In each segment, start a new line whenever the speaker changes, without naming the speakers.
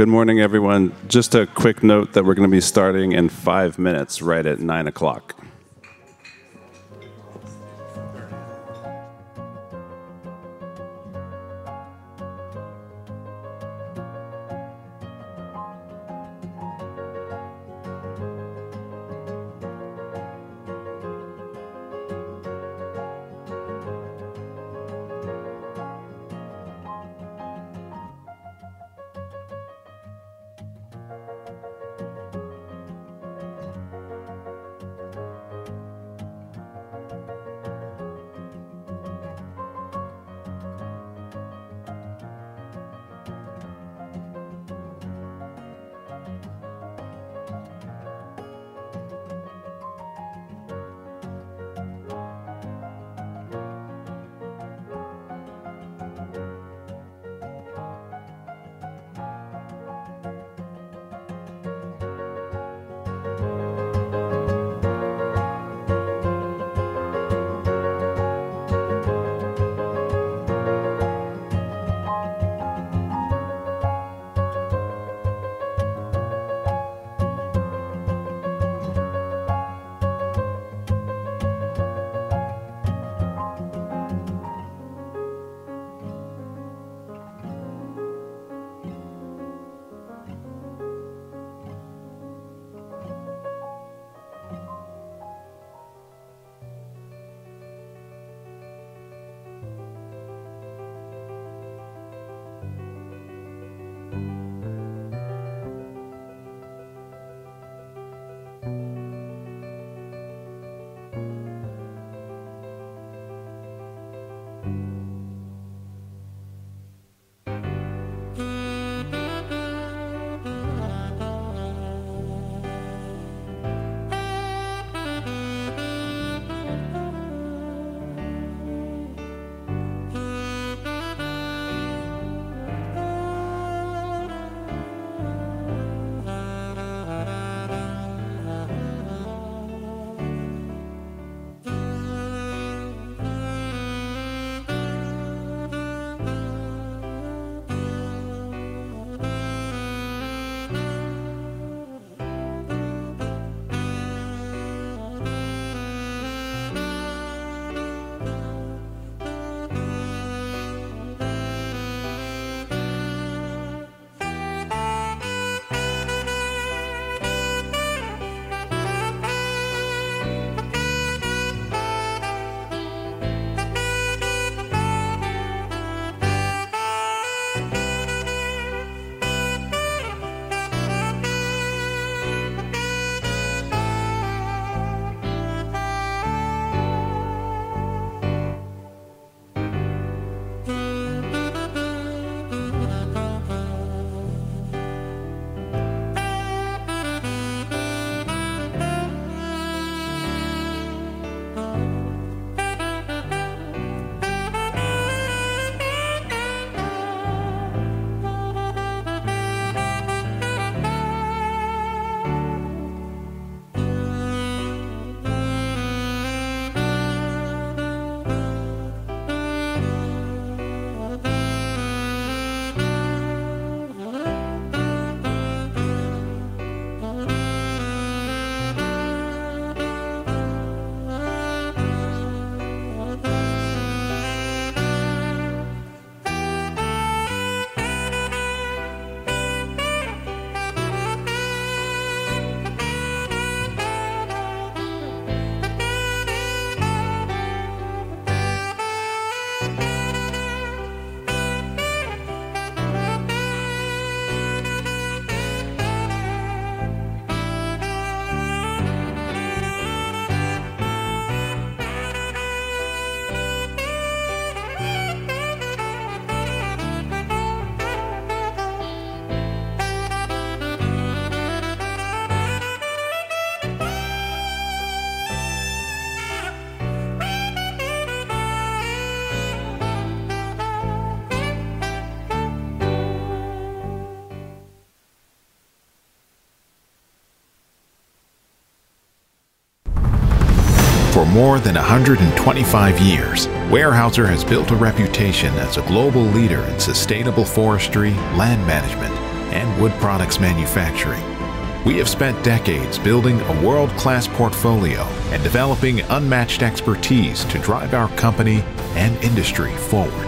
Good morning, everyone. Just a quick note that we're going to be starting in five minutes, right at 9:00 A.M.
For more than 125 years, Weyerhaeuser has built a reputation as a global leader in sustainable forestry, land management, and wood products manufacturing. We have spent decades building a world-class portfolio and developing unmatched expertise to drive our company and industry forward.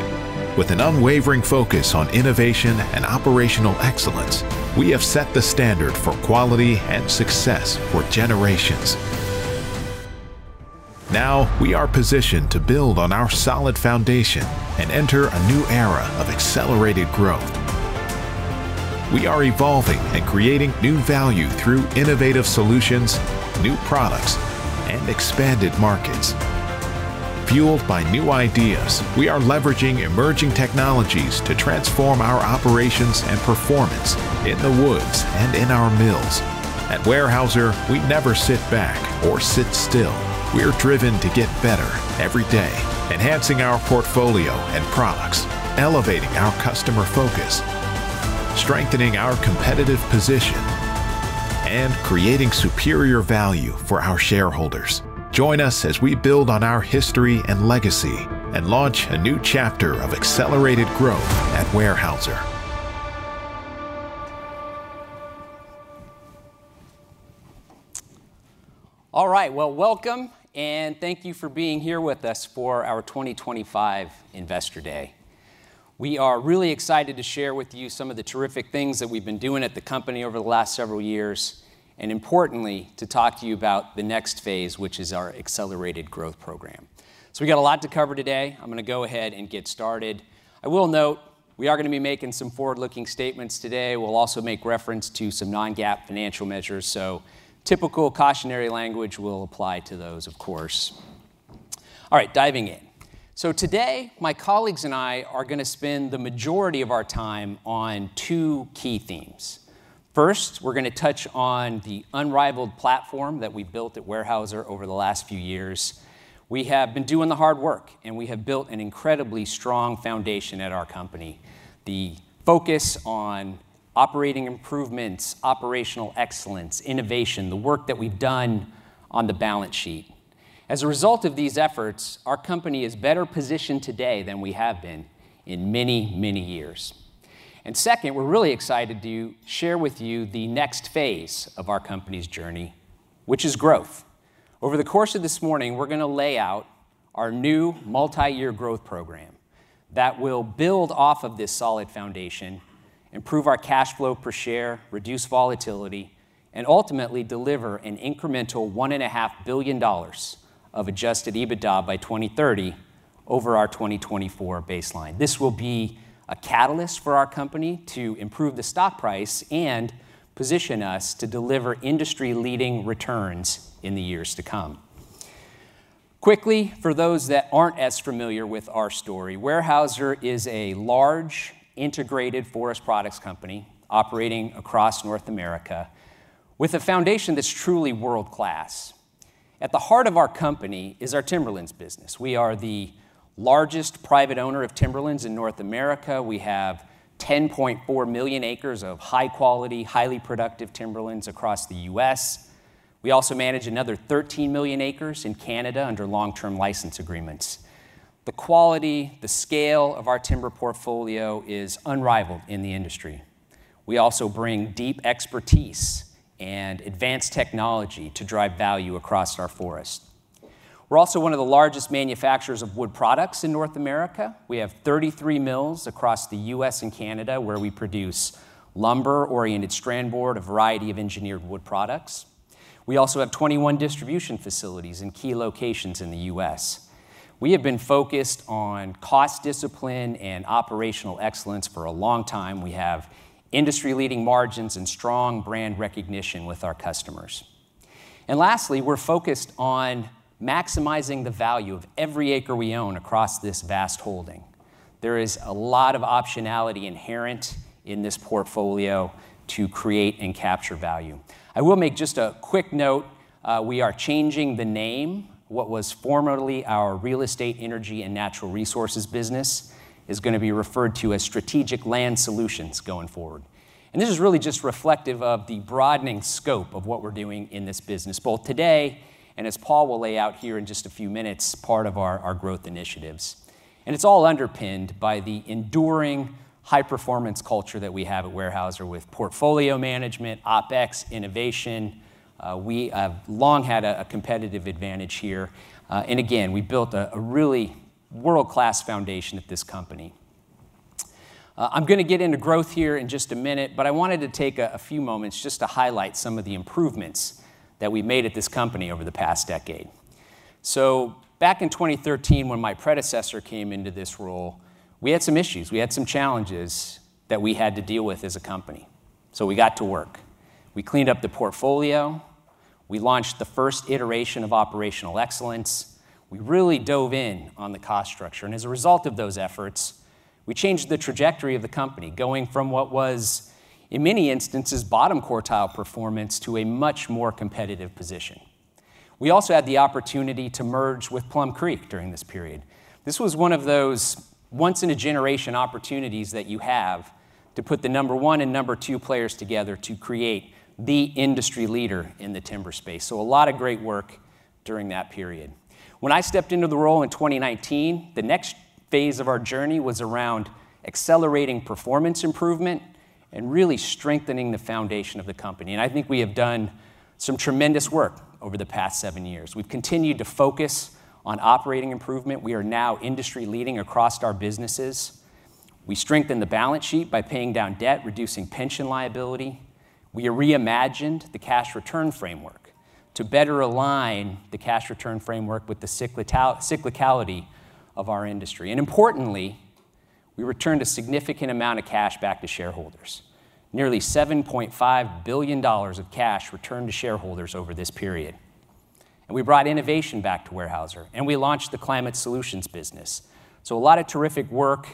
With an unwavering focus on innovation and operational excellence, we have set the standard for quality and success for generations. Now, we are positioned to build on our solid foundation and enter a new era of accelerated growth. We are evolving and creating new value through innovative solutions, new products, and expanded markets. Fueled by new ideas, we are leveraging emerging technologies to transform our operations and performance in the woods and in our mills. At Weyerhaeuser, we never sit back or sit still. We are driven to get better every day, enhancing our portfolio and products, elevating our customer focus, strengthening our competitive position, and creating superior value for our shareholders. Join us as we build on our history and legacy and launch a new chapter of accelerated growth at Weyerhaeuser.
All right, well, welcome, and thank you for being here with us for our 2025 Investor Day. We are really excited to share with you some of the terrific things that we've been doing at the company over the last several years, and importantly, to talk to you about the next phase, which is our accelerated growth program. So we got a lot to cover today. I'm going to go ahead and get started. I will note we are going to be making some forward-looking statements today. We'll also make reference to some non-GAAP financial measures, so typical cautionary language will apply to those, of course. All right, diving in. So today, my colleagues and I are going to spend the majority of our time on two key themes. First, we're going to touch on the unrivaled platform that we've built at Weyerhaeuser over the last few years. We have been doing the hard work, and we have built an incredibly strong foundation at our company. The focus on operating improvements, operational excellence, innovation, the work that we've done on the balance sheet. As a result of these efforts, our company is better positioned today than we have been in many, many years, and second, we're really excited to share with you the next phase of our company's journey, which is growth. Over the course of this morning, we're going to lay out our new multi-year growth program that will build off of this solid foundation, improve our cash flow per share, reduce volatility, and ultimately deliver an incremental $1.5 billion of adjusted EBITDA by 2030 over our 2024 baseline. This will be a catalyst for our company to improve the stock price and position us to deliver industry-leading returns in the years to come. Quickly, for those that aren't as familiar with our story, Weyerhaeuser is a large integrated forest products company operating across North America with a foundation that's truly world-class. At the heart of our company is our timberlands business. We are the largest private owner of timberlands in North America. We have 10.4 million acres of high-quality, highly productive timberlands across the U.S. We also manage another 13 million acres in Canada under long-term license agreements. The quality, the scale of our timber portfolio is unrivaled in the industry. We also bring deep expertise and advanced technology to drive value across our forest. We're also one of the largest manufacturers of wood products in North America. We have 33 mills across the U.S. and Canada where we produce lumber, oriented strand board, a variety of engineered wood products. We also have 21 distribution facilities in key locations in the U.S. We have been focused on cost discipline and operational excellence for a long time. We have industry-leading margins and strong brand recognition with our customers. And lastly, we're focused on maximizing the value of every acre we own across this vast holding. There is a lot of optionality inherent in this portfolio to create and capture value. I will make just a quick note. We are changing the name. What was formerly our real estate, energy, and natural resources business is going to be referred to as Strategic Land Solutions going forward. And this is really just reflective of the broadening scope of what we're doing in this business, both today and, as Paul will lay out here in just a few minutes, part of our growth initiatives. And it's all underpinned by the enduring high-performance culture that we have at Weyerhaeuser with portfolio management, OpEx, innovation. We have long had a competitive advantage here, and again, we built a really world-class foundation at this company. I'm going to get into growth here in just a minute, but I wanted to take a few moments just to highlight some of the improvements that we've made at this company over the past decade, so back in 2013, when my predecessor came into this role, we had some issues. We had some challenges that we had to deal with as a company, so we got to work. We cleaned up the portfolio. We launched the first iteration of Operational Excellence. We really dove in on the cost structure, and as a result of those efforts, we changed the trajectory of the company, going from what was, in many instances, bottom quartile performance to a much more competitive position. We also had the opportunity to merge with Plum Creek during this period. This was one of those once-in-a-generation opportunities that you have to put the number one and number two players together to create the industry leader in the timber space. So a lot of great work during that period. When I stepped into the role in 2019, the next phase of our journey was around accelerating performance improvement and really strengthening the foundation of the company. And I think we have done some tremendous work over the past seven years. We've continued to focus on operating improvement. We are now industry-leading across our businesses. We strengthened the balance sheet by paying down debt, reducing pension liability. We reimagined the cash return framework to better align the cash return framework with the cyclicality of our industry. Importantly, we returned a significant amount of cash back to shareholders, nearly $7.5 billion of cash returned to shareholders over this period. We brought innovation back to Weyerhaeuser, and we launched the Climate Solutions business. A lot of terrific work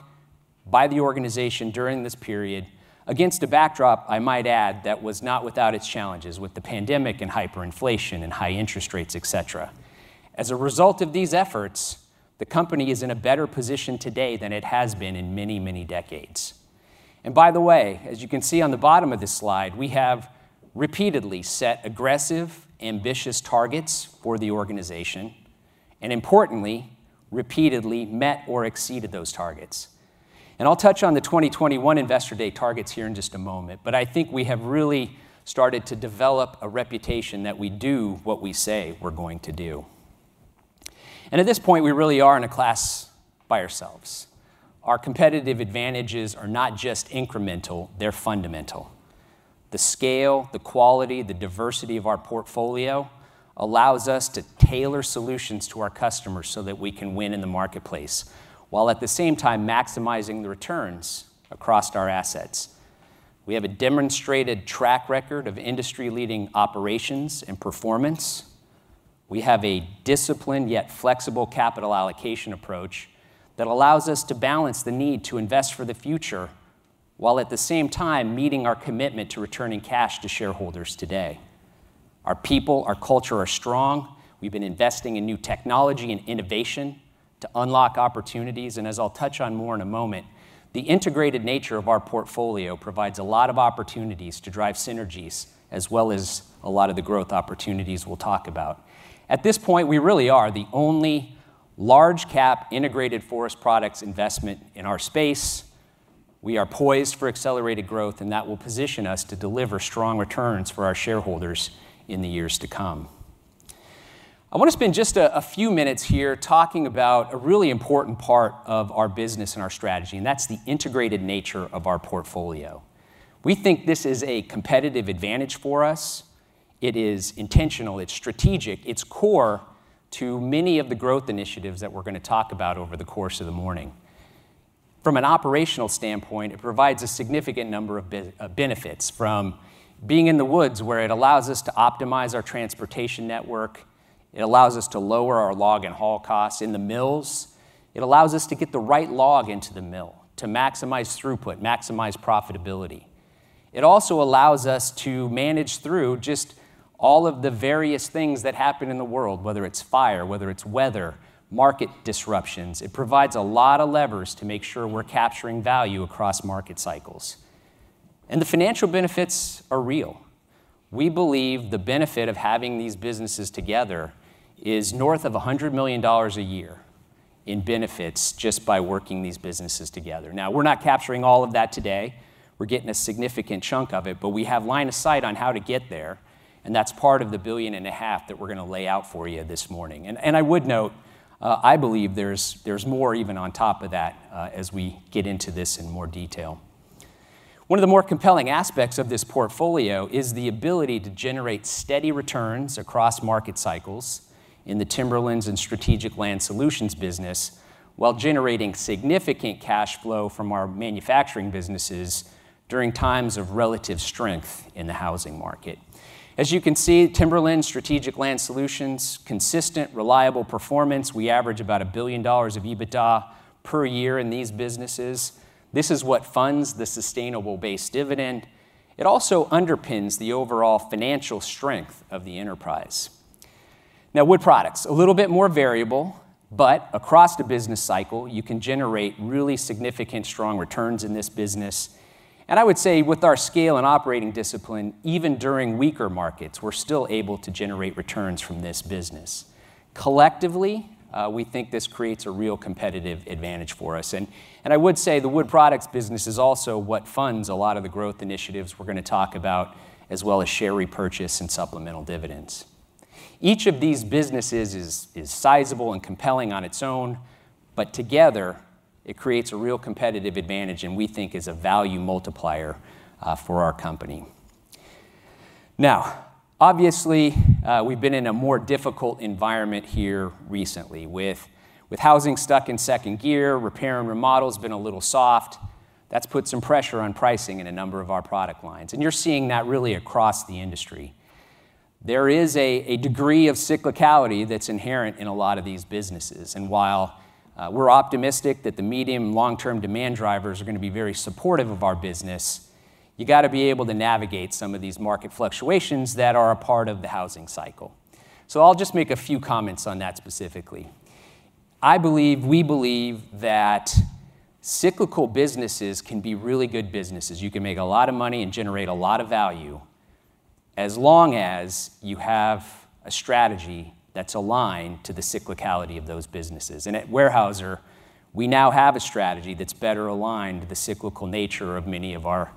by the organization during this period, against a backdrop, I might add, that was not without its challenges with the pandemic and hyperinflation and high interest rates, et cetera. As a result of these efforts, the company is in a better position today than it has been in many, many decades. By the way, as you can see on the bottom of this slide, we have repeatedly set aggressive, ambitious targets for the organization and, importantly, repeatedly met or exceeded those targets. I'll touch on the 2021 Investor Day targets here in just a moment, but I think we have really started to develop a reputation that we do what we say we're going to do. At this point, we really are in a class by ourselves. Our competitive advantages are not just incremental. They're fundamental. The scale, the quality, the diversity of our portfolio allows us to tailor solutions to our customers so that we can win in the marketplace while at the same time maximizing the returns across our assets. We have a demonstrated track record of industry-leading operations and performance. We have a disciplined yet flexible capital allocation approach that allows us to balance the need to invest for the future while at the same time meeting our commitment to returning cash to shareholders today. Our people, our culture are strong. We've been investing in new technology and innovation to unlock opportunities, and as I'll touch on more in a moment, the integrated nature of our portfolio provides a lot of opportunities to drive synergies, as well as a lot of the growth opportunities we'll talk about. At this point, we really are the only large-cap integrated forest products investment in our space. We are poised for accelerated growth, and that will position us to deliver strong returns for our shareholders in the years to come. I want to spend just a few minutes here talking about a really important part of our business and our strategy, and that's the integrated nature of our portfolio. We think this is a competitive advantage for us. It is intentional. It's strategic. It's core to many of the growth initiatives that we're going to talk about over the course of the morning. From an operational standpoint, it provides a significant number of benefits from being in the woods, where it allows us to optimize our transportation network. It allows us to lower our log and haul costs in the mills. It allows us to get the right log into the mill to maximize throughput, maximize profitability. It also allows us to manage through just all of the various things that happen in the world, whether it's fire, whether it's weather, market disruptions. It provides a lot of levers to make sure we're capturing value across market cycles. And the financial benefits are real. We believe the benefit of having these businesses together is north of $100 million a year in benefits just by working these businesses together. Now, we're not capturing all of that today. We're getting a significant chunk of it, but we have line of sight on how to get there. That's part of the $1.5 billion that we're going to lay out for you this morning. I would note, I believe there's more even on top of that as we get into this in more detail. One of the more compelling aspects of this portfolio is the ability to generate steady returns across market cycles in the timberlands and Strategic Land Solutions Business while generating significant cash flow from our manufacturing businesses during times of relative strength in the housing market. As you can see, timberlands, Strategic Land Solutions, consistent, reliable performance. We average about $1 billion of EBITDA per year in these businesses. This is what funds the sustainable base dividend. It also underpins the overall financial strength of the enterprise. Now, wood products, a little bit more variable, but across the business cycle, you can generate really significant, strong returns in this business. And I would say with our scale and operating discipline, even during weaker markets, we're still able to generate returns from this business. Collectively, we think this creates a real competitive advantage for us. And I would say the wood products business is also what funds a lot of the growth initiatives we're going to talk about, as well as share repurchase and supplemental dividends. Each of these businesses is sizable and compelling on its own, but together, it creates a real competitive advantage and we think is a value multiplier for our company. Now, obviously, we've been in a more difficult environment here recently with housing stuck in second gear. Repair and remodel has been a little soft. That's put some pressure on pricing in a number of our product lines, and you're seeing that really across the industry. There is a degree of cyclicality that's inherent in a lot of these businesses, and while we're optimistic that the medium and long-term demand drivers are going to be very supportive of our business, you got to be able to navigate some of these market fluctuations that are a part of the housing cycle. I'll just make a few comments on that specifically. We believe that cyclical businesses can be really good businesses. You can make a lot of money and generate a lot of value as long as you have a strategy that's aligned to the cyclicality of those businesses, and at Weyerhaeuser, we now have a strategy that's better aligned to the cyclical nature of many of our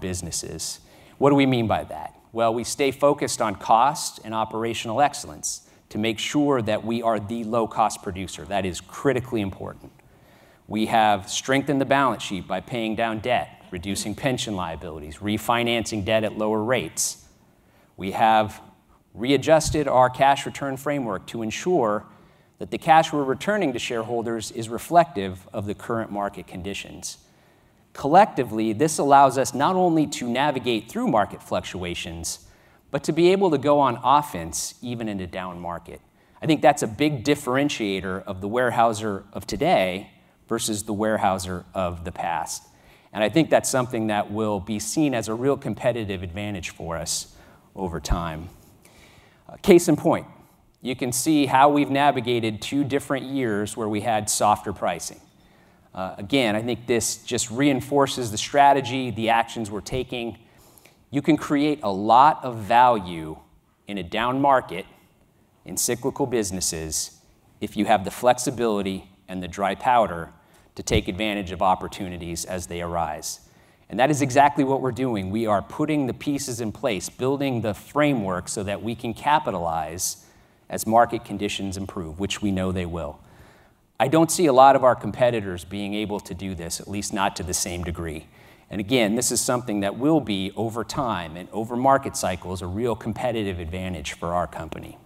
businesses. What do we mean by that? Well, we stay focused on cost and operational excellence to make sure that we are the low-cost producer. That is critically important. We have strengthened the balance sheet by paying down debt, reducing pension liabilities, refinancing debt at lower rates. We have readjusted our cash return framework to ensure that the cash we're returning to shareholders is reflective of the current market conditions. Collectively, this allows us not only to navigate through market fluctuations, but to be able to go on offense even in a down market. I think that's a big differentiator of the Weyerhaeuser of today versus the Weyerhaeuser of the past. And I think that's something that will be seen as a real competitive advantage for us over time. Case in point, you can see how we've navigated two different years where we had softer pricing. Again, I think this just reinforces the strategy, the actions we're taking. You can create a lot of value in a down market in cyclical businesses if you have the flexibility and the dry powder to take advantage of opportunities as they arise. And that is exactly what we're doing. We are putting the pieces in place, building the framework so that we can capitalize as market conditions improve, which we know they will. I don't see a lot of our competitors being able to do this, at least not to the same degree. And again, this is something that will be over time and over market cycles a real competitive advantage for our company.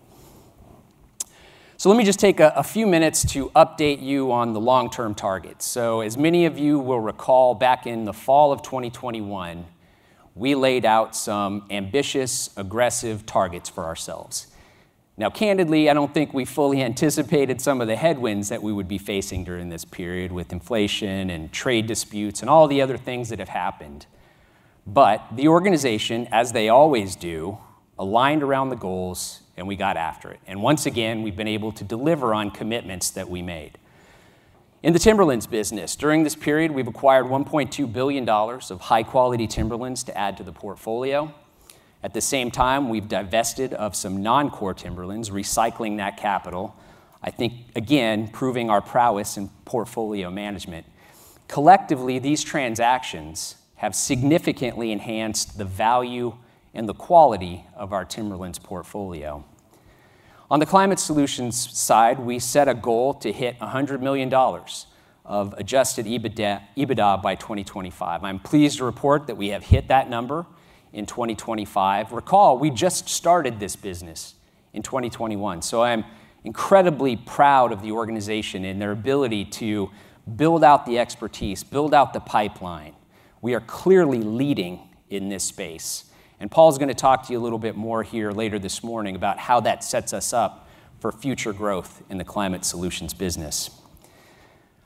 So let me just take a few minutes to update you on the long-term targets. So as many of you will recall, back in the fall of 2021, we laid out some ambitious, aggressive targets for ourselves. Now, candidly, I don't think we fully anticipated some of the headwinds that we would be facing during this period with inflation and trade disputes and all the other things that have happened. But the organization, as they always do, aligned around the goals, and we got after it. And once again, we've been able to deliver on commitments that we made. In the timberlands business, during this period, we've acquired $1.2 billion of high-quality timberlands to add to the portfolio. At the same time, we've divested of some non-core timberlands, recycling that capital, I think, again, proving our prowess in portfolio management. Collectively, these transactions have significantly enhanced the value and the quality of our timberlands portfolio. On the Climate Solutions side, we set a goal to hit $100 million of adjusted EBITDA by 2025. I'm pleased to report that we have hit that number in 2025. Recall, we just started this business in 2021, so I'm incredibly proud of the organization and their ability to build out the expertise, build out the pipeline, we are clearly leading in this space, and Paul's going to talk to you a little bit more here later this morning about how that sets us up for future growth in the Climate Solutions Business.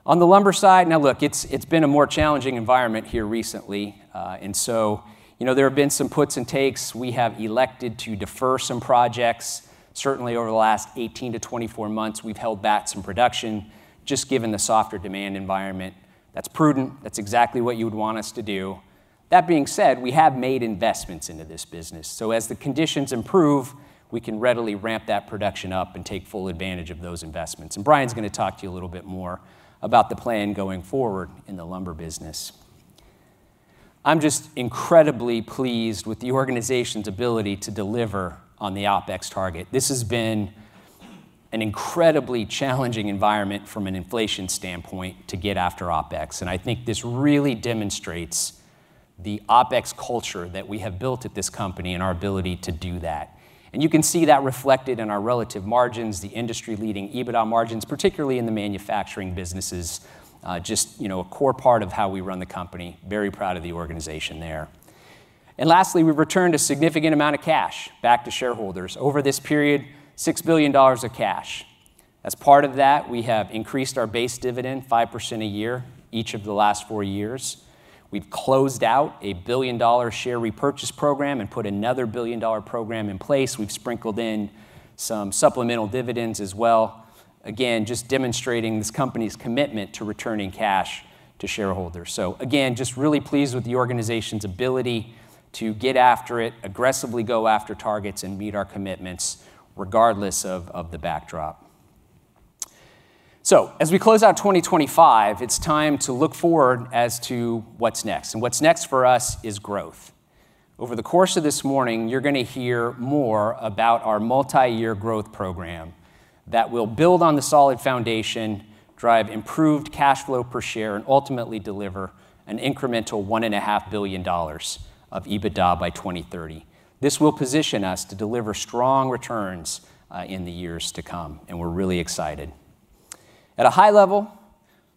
On the lumber side, now look, it's been a more challenging environment here recently, and so there have been some puts and takes. We have elected to defer some projects. Certainly, over the last 18-24 months, we've held back some production just given the softer demand environment. That's prudent. That's exactly what you would want us to do. That being said, we have made investments into this business. So as the conditions improve, we can readily ramp that production up and take full advantage of those investments. And Brian's going to talk to you a little bit more about the plan going forward in the lumber business. I'm just incredibly pleased with the organization's ability to deliver on the OpEx target. This has been an incredibly challenging environment from an inflation standpoint to get after OpEx. And I think this really demonstrates the OpEx culture that we have built at this company and our ability to do that. And you can see that reflected in our relative margins, the industry-leading EBITDA margins, particularly in the manufacturing businesses, just a core part of how we run the company. Very proud of the organization there. Lastly, we've returned a significant amount of cash back to shareholders over this period, $6 billion of cash. As part of that, we have increased our base dividend 5% a year each of the last four years. We've closed out a billion-dollar share repurchase program and put another billion-dollar program in place. We've sprinkled in some supplemental dividends as well. Again, just demonstrating this company's commitment to returning cash to shareholders. Again, just really pleased with the organization's ability to get after it, aggressively go after targets and meet our commitments regardless of the backdrop. As we close out 2025, it's time to look forward as to what's next. What's next for us is growth. Over the course of this morning, you're going to hear more about our multi-year growth program that will build on the solid foundation, drive improved cash flow per share, and ultimately deliver an incremental $1.5 billion of EBITDA by 2030. This will position us to deliver strong returns in the years to come, and we're really excited. At a high level,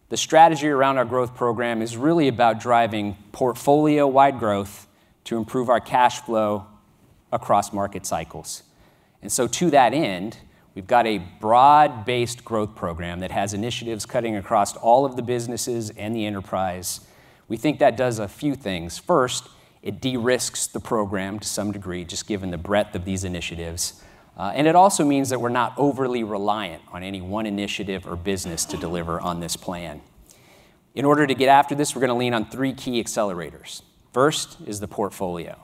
the strategy around our growth program is really about driving portfolio-wide growth to improve our cash flow across market cycles. And so to that end, we've got a broad-based growth program that has initiatives cutting across all of the businesses and the enterprise. We think that does a few things. First, it de-risks the program to some degree, just given the breadth of these initiatives, and it also means that we're not overly reliant on any one initiative or business to deliver on this plan. In order to get after this, we're going to lean on three key accelerators. First is the portfolio.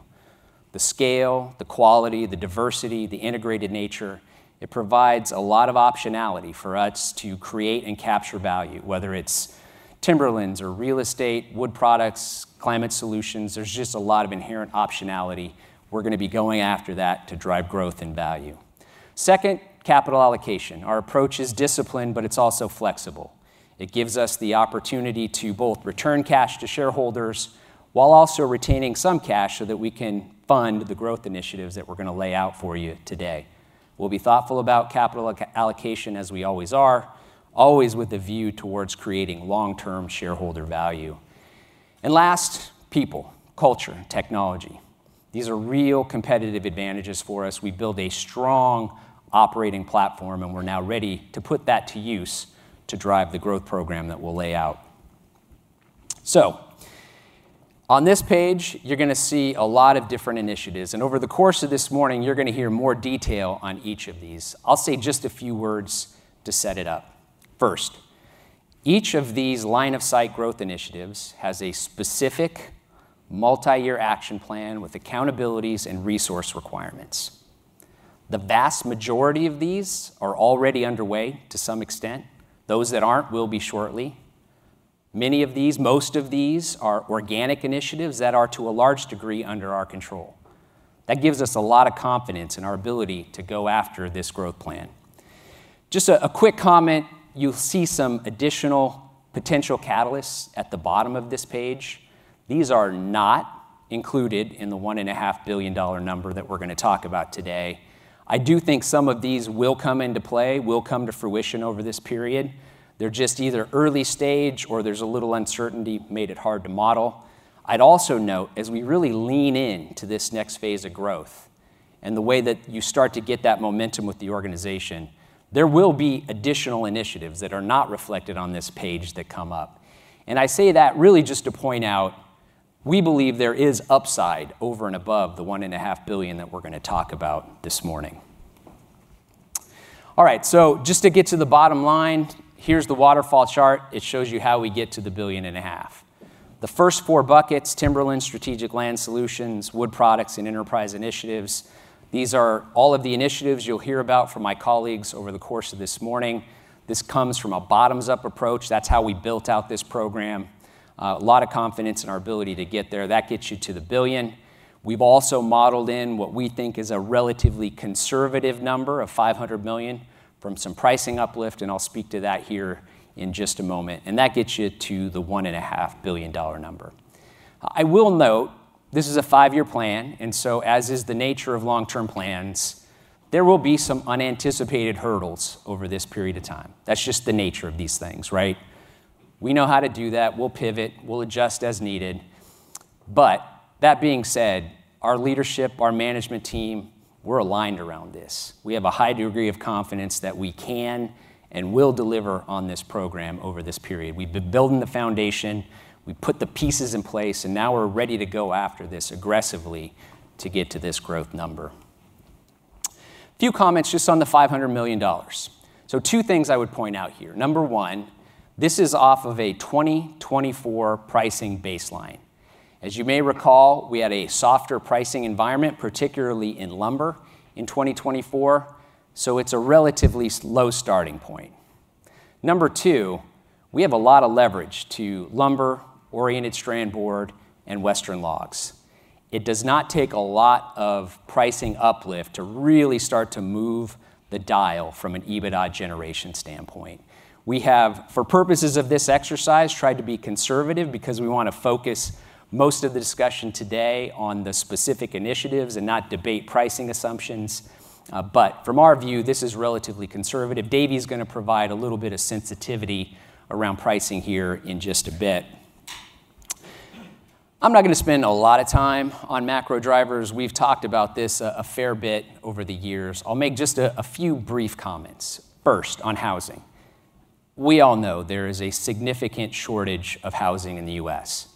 The scale, the quality, the diversity, the integrated nature, it provides a lot of optionality for us to create and capture value, whether it's timberlands or real estate, wood products, Climate Solutions. There's just a lot of inherent optionality. We're going to be going after that to drive growth and value. Second, capital allocation. Our approach is disciplined, but it's also flexible. It gives us the opportunity to both return cash to shareholders while also retaining some cash so that we can fund the growth initiatives that we're going to lay out for you today. We'll be thoughtful about capital allocation as we always are, always with a view towards creating long-term shareholder value. And last, people, culture, technology. These are real competitive advantages for us. We build a strong operating platform, and we're now ready to put that to use to drive the growth program that we'll lay out. So on this page, you're going to see a lot of different initiatives. And over the course of this morning, you're going to hear more detail on each of these. I'll say just a few words to set it up. First, each of these line-of-sight growth initiatives has a specific multi-year action plan with accountabilities and resource requirements. The vast majority of these are already underway to some extent. Those that aren't will be shortly. Many of these, most of these are organic initiatives that are to a large degree under our control. That gives us a lot of confidence in our ability to go after this growth plan. Just a quick comment, you'll see some additional potential catalysts at the bottom of this page. These are not included in the $1.5 billion number that we're going to talk about today. I do think some of these will come into play, will come to fruition over this period. They're just either early stage or there's a little uncertainty made it hard to model. I'd also note, as we really lean into this next phase of growth and the way that you start to get that momentum with the organization, there will be additional initiatives that are not reflected on this page that come up. And I say that really just to point out, we believe there is upside over and above the $1.5 billion that we're going to talk about this morning. All right, so just to get to the bottom line, here's the waterfall chart. It shows you how we get to the billion and a half. The first four buckets, timberlands, Strategic Land Solutions, wood products, and enterprise initiatives, these are all of the initiatives you'll hear about from my colleagues over the course of this morning. This comes from a bottoms-up approach. That's how we built out this program. A lot of confidence in our ability to get there. That gets you to the billion. We've also modeled in what we think is a relatively conservative number of $500 million from some pricing uplift, and I'll speak to that here in just a moment, and that gets you to the $1.5 billion number. I will note, this is a five-year plan, and so, as is the nature of long-term plans, there will be some unanticipated hurdles over this period of time. That's just the nature of these things, right? We know how to do that. We'll pivot. We'll adjust as needed. But that being said, our leadership, our management team, we're aligned around this. We have a high degree of confidence that we can and will deliver on this program over this period. We've been building the foundation. We've put the pieces in place, and now we're ready to go after this aggressively to get to this growth number. A few comments just on the $500 million. So two things I would point out here. Number one, this is off of a 2024 pricing baseline. As you may recall, we had a softer pricing environment, particularly in lumber in 2024. So it's a relatively low starting point. Number two, we have a lot of leverage to lumber, oriented strand board, and western logs. It does not take a lot of pricing uplift to really start to move the dial from an EBITDA generation standpoint. We have, for purposes of this exercise, tried to be conservative because we want to focus most of the discussion today on the specific initiatives and not debate pricing assumptions, but from our view, this is relatively conservative. David going to provide a little bit of sensitivity around pricing here in just a bit. I'm not going to spend a lot of time on macro drivers. We've talked about this a fair bit over the years. I'll make just a few brief comments. First, on housing. We all know there is a significant shortage of housing in the U.S.,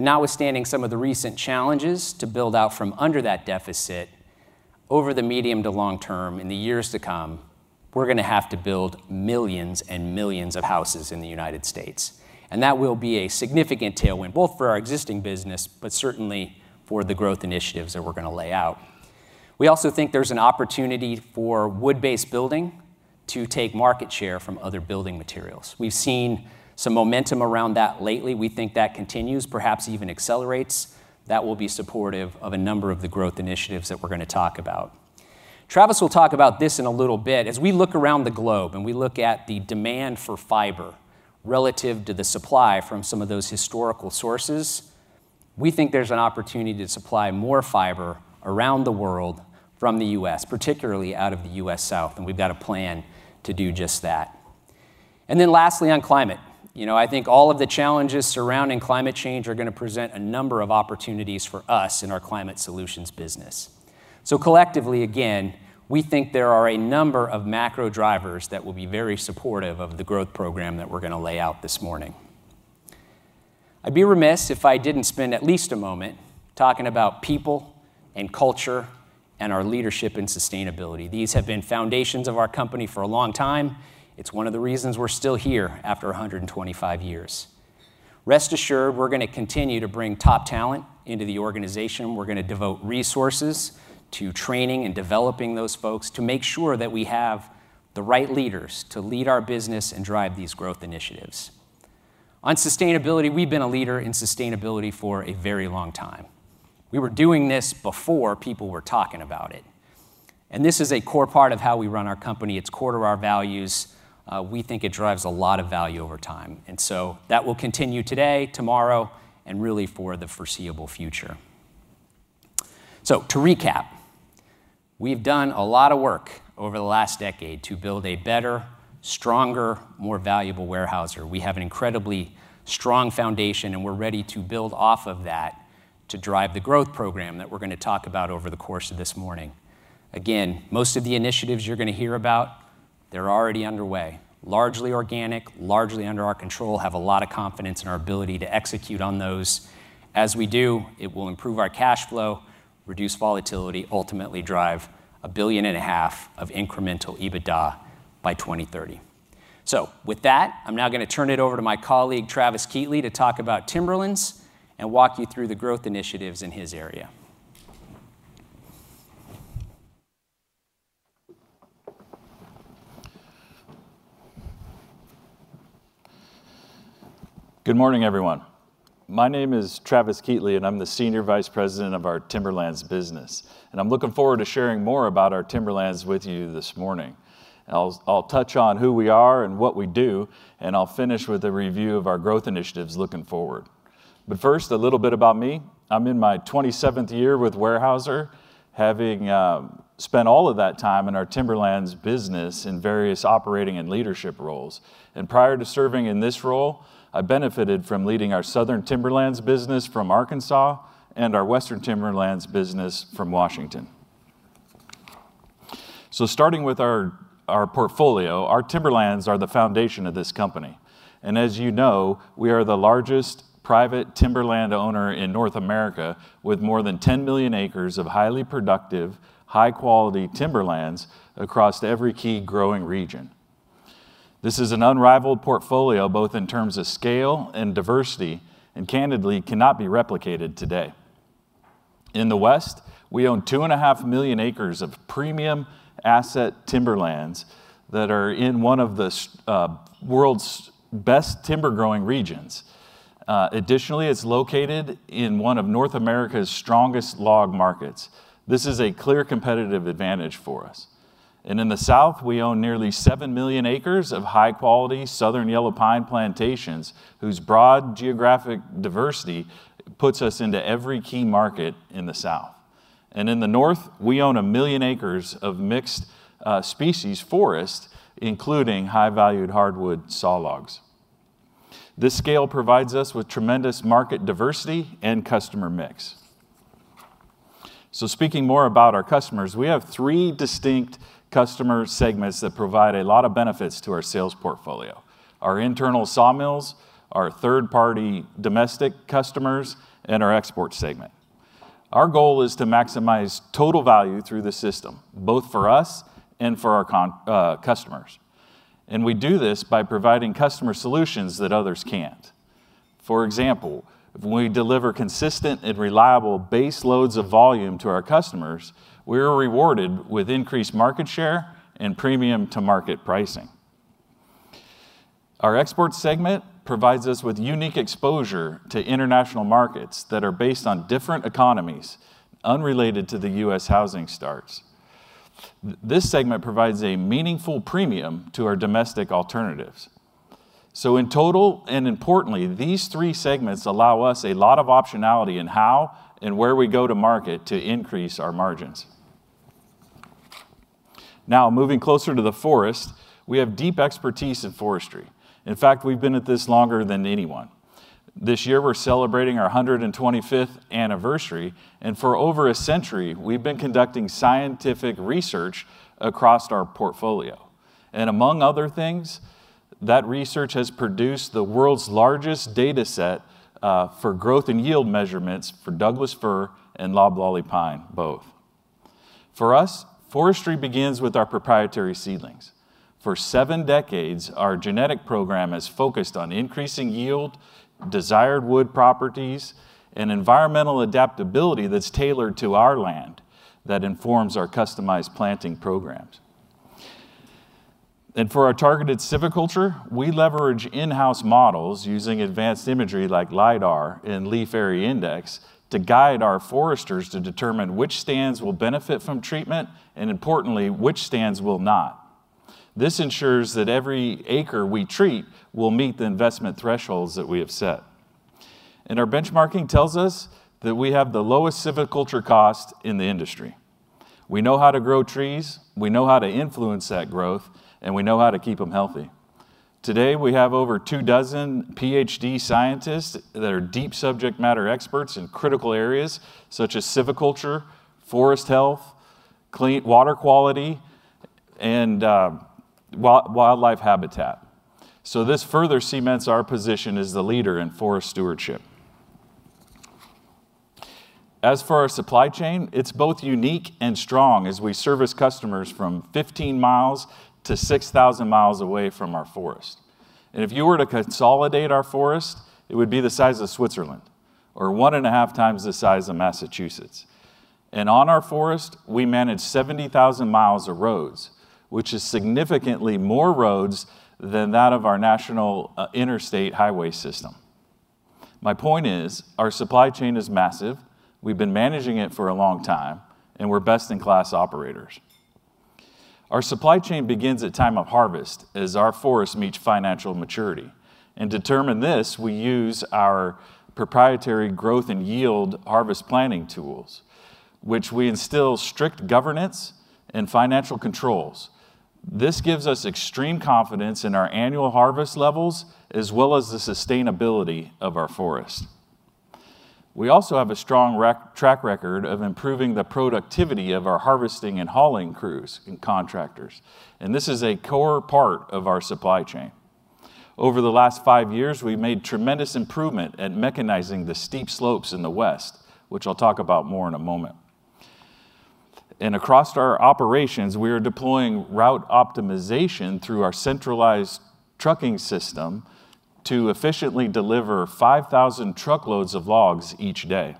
and not withstanding some of the recent challenges to build out from under that deficit over the medium to long term in the years to come, we're going to have to build millions and millions of houses in the United States. And that will be a significant tailwind both for our existing business, but certainly for the growth initiatives that we're going to lay out. We also think there's an opportunity for wood-based building to take market share from other building materials. We've seen some momentum around that lately. We think that continues, perhaps even accelerates. That will be supportive of a number of the growth initiatives that we're going to talk about. Travis will talk about this in a little bit. As we look around the globe and we look at the demand for fiber relative to the supply from some of those historical sources, we think there's an opportunity to supply more fiber around the world from the U.S., particularly out of the U.S. South. And we've got a plan to do just that. And then lastly, on climate, I think all of the challenges surrounding climate change are going to present a number of opportunities for us in our Climate Solutions Business. So collectively, again, we think there are a number of macro drivers that will be very supportive of the growth program that we're going to lay out this morning. I'd be remiss if I didn't spend at least a moment talking about people and culture and our leadership in sustainability. These have been foundations of our company for a long time. It's one of the reasons we're still here after 125 years. Rest assured, we're going to continue to bring top talent into the organization. We're going to devote resources to training and developing those folks to make sure that we have the right leaders to lead our business and drive these growth initiatives. On sustainability, we've been a leader in sustainability for a very long time. We were doing this before people were talking about it. And this is a core part of how we run our company. It's core to our values. We think it drives a lot of value over time. And so that will continue today, tomorrow, and really for the foreseeable future. So to recap, we've done a lot of work over the last decade to build a better, stronger, more valuable Weyerhaeuser. We have an incredibly strong foundation, and we're ready to build off of that to drive the growth program that we're going to talk about over the course of this morning. Again, most of the initiatives you're going to hear about, they're already underway, largely organic, largely under our control, have a lot of confidence in our ability to execute on those. As we do, it will improve our cash flow, reduce volatility, ultimately drive $1.5 billion of incremental EBITDA by 2030. So with that, I'm now going to turn it over to my colleague, Travis Keatley, to talk about timberlands and walk you through the growth initiatives in his area.
Good morning, everyone. My name is Travis Keatley, and I'm the Senior Vice President of our Timberlands business. And I'm looking forward to sharing more about our timberlands with you this morning. I'll touch on who we are and what we do, and I'll finish with a review of our growth initiatives looking forward. But first, a little bit about me. I'm in my 27th year with Weyerhaeuser, having spent all of that time in our timberlands business in various operating and leadership roles. Prior to serving in this role, I benefited from leading our southern timberlands business from Arkansas and our western timberlands business from Washington. Starting with our portfolio, our timberlands are the foundation of this company. And as you know, we are the largest private timberland owner in North America with more than 10 million acres of highly productive, high-quality timberlands across every key growing region. This is an unrivaled portfolio both in terms of scale and diversity and candidly cannot be replicated today. In the west, we own two and a half million acres of premium asset timberlands that are in one of the world's best timber-growing regions. Additionally, it's located in one of North America's strongest log markets. This is a clear competitive advantage for us. And in the south, we own nearly seven million acres of high-quality southern yellow pine plantations whose broad geographic diversity puts us into every key market in the south. And in the north, we own one million acres of mixed species forest, including high-valued hardwood saw logs. This scale provides us with tremendous market diversity and customer mix. So speaking more about our customers, we have three distinct customer segments that provide a lot of benefits to our sales portfolio: our internal sawmills, our third-party domestic customers, and our export segment. Our goal is to maximize total value through the system, both for us and for our customers. And we do this by providing customer solutions that others can't. For example, when we deliver consistent and reliable base loads of volume to our customers, we are rewarded with increased market share and premium-to-market pricing. Our export segment provides us with unique exposure to international markets that are based on different economies unrelated to the U.S. housing starts. This segment provides a meaningful premium to our domestic alternatives. So in total, and importantly, these three segments allow us a lot of optionality in how and where we go to market to increase our margins. Now, moving closer to the forest, we have deep expertise in forestry. In fact, we've been at this longer than anyone. This year, we're celebrating our 125th anniversary. And for over a century, we've been conducting scientific research across our portfolio. And among other things, that research has produced the world's largest data set for growth and yield measurements for Douglas-fir and loblolly pine both. For us, forestry begins with our proprietary seedlings. For seven decades, our genetic program has focused on increasing yield, desired wood properties, and environmental adaptability that's tailored to our land that informs our customized planting programs. And for our targeted silviculture, we leverage in-house models using advanced imagery like LiDAR and leaf area index to guide our foresters to determine which stands will benefit from treatment and, importantly, which stands will not. This ensures that every acre we treat will meet the investment thresholds that we have set. And our benchmarking tells us that we have the lowest silviculture cost in the industry. We know how to grow trees. We know how to influence that growth, and we know how to keep them healthy. Today, we have over two dozen PhD scientists that are deep subject matter experts in critical areas such as silviculture, forest health, water quality, and wildlife habitat. This further cements our position as the leader in forest stewardship. As for our supply chain, it's both unique and strong as we service customers from 15 miles to 6,000 miles away from our forest. If you were to consolidate our forest, it would be the size of Switzerland or one and a half times the size of Massachusetts. On our forest, we manage 70,000 miles of roads, which is significantly more roads than that of our national interstate highway system. My point is our supply chain is massive. We've been managing it for a long time, and we're best-in-class operators. Our supply chain begins at time of harvest as our forests meet financial maturity. To determine this, we use our proprietary growth and yield harvest planning tools, which we instill strict governance and financial controls. This gives us extreme confidence in our annual harvest levels as well as the sustainability of our forest. We also have a strong track record of improving the productivity of our harvesting and hauling crews and contractors, and this is a core part of our supply chain. Over the last five years, we've made tremendous improvement at mechanizing the steep slopes in the west, which I'll talk about more in a moment, and across our operations, we are deploying route optimization through our centralized trucking system to efficiently deliver 5,000 truckloads of logs each day,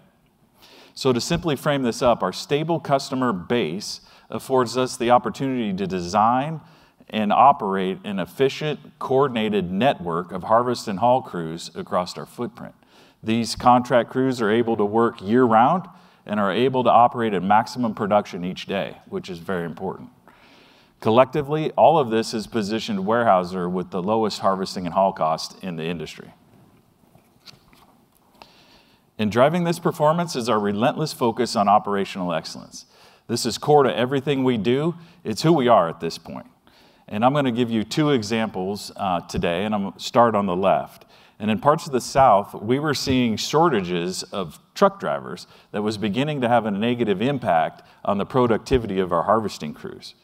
so to simply frame this up, our stable customer base affords us the opportunity to design and operate an efficient, coordinated network of harvest and haul crews across our footprint. These contract crews are able to work year-round and are able to operate at maximum production each day, which is very important. Collectively, all of this has positioned Weyerhaeuser with the lowest harvesting and haul cost in the industry, and driving this performance is our relentless focus on Operational Excellence. This is core to everything we do. It's who we are at this point, and I'm going to give you two examples today, and I'm going to start on the left, and in parts of the south, we were seeing shortages of truck drivers that was beginning to have a negative impact on the productivity of our harvesting crews.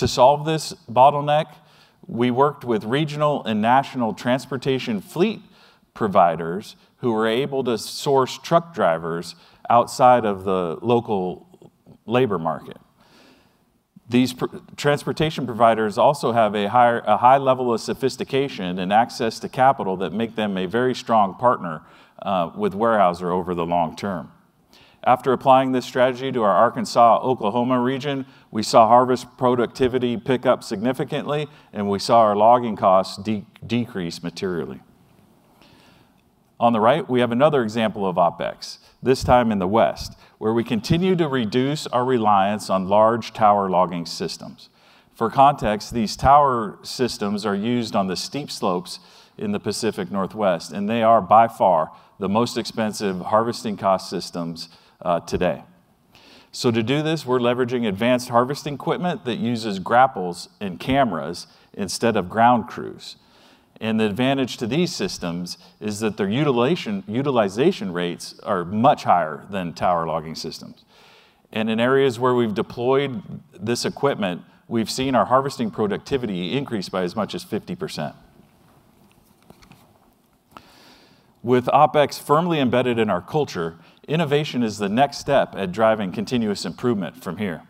To solve this bottleneck, we worked with regional and national transportation fleet providers who were able to source truck drivers outside of the local labor market. These transportation providers also have a high level of sophistication and access to capital that make them a very strong partner with Weyerhaeuser over the long term. After applying this strategy to our Arkansas-Oklahoma region, we saw harvest productivity pick up significantly, and we saw our logging costs decrease materially. On the right, we have another example of OpEx, this time in the west, where we continue to reduce our reliance on large tower logging systems. For context, these tower systems are used on the steep slopes in the Pacific Northwest, and they are by far the most expensive harvesting cost systems today. So to do this, we're leveraging advanced harvesting equipment that uses grapples and cameras instead of ground crews, and the advantage to these systems is that their utilization rates are much higher than tower logging systems, and in areas where we've deployed this equipment, we've seen our harvesting productivity increase by as much as 50%. With OpEx firmly embedded in our culture, innovation is the next step at driving continuous improvement from here.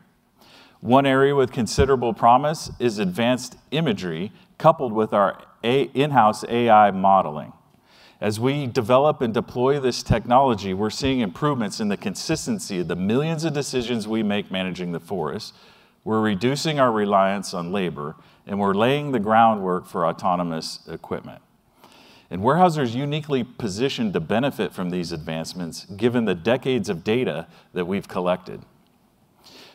One area with considerable promise is advanced imagery coupled with our in-house AI modeling. As we develop and deploy this technology, we're seeing improvements in the consistency of the millions of decisions we make managing the forest. We're reducing our reliance on labor, and we're laying the groundwork for autonomous equipment, and Weyerhaeuser is uniquely positioned to benefit from these advancements given the decades of data that we've collected,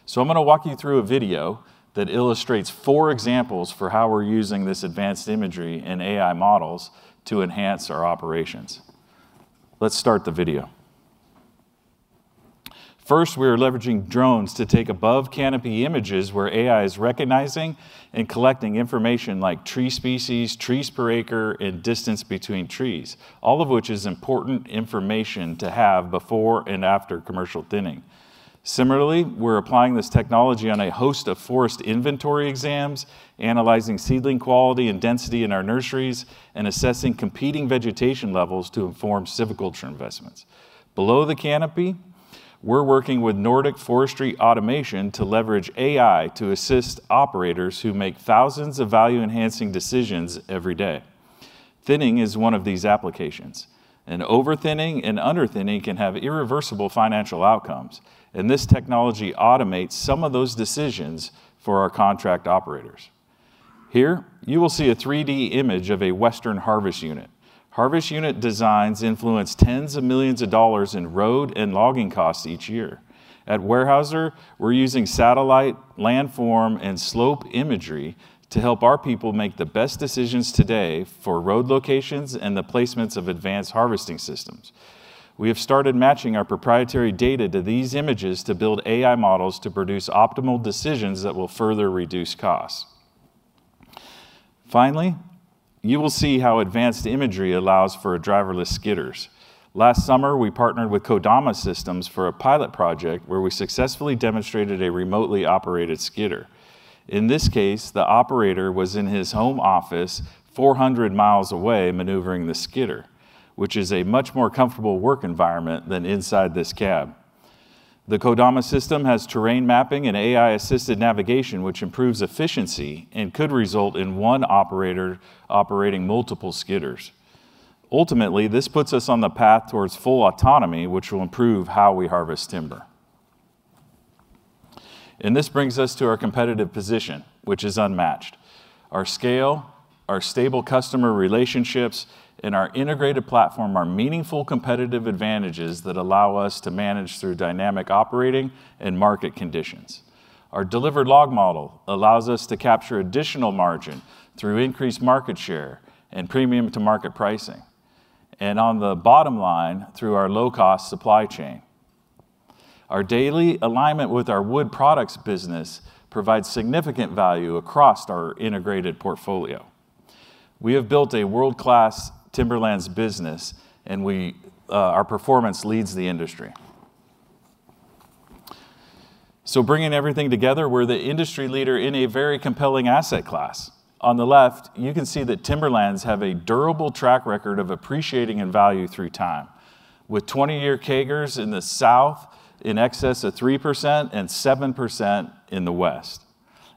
so I'm going to walk you through a video that illustrates four examples for how we're using this advanced imagery and AI models to enhance our operations. Let's start the video. First, we are leveraging drones to take above-canopy images where AI is recognizing and collecting information like tree species, trees per acre, and distance between trees, all of which is important information to have before and after commercial thinning. Similarly, we're applying this technology on a host of forest inventory exams, analyzing seedling quality and density in our nurseries, and assessing competing vegetation levels to inform silviculture investments. Below the canopy, we're working with Nordic Forestry Automation to leverage AI to assist operators who make thousands of value-enhancing decisions every day. Thinning is one of these applications. Over-thinning and under-thinning can have irreversible financial outcomes. This technology automates some of those decisions for our contract operators. Here, you will see a 3D image of a western harvest unit. Harvest unit designs influence tens of millions of dollars in road and logging costs each year. At Weyerhaeuser, we're using satellite, landform, and slope imagery to help our people make the best decisions today for road locations and the placements of advanced harvesting systems. We have started matching our proprietary data to these images to build AI models to produce optimal decisions that will further reduce costs. Finally, you will see how advanced imagery allows for driverless skidders. Last summer, we partnered with Kodama Systems for a pilot project where we successfully demonstrated a remotely operated skidder. In this case, the operator was in his home office 400 mi away maneuvering the skidder, which is a much more comfortable work environment than inside this cab. The Kodama system has terrain mapping and AI-assisted navigation, which improves efficiency and could result in one operator operating multiple skidders. Ultimately, this puts us on the path towards full autonomy, which will improve how we harvest timber, and this brings us to our competitive position, which is unmatched. Our scale, our stable customer relationships, and our integrated platform are meaningful competitive advantages that allow us to manage through dynamic operating and market conditions. Our delivered log model allows us to capture additional margin through increased market share and premium-to-market pricing. And on the bottom line, through our low-cost supply chain. Our daily alignment with our wood products business provides significant value across our integrated portfolio. We have built a world-class timberlands business, and our performance leads the industry. So bringing everything together, we're the industry leader in a very compelling asset class. On the left, you can see that timberlands have a durable track record of appreciating in value through time, with 20-year CAGRs in the south in excess of 3% and 7% in the west.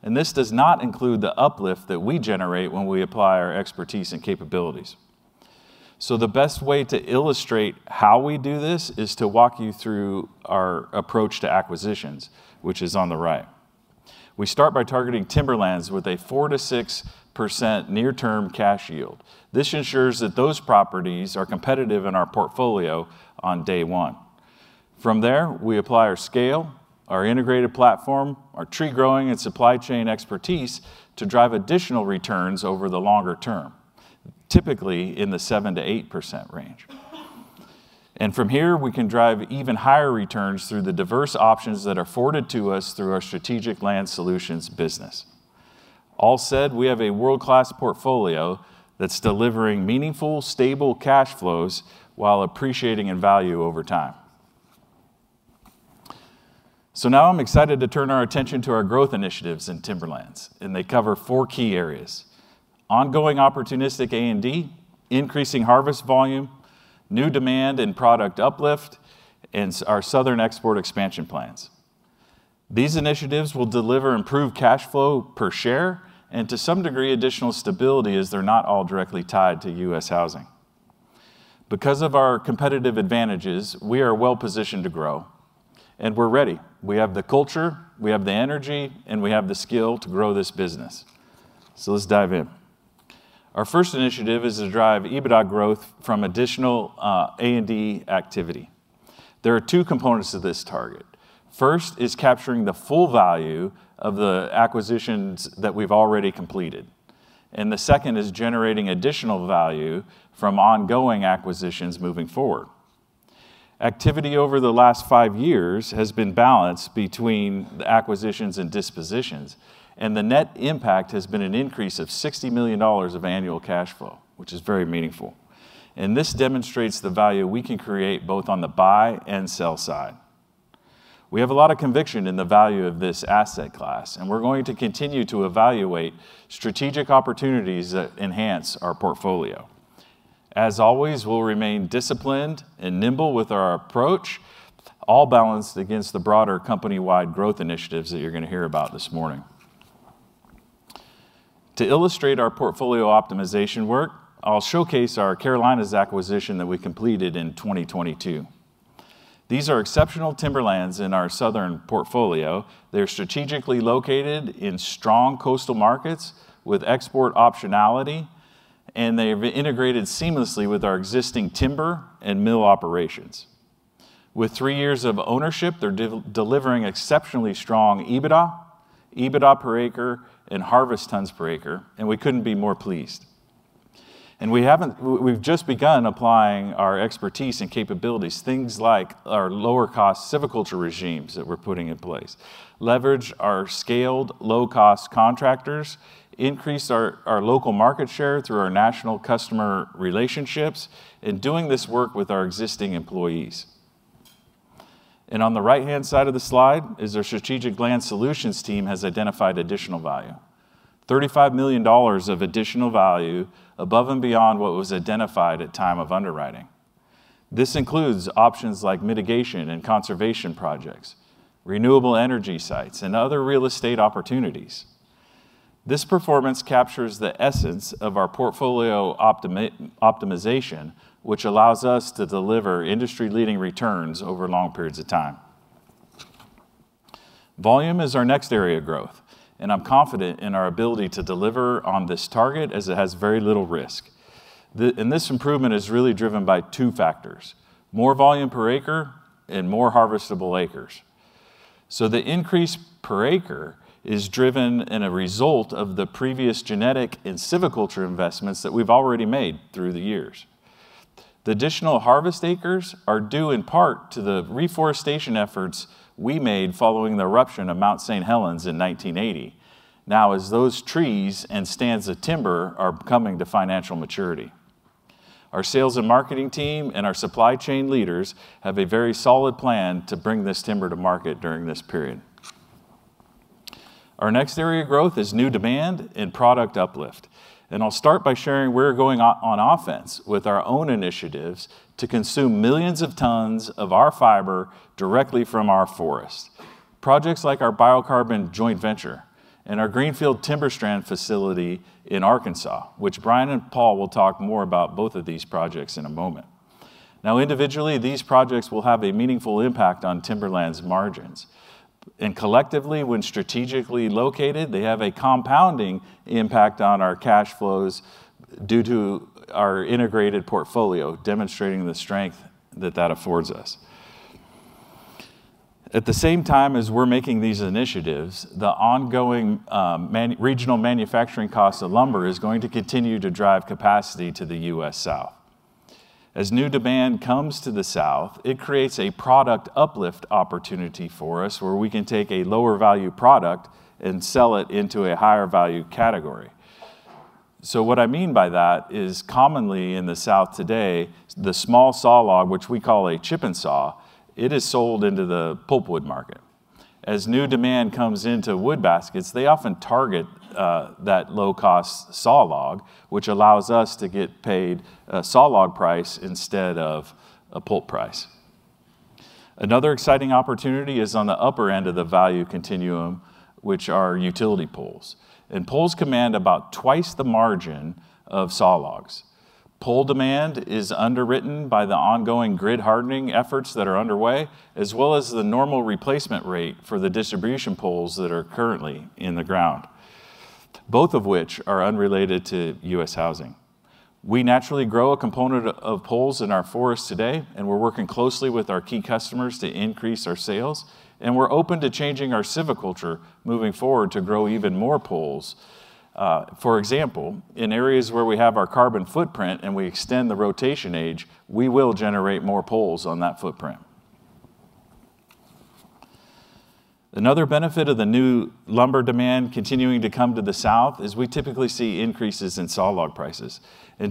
And this does not include the uplift that we generate when we apply our expertise and capabilities. The best way to illustrate how we do this is to walk you through our approach to acquisitions, which is on the right. We start by targeting timberlands with a 4%-6% near-term cash yield. This ensures that those properties are competitive in our portfolio on day one. From there, we apply our scale, our integrated platform, our tree growing, and supply chain expertise to drive additional returns over the longer term, typically in the 7%-8% range. From here, we can drive even higher returns through the diverse options that are afforded to us through our Strategic Land Solutions Business. All said, we have a world-class portfolio that's delivering meaningful, stable cash flows while appreciating in value over time. Now I'm excited to turn our attention to our growth initiatives in timberlands. They cover four key areas: ongoing opportunistic A&D, increasing harvest volume, new demand and product uplift, and our southern export expansion plans. These initiatives will deliver improved cash flow per share and, to some degree, additional stability as they're not all directly tied to U.S. housing. Because of our competitive advantages, we are well-positioned to grow. We're ready. We have the culture, we have the energy, and we have the skill to grow this business. Let's dive in. Our first initiative is to drive EBITDA growth from additional A&D activity. There are two components to this target. First is capturing the full value of the acquisitions that we've already completed. The second is generating additional value from ongoing acquisitions moving forward. Activity over the last five years has been balanced between the acquisitions and dispositions. And the net impact has been an increase of $60 million of annual cash flow, which is very meaningful. And this demonstrates the value we can create both on the buy and sell side. We have a lot of conviction in the value of this asset class, and we're going to continue to evaluate strategic opportunities that enhance our portfolio. As always, we'll remain disciplined and nimble with our approach, all balanced against the broader company-wide growth initiatives that you're going to hear about this morning. To illustrate our portfolio optimization work, I'll showcase our Carolinas acquisition that we completed in 2022. These are exceptional timberlands in our southern portfolio. They're strategically located in strong coastal markets with export optionality, and they have integrated seamlessly with our existing timber and mill operations. With three years of ownership, they're delivering exceptionally strong EBITDA, EBITDA per acre, and harvest tons per acre, and we couldn't be more pleased. And we've just begun applying our expertise and capabilities, things like our lower-cost silviculture regimes that we're putting in place, leverage our scaled low-cost contractors, increase our local market share through our national customer relationships, and doing this work with our existing employees. And on the right-hand side of the slide is our Strategic Land Solutions team has identified additional value: $35 million of additional value above and beyond what was identified at time of underwriting. This includes options like mitigation and conservation projects, renewable energy sites, and other real estate opportunities. This performance captures the essence of our portfolio optimization, which allows us to deliver industry-leading returns over long periods of time. Volume is our next area of growth, and I'm confident in our ability to deliver on this target as it has very little risk, and this improvement is really driven by two factors: more volume per acre and more harvestable acres, so the increase per acre is driven as a result of the previous genetic and silviculture investments that we've already made through the years. The additional harvest acres are due in part to the reforestation efforts we made following the eruption of Mount St. Helens in 1980, now as those trees and stands of timber are coming to financial maturity. Our sales and marketing team and our supply chain leaders have a very solid plan to bring this timber to market during this period. Our next area of growth is new demand and product uplift. I'll start by sharing where we're going on offense with our own initiatives to consume millions of tons of our fiber directly from our forest: projects like our Biocarbon joint venture and our greenfield TimberStrand facility in Arkansas, which Brian and Paul will talk more about both of these projects in a moment. Now, individually, these projects will have a meaningful impact on timberlands' margins. And collectively, when strategically located, they have a compounding impact on our cash flows due to our integrated portfolio, demonstrating the strength that that affords us. At the same time as we're making these initiatives, the ongoing regional manufacturing costs of lumber are going to continue to drive capacity to the U.S. South. As new demand comes to the South, it creates a product uplift opportunity for us where we can take a lower-value product and sell it into a higher-value category. So what I mean by that is commonly in the South today, the small saw log, which we call a Chip-n-Saw, is sold into the pulpwood market. As new demand comes into wood baskets, they often target that low-cost saw log, which allows us to get paid a saw log price instead of a pulp price. Another exciting opportunity is on the upper end of the value continuum, which are utility poles. And poles command about twice the margin of saw logs. Pole demand is underwritten by the ongoing grid hardening efforts that are underway, as well as the normal replacement rate for the distribution poles that are currently in the ground, both of which are unrelated to U.S. housing. We naturally grow a component of poles in our forest today, and we're working closely with our key customers to increase our sales. We're open to changing our silviculture moving forward to grow even more poles. For example, in areas where we have our carbon footprint and we extend the rotation age, we will generate more poles on that footprint. Another benefit of the new lumber demand continuing to come to the South is we typically see increases in saw log prices.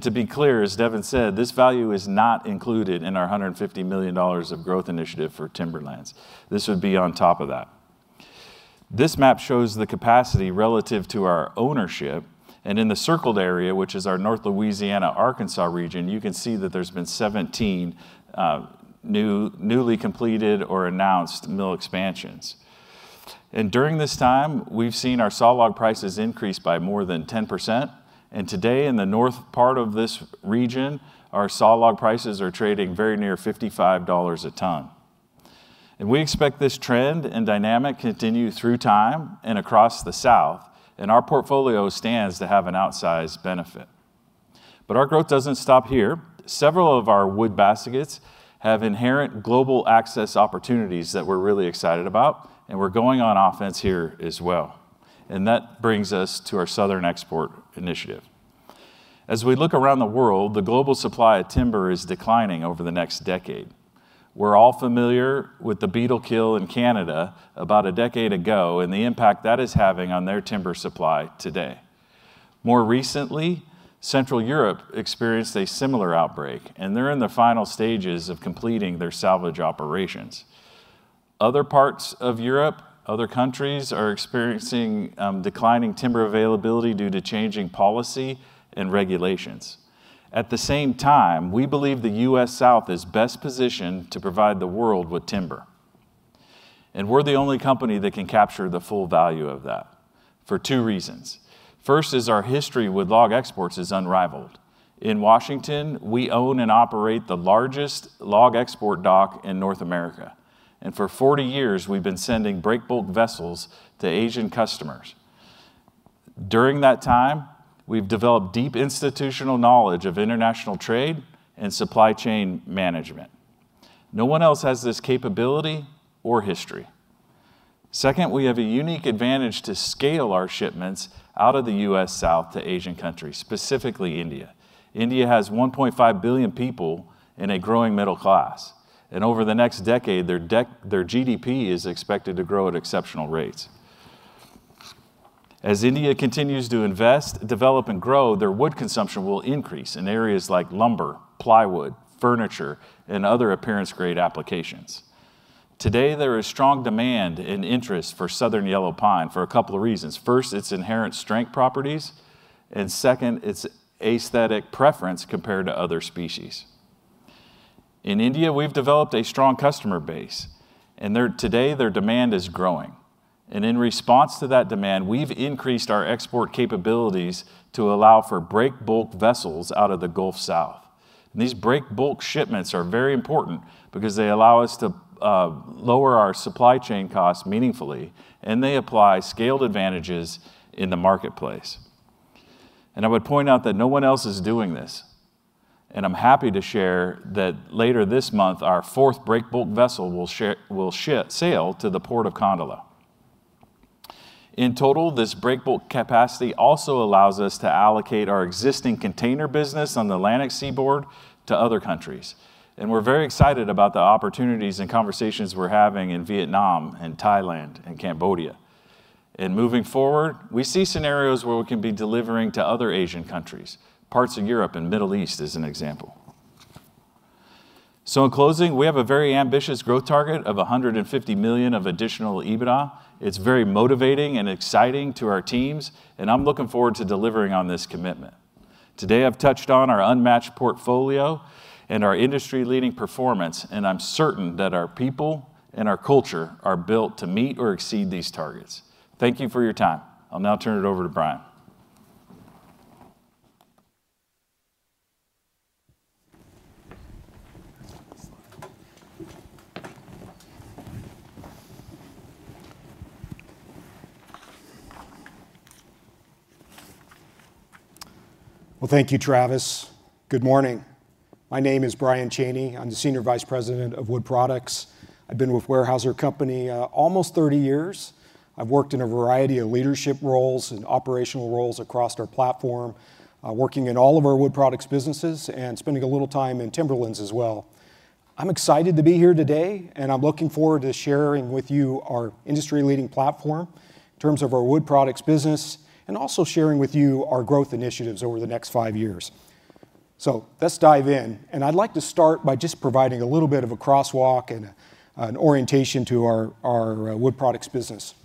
To be clear, as Devin said, this value is not included in our $150 million of growth initiative for timberlands. This would be on top of that. This map shows the capacity relative to our ownership. In the circled area, which is our North Louisiana, Arkansas region, you can see that there's been 17 newly completed or announced mill expansions. During this time, we've seen our saw log prices increase by more than 10%. Today, in the north part of this region, our saw log prices are trading very near $55 a ton. We expect this trend and dynamic to continue through time and across the South. Our portfolio stands to have an outsized benefit. Our growth doesn't stop here. Several of our wood baskets have inherent global access opportunities that we're really excited about. We're going on offense here as well. That brings us to our southern export initiative. As we look around the world, the global supply of timber is declining over the next decade. We're all familiar with the beetle kill in Canada about a decade ago and the impact that is having on their timber supply today. More recently, Central Europe experienced a similar outbreak, and they're in the final stages of completing their salvage operations. Other parts of Europe, other countries are experiencing declining timber availability due to changing policy and regulations. At the same time, we believe the U.S. South is best positioned to provide the world with timber, and we're the only company that can capture the full value of that for two reasons. First is our history with log exports is unrivaled. In Washington, we own and operate the largest log export dock in North America, and for 40 years, we've been sending breakbulk vessels to Asian customers. During that time, we've developed deep institutional knowledge of international trade and supply chain management. No one else has this capability or history. Second, we have a unique advantage to scale our shipments out of the U.S. South to Asian countries, specifically India. India has 1.5 billion people and a growing middle class. Over the next decade, their GDP is expected to grow at exceptional rates. As India continues to invest, develop, and grow, their wood consumption will increase in areas like lumber, plywood, furniture, and other appearance-grade applications. Today, there is strong demand and interest for southern yellow pine for a couple of reasons. First, its inherent strength properties, and second, its aesthetic preference compared to other species. In India, we've developed a strong customer base, and today, their demand is growing. In response to that demand, we've increased our export capabilities to allow for breakbulk vessels out of the Gulf South. These breakbulk shipments are very important because they allow us to lower our supply chain costs meaningfully, and they apply scale advantages in the marketplace. I would point out that no one else is doing this. I'm happy to share that later this month, our fourth breakbulk vessel will sail to the Port of Kandla. In total, this breakbulk capacity also allows us to allocate our existing container business on the Atlantic Seaboard to other countries. We're very excited about the opportunities and conversations we're having in Vietnam and Thailand and Cambodia. Moving forward, we see scenarios where we can be delivering to other Asian countries, parts of Europe and the Middle East, as an example. In closing, we have a very ambitious growth target of $150 million of additional EBITDA. It's very motivating and exciting to our teams, and I'm looking forward to delivering on this commitment. Today, I've touched on our unmatched portfolio and our industry-leading performance, and I'm certain that our people and our culture are built to meet or exceed these targets. Thank you for your time. I'll now turn it over to Brian.
Thank you, Travis. Good morning. My name is Brian Chaney. I'm the Senior Vice President of Wood Products. I've been with Weyerhaeuser Company almost 30 years. I've worked in a variety of leadership roles and operational roles across our platform, working in all of our wood products businesses and spending a little time in timberlands as well. I'm excited to be here today, and I'm looking forward to sharing with you our industry-leading platform in terms of our wood products business and also sharing with you our growth initiatives over the next five years. Let's dive in. I'd like to start by just providing a little bit of a crosswalk and an orientation to our wood products business.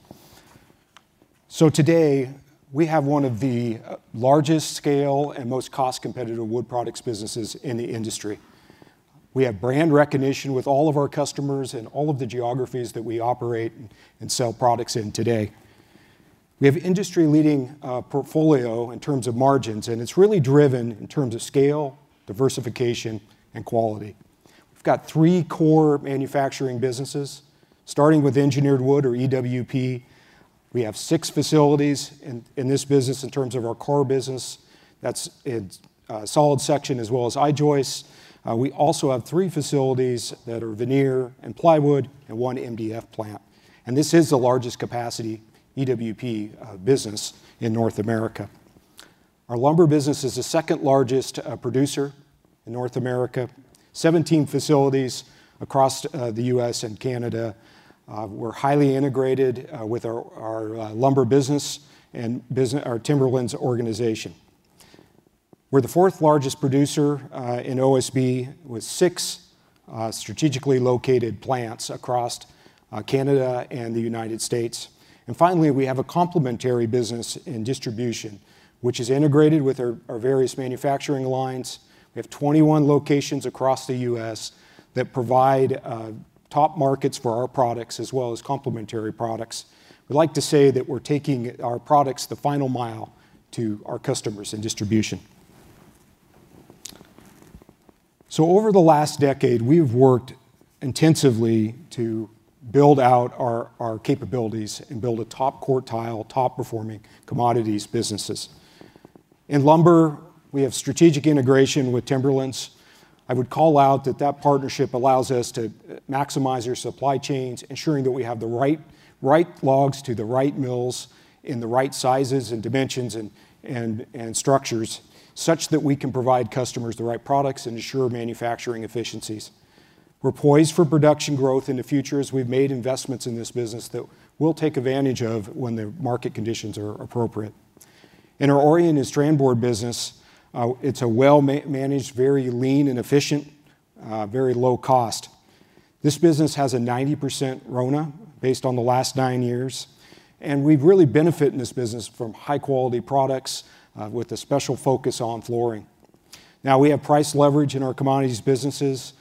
Today, we have one of the largest scale and most cost-competitive wood products businesses in the industry. We have brand recognition with all of our customers and all of the geographies that we operate and sell products in today. We have an industry-leading portfolio in terms of margins, and it's really driven in terms of scale, diversification, and quality. We've got three core manufacturing businesses, starting with engineered wood or EWP. We have six facilities in this business in terms of our EWP business. That's a solid section as well as I-joists. We also have three facilities that are veneer and plywood and one MDF plant. This is the largest capacity EWP business in North America. Our lumber business is the second largest producer in North America, 17 facilities across the U.S. and Canada. We're highly integrated with our lumber business and our timberlands organization. We're the fourth largest producer in OSB with six strategically located plants across Canada and the United States. And finally, we have a complementary business in distribution, which is integrated with our various manufacturing lines. We have 21 locations across the U.S. that provide top markets for our products as well as complementary products. We'd like to say that we're taking our products the final mile to our customers in distribution. So over the last decade, we've worked intensively to build out our capabilities and build a top quartile, top-performing commodities businesses. In lumber, we have strategic integration with timberlands. I would call out that that partnership allows us to maximize our supply chains, ensuring that we have the right logs to the right mills in the right sizes and dimensions and structures such that we can provide customers the right products and ensure manufacturing efficiencies. We're poised for production growth in the future as we've made investments in this business that we'll take advantage of when the market conditions are appropriate. In our oriented strand board business, it's a well-managed, very lean and efficient, very low cost. This business has a 90% RONA based on the last nine years, and we've really benefited in this business from high-quality products with a special focus on flooring. Now, we have price leverage in our commodities businesses.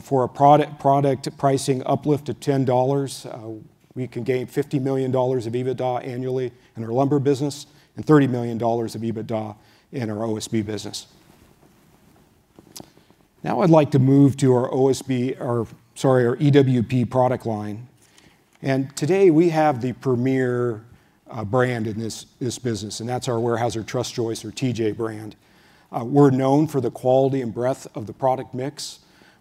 For a product pricing uplift of $10, we can gain $50 million of EBITDA annually in our lumber business and $30 million of EBITDA in our OSB business. Now, I'd like to move to our OSB, or sorry, our EWP product line. Today, we have the premier brand in this business, and that's our Weyerhaeuser Trus Joist or TJ brand. We're known for the quality and breadth of the product mix.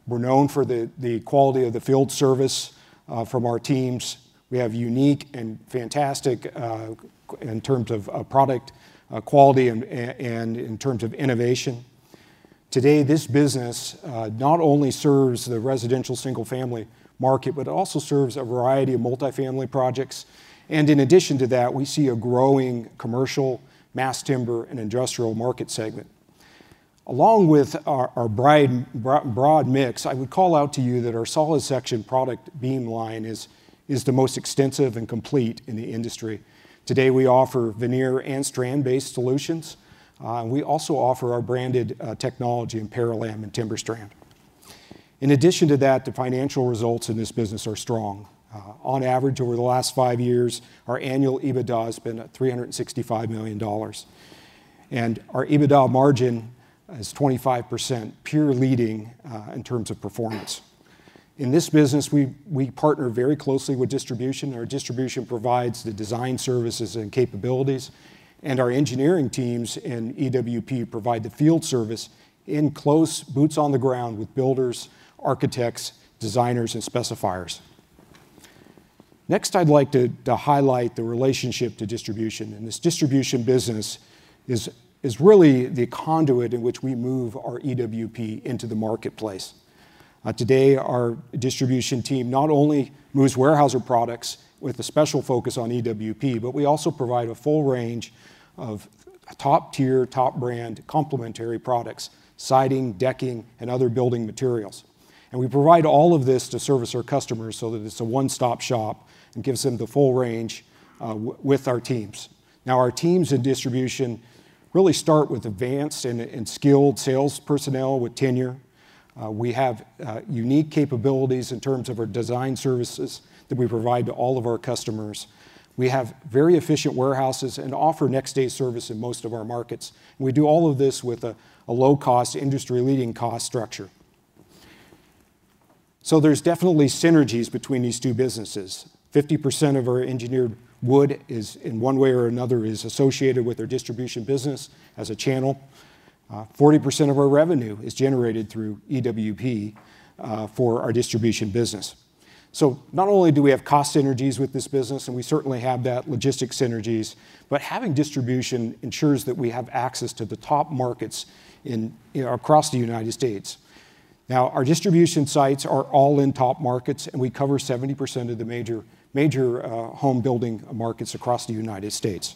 We're known for the quality of the field service from our teams. We have unique and fantastic in terms of product quality and in terms of innovation. Today, this business not only serves the residential single-family market, but it also serves a variety of multifamily projects. In addition to that, we see a growing commercial, mass timber, and industrial market segment. Along with our broad mix, I would call out to you that our solid section product beam line is the most extensive and complete in the industry. Today, we offer veneer and strand-based solutions. We also offer our branded technology in Parallam and TimberStrand. In addition to that, the financial results in this business are strong. On average, over the last five years, our annual EBITDA has been at $365 million. Our EBITDA margin is 25%, peer leading in terms of performance. In this business, we partner very closely with distribution. Our distribution provides the design services and capabilities, and our engineering teams in EWP provide the field service in close boots on the ground with builders, architects, designers, and specifiers. Next, I'd like to highlight the relationship to distribution, and this distribution business is really the conduit in which we move our EWP into the marketplace. Today, our distribution team not only moves Weyerhaeuser products with a special focus on EWP, but we also provide a full range of top-tier, top-brand complementary products, siding, decking, and other building materials, and we provide all of this to service our customers so that it's a one-stop shop and gives them the full range with our teams. Now, our teams in distribution really start with advanced and skilled sales personnel with tenure. We have unique capabilities in terms of our design services that we provide to all of our customers. We have very efficient warehouses and offer next-day service in most of our markets. We do all of this with a low-cost, industry-leading cost structure. So there's definitely synergies between these two businesses. 50% of our engineered wood is, in one way or another, associated with our distribution business as a channel. 40% of our revenue is generated through EWP for our distribution business. So not only do we have cost synergies with this business, and we certainly have that logistics synergies, but having distribution ensures that we have access to the top markets across the United States. Now, our distribution sites are all in top markets, and we cover 70% of the major home building markets across the United States.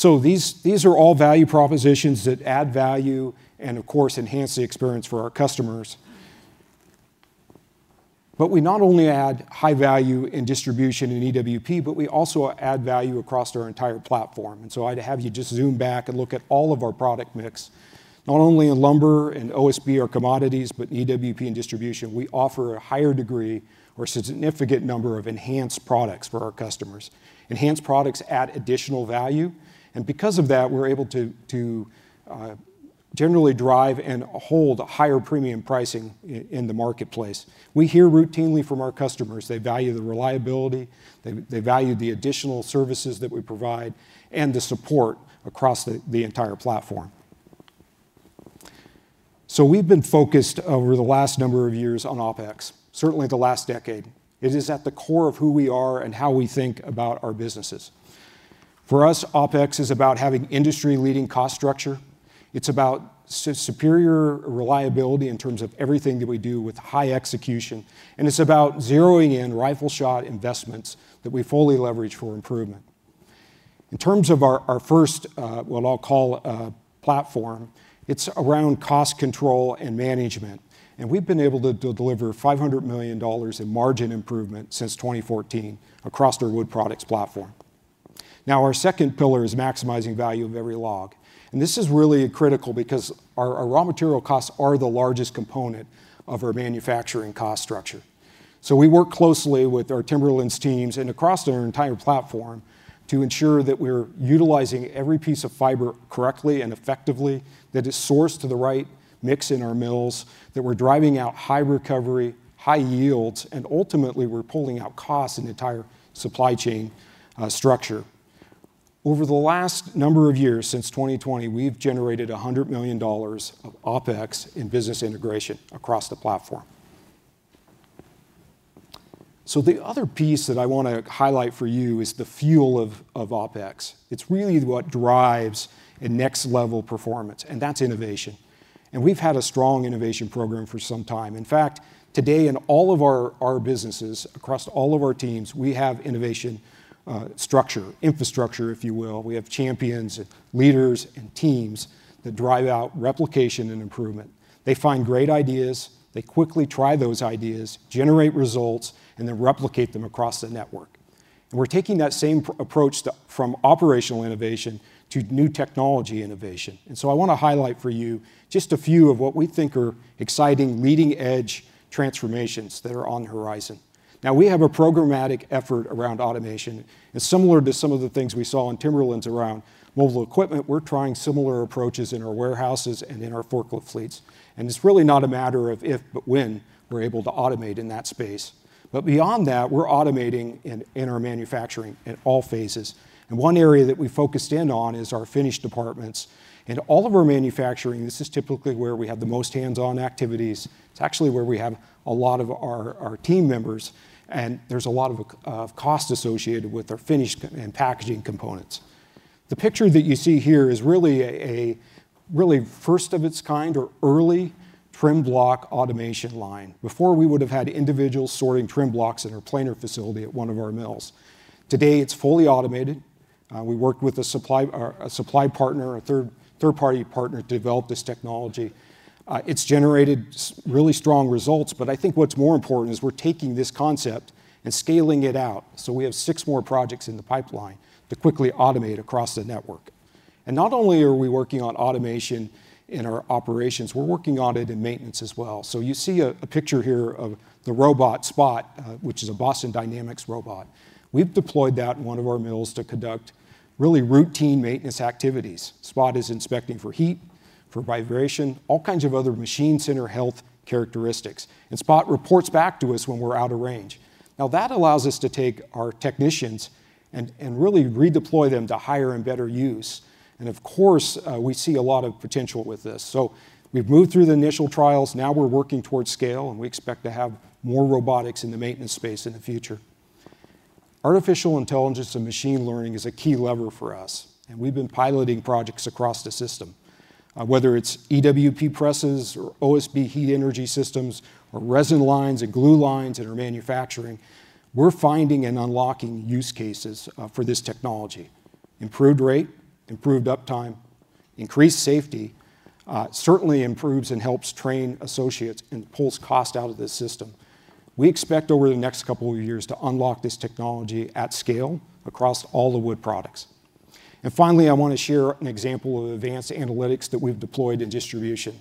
These are all value propositions that add value and, of course, enhance the experience for our customers. But we not only add high value in distribution in EWP, but we also add value across our entire platform. And so I'd have you just zoom back and look at all of our product mix. Not only in lumber and OSB or commodities, but EWP and distribution, we offer a higher degree or significant number of enhanced products for our customers. Enhanced products add additional value. And because of that, we're able to generally drive and hold higher premium pricing in the marketplace. We hear routinely from our customers. They value the reliability. They value the additional services that we provide and the support across the entire platform. So we've been focused over the last number of years on OpEx, certainly the last decade. It is at the core of who we are and how we think about our businesses. For us, OpEx is about having industry-leading cost structure. It's about superior reliability in terms of everything that we do with high execution, and it's about zeroing in rifle-shot investments that we fully leverage for improvement. In terms of our first, what I'll call a platform, it's around cost control and management, and we've been able to deliver $500 million in margin improvement since 2014 across our wood products platform. Now, our second pillar is maximizing value of every log. And this is really critical because our raw material costs are the largest component of our manufacturing cost structure. So we work closely with our timberlands teams and across our entire platform to ensure that we're utilizing every piece of fiber correctly and effectively, that it's sourced to the right mix in our mills, that we're driving out high recovery, high yields, and ultimately, we're pulling out costs in the entire supply chain structure. Over the last number of years, since 2020, we've generated $100 million of OpEx in business integration across the platform. So the other piece that I want to highlight for you is the fuel of OpEx. It's really what drives next-level performance, and that's innovation. And we've had a strong innovation program for some time. In fact, today, in all of our businesses, across all of our teams, we have innovation structure, infrastructure, if you will. We have champions, leaders, and teams that drive out replication and improvement. They find great ideas. They quickly try those ideas, generate results, and then replicate them across the network. And we're taking that same approach from operational innovation to new technology innovation. And so I want to highlight for you just a few of what we think are exciting leading-edge transformations that are on the horizon. Now, we have a programmatic effort around automation. And similar to some of the things we saw in timberlands around mobile equipment, we're trying similar approaches in our warehouses and in our forklift fleets. And it's really not a matter of if, but when we're able to automate in that space. But beyond that, we're automating in our manufacturing at all phases. And one area that we focused in on is our finishing departments. In all of our manufacturing, this is typically where we have the most hands-on activities. It's actually where we have a lot of our team members, and there's a lot of cost associated with our finished and packaging components. The picture that you see here is really a really first-of-its-kind or early trim block automation line. Before, we would have had individuals sorting trim blocks in our planer facility at one of our mills. Today, it's fully automated. We worked with a supply partner, a third-party partner, to develop this technology. It's generated really strong results, but I think what's more important is we're taking this concept and scaling it out. So we have six more projects in the pipeline to quickly automate across the network. And not only are we working on automation in our operations, we're working on it in maintenance as well. So you see a picture here of the robot Spot, which is a Boston Dynamics robot. We've deployed that in one of our mills to conduct really routine maintenance activities. Spot is inspecting for heat, for vibration, all kinds of other machine center health characteristics. And Spot reports back to us when we're out of range. Now, that allows us to take our technicians and really redeploy them to higher and better use. And of course, we see a lot of potential with this. So we've moved through the initial trials. Now we're working towards scale, and we expect to have more robotics in the maintenance space in the future. Artificial intelligence and machine learning is a key lever for us. And we've been piloting projects across the system. Whether it's EWP presses or OSB heat energy systems or resin lines and glue lines in our manufacturing, we're finding and unlocking use cases for this technology. Improved rate, improved uptime, increased safety certainly improves and helps train associates and pulls cost out of the system. We expect over the next couple of years to unlock this technology at scale across all the wood products. And finally, I want to share an example of advanced analytics that we've deployed in distribution.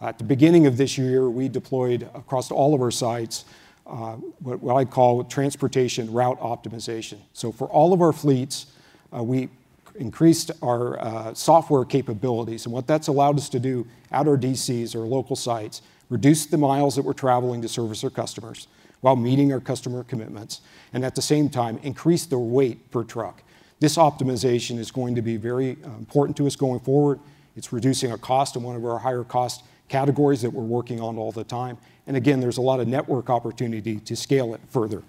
At the beginning of this year, we deployed across all of our sites what I call transportation route optimization. So for all of our fleets, we increased our software capabilities. And what that's allowed us to do at our DCs, our local sites, reduce the miles that we're traveling to service our customers while meeting our customer commitments, and at the same time, increase the weight per truck. This optimization is going to be very important to us going forward. It's reducing a cost in one of our higher cost categories that we're working on all the time. And again, there's a lot of network opportunity to scale it further.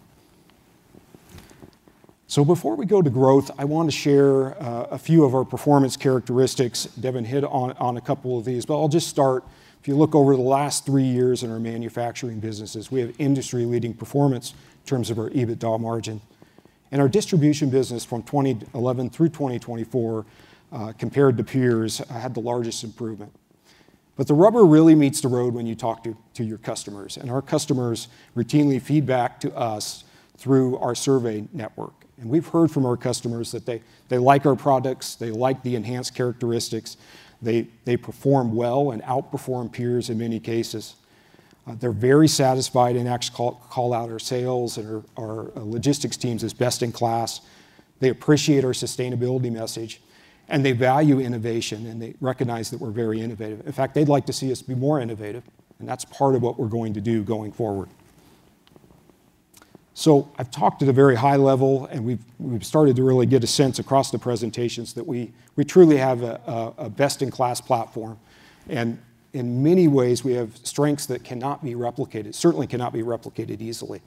So before we go to growth, I want to share a few of our performance characteristics. Devin hit on a couple of these, but I'll just start. If you look over the last three years in our manufacturing businesses, we have industry-leading performance in terms of our EBITDA margin. And our distribution business from 2011 through 2024, compared to peers, had the largest improvement. But the rubber really meets the road when you talk to your customers. And our customers routinely feedback to us through our survey network. And we've heard from our customers that they like our products, they like the enhanced characteristics, they perform well and outperform peers in many cases. They're very satisfied and actually call out our sales and our logistics teams as best in class. They appreciate our sustainability message, and they value innovation, and they recognize that we're very innovative. In fact, they'd like to see us be more innovative, and that's part of what we're going to do going forward. So I've talked at a very high level, and we've started to really get a sense across the presentations that we truly have a best-in-class platform, and in many ways, we have strengths that cannot be replicated, certainly cannot be replicated easily,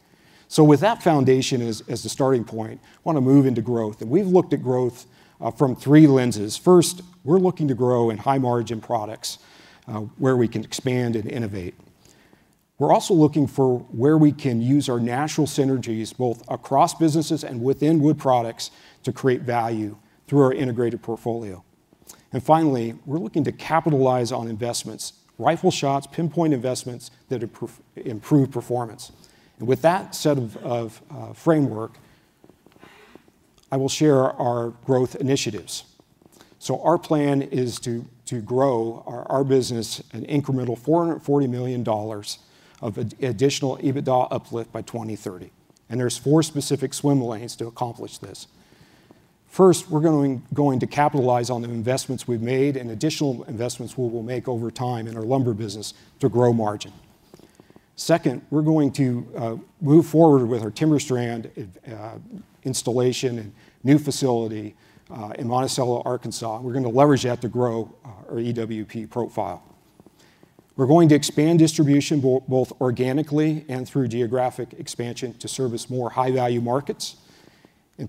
so with that foundation as the starting point, I want to move into growth, and we've looked at growth from three lenses. First, we're looking to grow in high-margin products where we can expand and innovate. We're also looking for where we can use our natural synergies, both across businesses and within wood products, to create value through our integrated portfolio. And finally, we're looking to capitalize on investments, rifle-shots, pinpoint investments that improve performance. And with that set of framework, I will share our growth initiatives. So our plan is to grow our business an incremental $440 million of additional EBITDA uplift by 2030. And there's four specific swim lanes to accomplish this. First, we're going to capitalize on the investments we've made and additional investments we will make over time in our lumber business to grow margin. Second, we're going to move forward with our TimberStrand installation and new facility in Monticello, Arkansas. We're going to leverage that to grow our EWP profile. We're going to expand distribution both organically and through geographic expansion to service more high-value markets.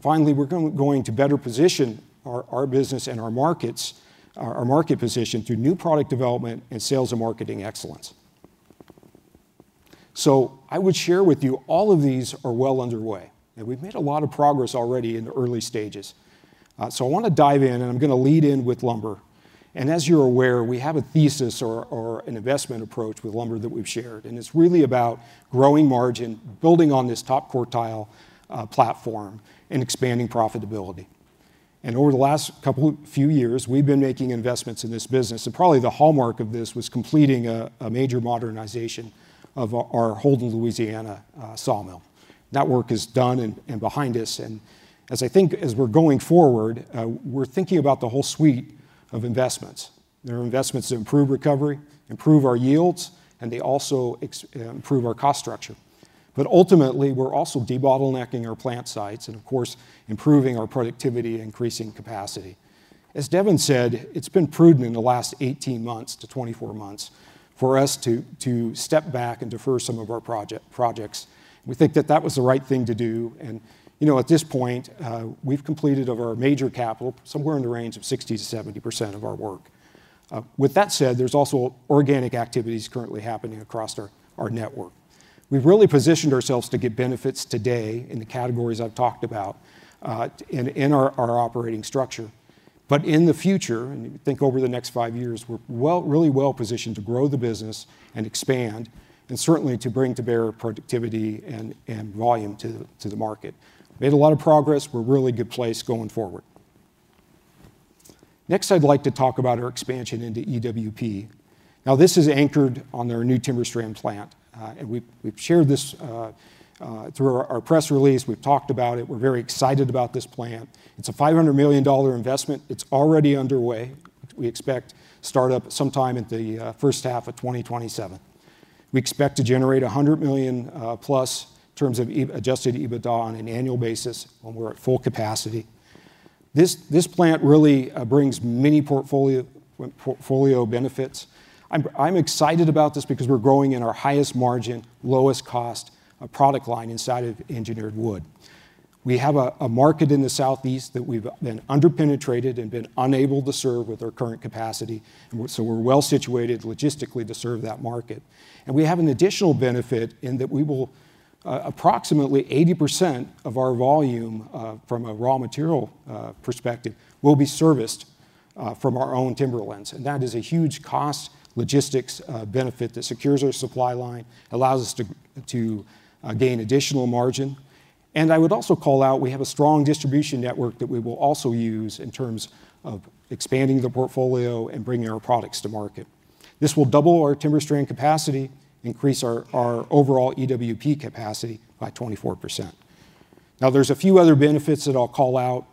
Finally, we're going to better position our business and our markets, our market position, through new product development and sales and marketing excellence. I would share with you, all of these are well underway, and we've made a lot of progress already in the early stages. I want to dive in, and I'm going to lead in with lumber. As you're aware, we have a thesis or an investment approach with lumber that we've shared. It's really about growing margin, building on this top quartile platform, and expanding profitability. Over the last couple of few years, we've been making investments in this business. Probably the hallmark of this was completing a major modernization of our Holden, Louisiana sawmill. That work is done and behind us. As I think, as we're going forward, we're thinking about the whole suite of investments. There are investments to improve recovery, improve our yields, and they also improve our cost structure. But ultimately, we're also debottlenecking our plant sites and, of course, improving our productivity and increasing capacity. As Devin said, it's been prudent in the last 18 months to 24 months for us to step back and defer some of our projects. We think that that was the right thing to do. And at this point, we've completed our major capital, somewhere in the range of 60%-70% of our work. With that said, there's also organic activities currently happening across our network. We've really positioned ourselves to get benefits today in the categories I've talked about in our operating structure. But in the future, and think over the next five years, we're really well positioned to grow the business and expand and certainly to bring to bear productivity and volume to the market. We've made a lot of progress. We're in a really good place going forward. Next, I'd like to talk about our expansion into EWP. Now, this is anchored on our new TimberStrand plant. And we've shared this through our press release. We've talked about it. We're very excited about this plant. It's a $500 million investment. It's already underway. We expect startup sometime in the first half of 2027. We expect to generate 100+ million in terms of adjusted EBITDA on an annual basis when we're at full capacity. This plant really brings many portfolio benefits. I'm excited about this because we're growing in our highest margin, lowest cost product line inside of engineered wood. We have a market in the Southeast that we've been underpenetrated and been unable to serve with our current capacity. And so we're well situated logistically to serve that market. And we have an additional benefit in that we will approximately 80% of our volume from a raw material perspective will be serviced from our own timberlands. And that is a huge cost logistics benefit that secures our supply line, allows us to gain additional margin. And I would also call out we have a strong distribution network that we will also use in terms of expanding the portfolio and bringing our products to market. This will double our TimberStrand capacity, increase our overall EWP capacity by 24%. Now, there's a few other benefits that I'll call out.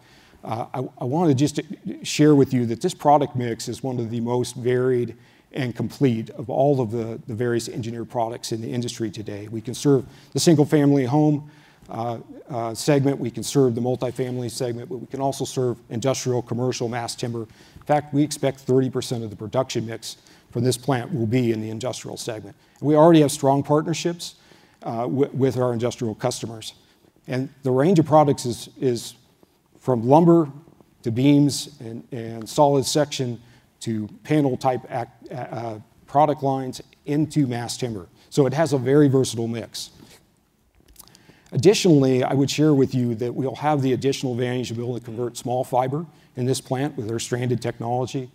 I wanted to just share with you that this product mix is one of the most varied and complete of all of the various engineered products in the industry today. We can serve the single-family home segment. We can serve the multi-family segment, but we can also serve industrial, commercial, mass timber. In fact, we expect 30% of the production mix from this plant will be in the industrial segment. We already have strong partnerships with our industrial customers. And the range of products is from lumber to beams and solid section to panel type product lines into mass timber. So it has a very versatile mix. Additionally, I would share with you that we'll have the additional advantage of being able to convert small fiber in this plant with our Strand technology.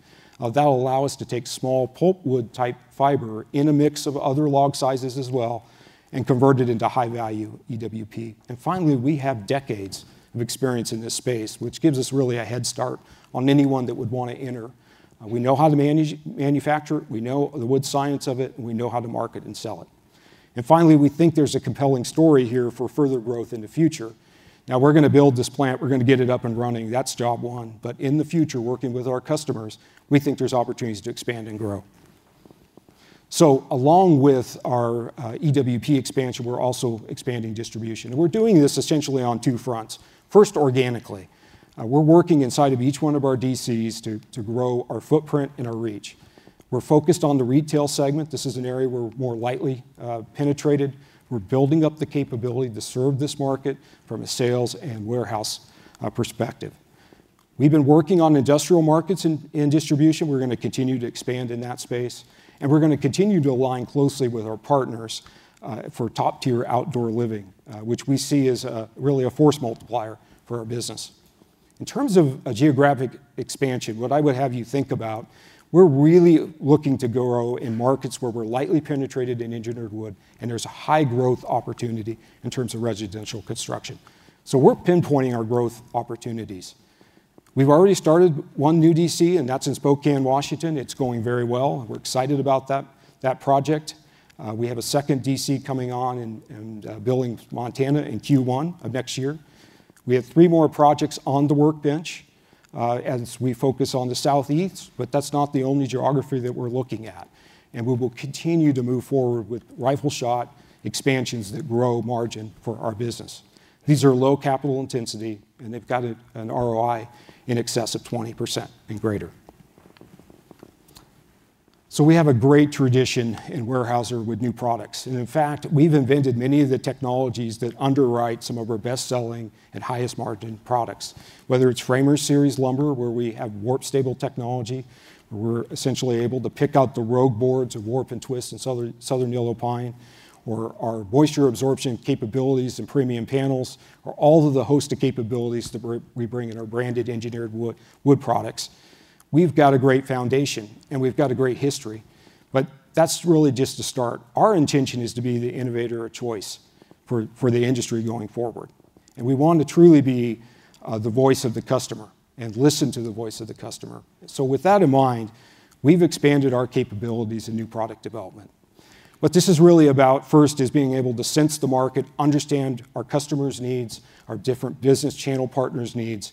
That'll allow us to take small pulp wood type fiber in a mix of other log sizes as well and convert it into high-value EWP, and finally, we have decades of experience in this space, which gives us really a head start on anyone that would want to enter. We know how to manufacture it. We know the wood science of it. We know how to market and sell it, and finally, we think there's a compelling story here for further growth in the future. Now, we're going to build this plant. We're going to get it up and running. That's job one, but in the future, working with our customers, we think there's opportunities to expand and grow, so along with our EWP expansion, we're also expanding distribution, and we're doing this essentially on two fronts. First, organically. We're working inside of each one of our DCs to grow our footprint and our reach. We're focused on the retail segment. This is an area we're more lightly penetrated. We're building up the capability to serve this market from a sales and warehouse perspective. We've been working on industrial markets and distribution. We're going to continue to expand in that space. And we're going to continue to align closely with our partners for top-tier outdoor living, which we see as really a force multiplier for our business. In terms of geographic expansion, what I would have you think about, we're really looking to grow in markets where we're lightly penetrated in engineered wood, and there's a high growth opportunity in terms of residential construction. So we're pinpointing our growth opportunities. We've already started one new DC, and that's in Spokane, Washington. It's going very well. We're excited about that project. We have a second DC coming on in Billings, Montana in Q1 of next year. We have three more projects on the workbench as we focus on the Southeast, but that's not the only geography that we're looking at, and we will continue to move forward with rifle-shot expansions that grow margin for our business. These are low capital intensity, and they've got an ROI in excess of 20% and greater. So we have a great tradition in Weyerhaeuser with new products. In fact, we've invented many of the technologies that underwrite some of our best-selling and highest margin products, whether it's Framer Series lumber, where we have warp-stable technology, where we're essentially able to pick out the rogue boards of warp and twist and southern yellow pine, or our moisture absorption capabilities and premium panels, or all of the hosted capabilities that we bring in our branded engineered wood products. We've got a great foundation, and we've got a great history, but that's really just the start. Our intention is to be the innovator of choice for the industry going forward. We want to truly be the voice of the customer and listen to the voice of the customer. With that in mind, we've expanded our capabilities in new product development. What this is really about first is being able to sense the market, understand our customers' needs, our different business channel partners' needs,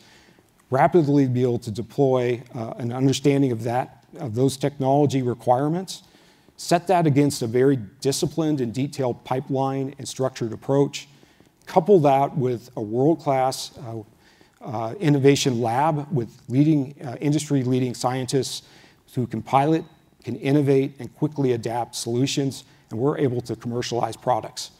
rapidly be able to deploy an understanding of those technology requirements, set that against a very disciplined and detailed pipeline and structured approach, couple that with a world-class innovation lab with industry-leading scientists who can pilot, can innovate, and quickly adapt solutions, and we're able to commercialize products.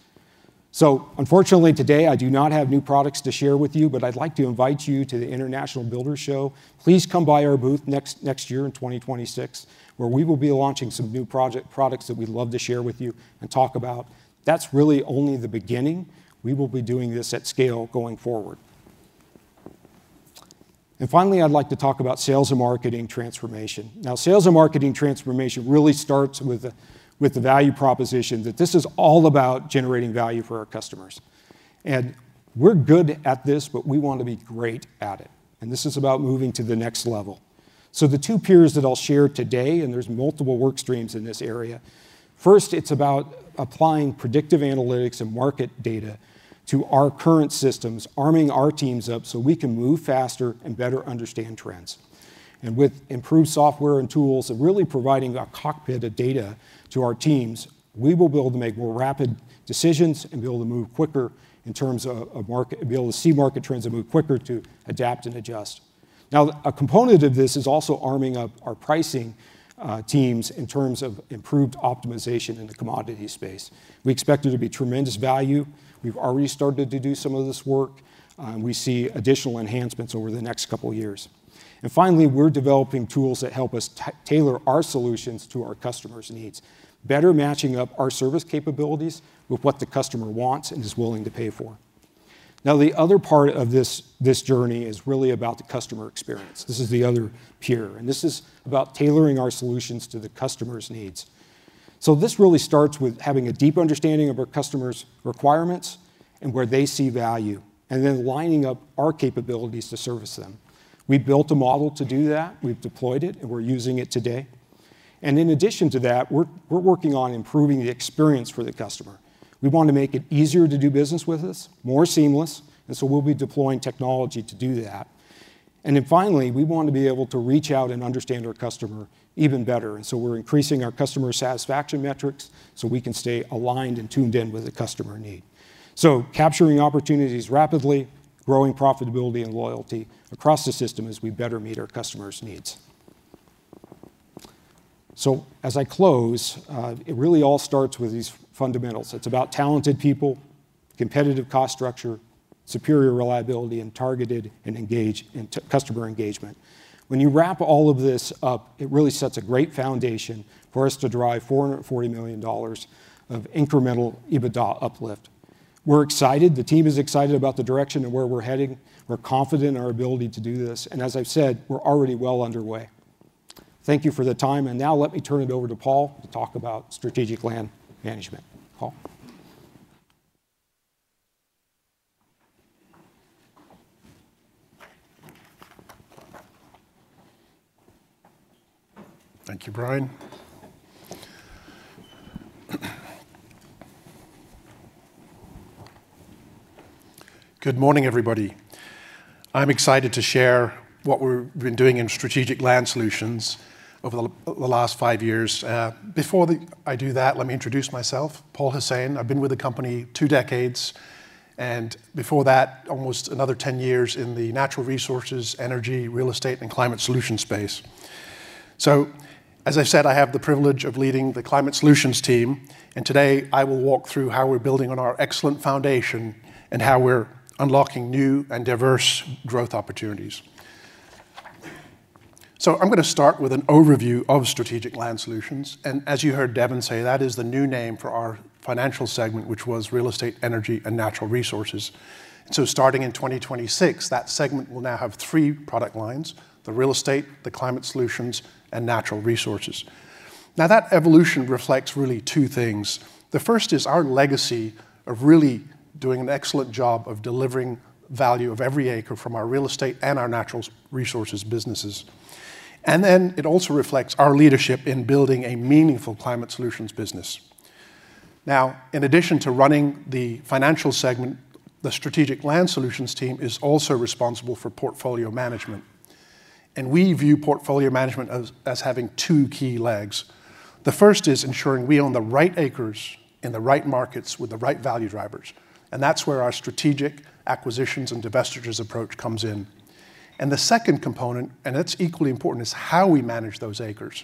So unfortunately, today, I do not have new products to share with you, but I'd like to invite you to the International Builders' Show. Please come by our booth next year in 2026, where we will be launching some new products that we'd love to share with you and talk about. That's really only the beginning. We will be doing this at scale going forward. And finally, I'd like to talk about sales and marketing transformation. Now, sales and marketing transformation really starts with the value proposition that this is all about generating value for our customers, and we're good at this, but we want to be great at it. This is about moving to the next level, so the two pillars that I'll share today, and there's multiple work streams in this area. First, it's about applying predictive analytics and market data to our current systems, arming our teams up so we can move faster and better understand trends, and with improved software and tools and really providing a cockpit of data to our teams, we will be able to make more rapid decisions and be able to move quicker in terms of being able to see market trends and move quicker to adapt and adjust. Now, a component of this is also ramping up our pricing teams in terms of improved optimization in the commodity space. We expect it to be tremendous value. We've already started to do some of this work. We see additional enhancements over the next couple of years. And finally, we're developing tools that help us tailor our solutions to our customers' needs, better matching up our service capabilities with what the customer wants and is willing to pay for. Now, the other part of this journey is really about the customer experience. This is the other pillar. And this is about tailoring our solutions to the customer's needs. So this really starts with having a deep understanding of our customer's requirements and where they see value, and then lining up our capabilities to service them. We built a model to do that. We've deployed it, and we're using it today. And in addition to that, we're working on improving the experience for the customer. We want to make it easier to do business with us, more seamless, and so we'll be deploying technology to do that. And then finally, we want to be able to reach out and understand our customer even better. And so we're increasing our customer satisfaction metrics so we can stay aligned and tuned in with the customer need. So capturing opportunities rapidly, growing profitability and loyalty across the system as we better meet our customer's needs. So as I close, it really all starts with these fundamentals. It's about talented people, competitive cost structure, superior reliability, and targeted and engaged customer engagement. When you wrap all of this up, it really sets a great foundation for us to drive $440 million of incremental EBITDA uplift. We're excited. The team is excited about the direction and where we're heading. We're confident in our ability to do this. And as I've said, we're already well underway. Thank you for the time. And now let me turn it over to Paul to talk about strategic land management. Paul.
Thank you, Brian. Good morning, everybody. I'm excited to share what we've been doing in Strategic Land Solutions over the last five years. Before I do that, let me introduce myself, Paul Hossain. I've been with the company two decades, and before that, almost another 10 years in the natural resources, energy, real estate, and climate solution space. So as I said, I have the privilege of leading the Climate Solutions team, and today, I will walk through how we're building on our excellent foundation and how we're unlocking new and diverse growth opportunities. So I'm going to start with an overview of Strategic Land Solutions, and as you heard Devin say, that is the new name for our financial segment, which was real estate, energy, and natural resources. So starting in 2026, that segment will now have three product lines: the real estate, the Climate Solutions, and natural resources. Now, that evolution reflects really two things. The first is our legacy of really doing an excellent job of delivering value of every acre from our real estate and our natural resources businesses. And then it also reflects our leadership in building a meaningful Climate Solutions business. Now, in addition to running the financial segment, the Strategic Land Solutions team is also responsible for portfolio management. And we view portfolio management as having two key legs. The first is ensuring we own the right acres in the right markets with the right value drivers. And that's where our strategic acquisitions and divestitures approach comes in. And the second component, and it's equally important, is how we manage those acres.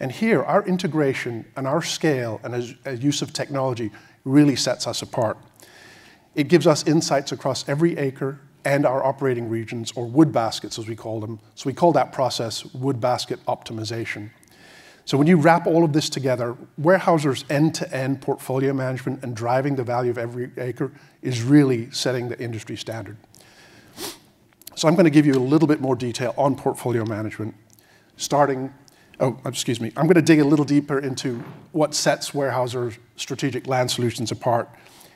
And here, our integration and our scale and use of technology really sets us apart. It gives us insights across every acre and our operating regions, or wood baskets, as we call them. So we call that process wood basket optimization. So when you wrap all of this together, Weyerhaeuser's end-to-end portfolio management and driving the value of every acre is really setting the industry standard. So I'm going to give you a little bit more detail on portfolio management. Oh, excuse me. I'm going to dig a little deeper into what sets Weyerhaeuser's Strategic Land Solutions apart.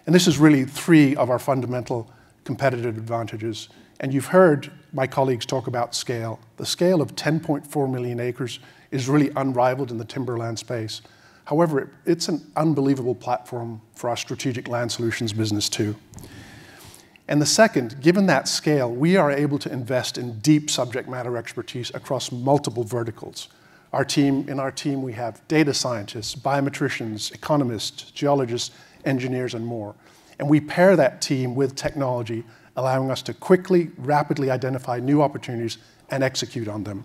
And this is really three of our fundamental competitive advantages. And you've heard my colleagues talk about scale. The scale of 10.4 million acres is really unrivaled in the timberland space. However, it's an unbelievable platform for our Strategic Land Solutions business too. And the second, given that scale, we are able to invest in deep subject matter expertise across multiple verticals. In our team, we have data scientists, biometricians, economists, geologists, engineers, and more. And we pair that team with technology, allowing us to quickly, rapidly identify new opportunities and execute on them.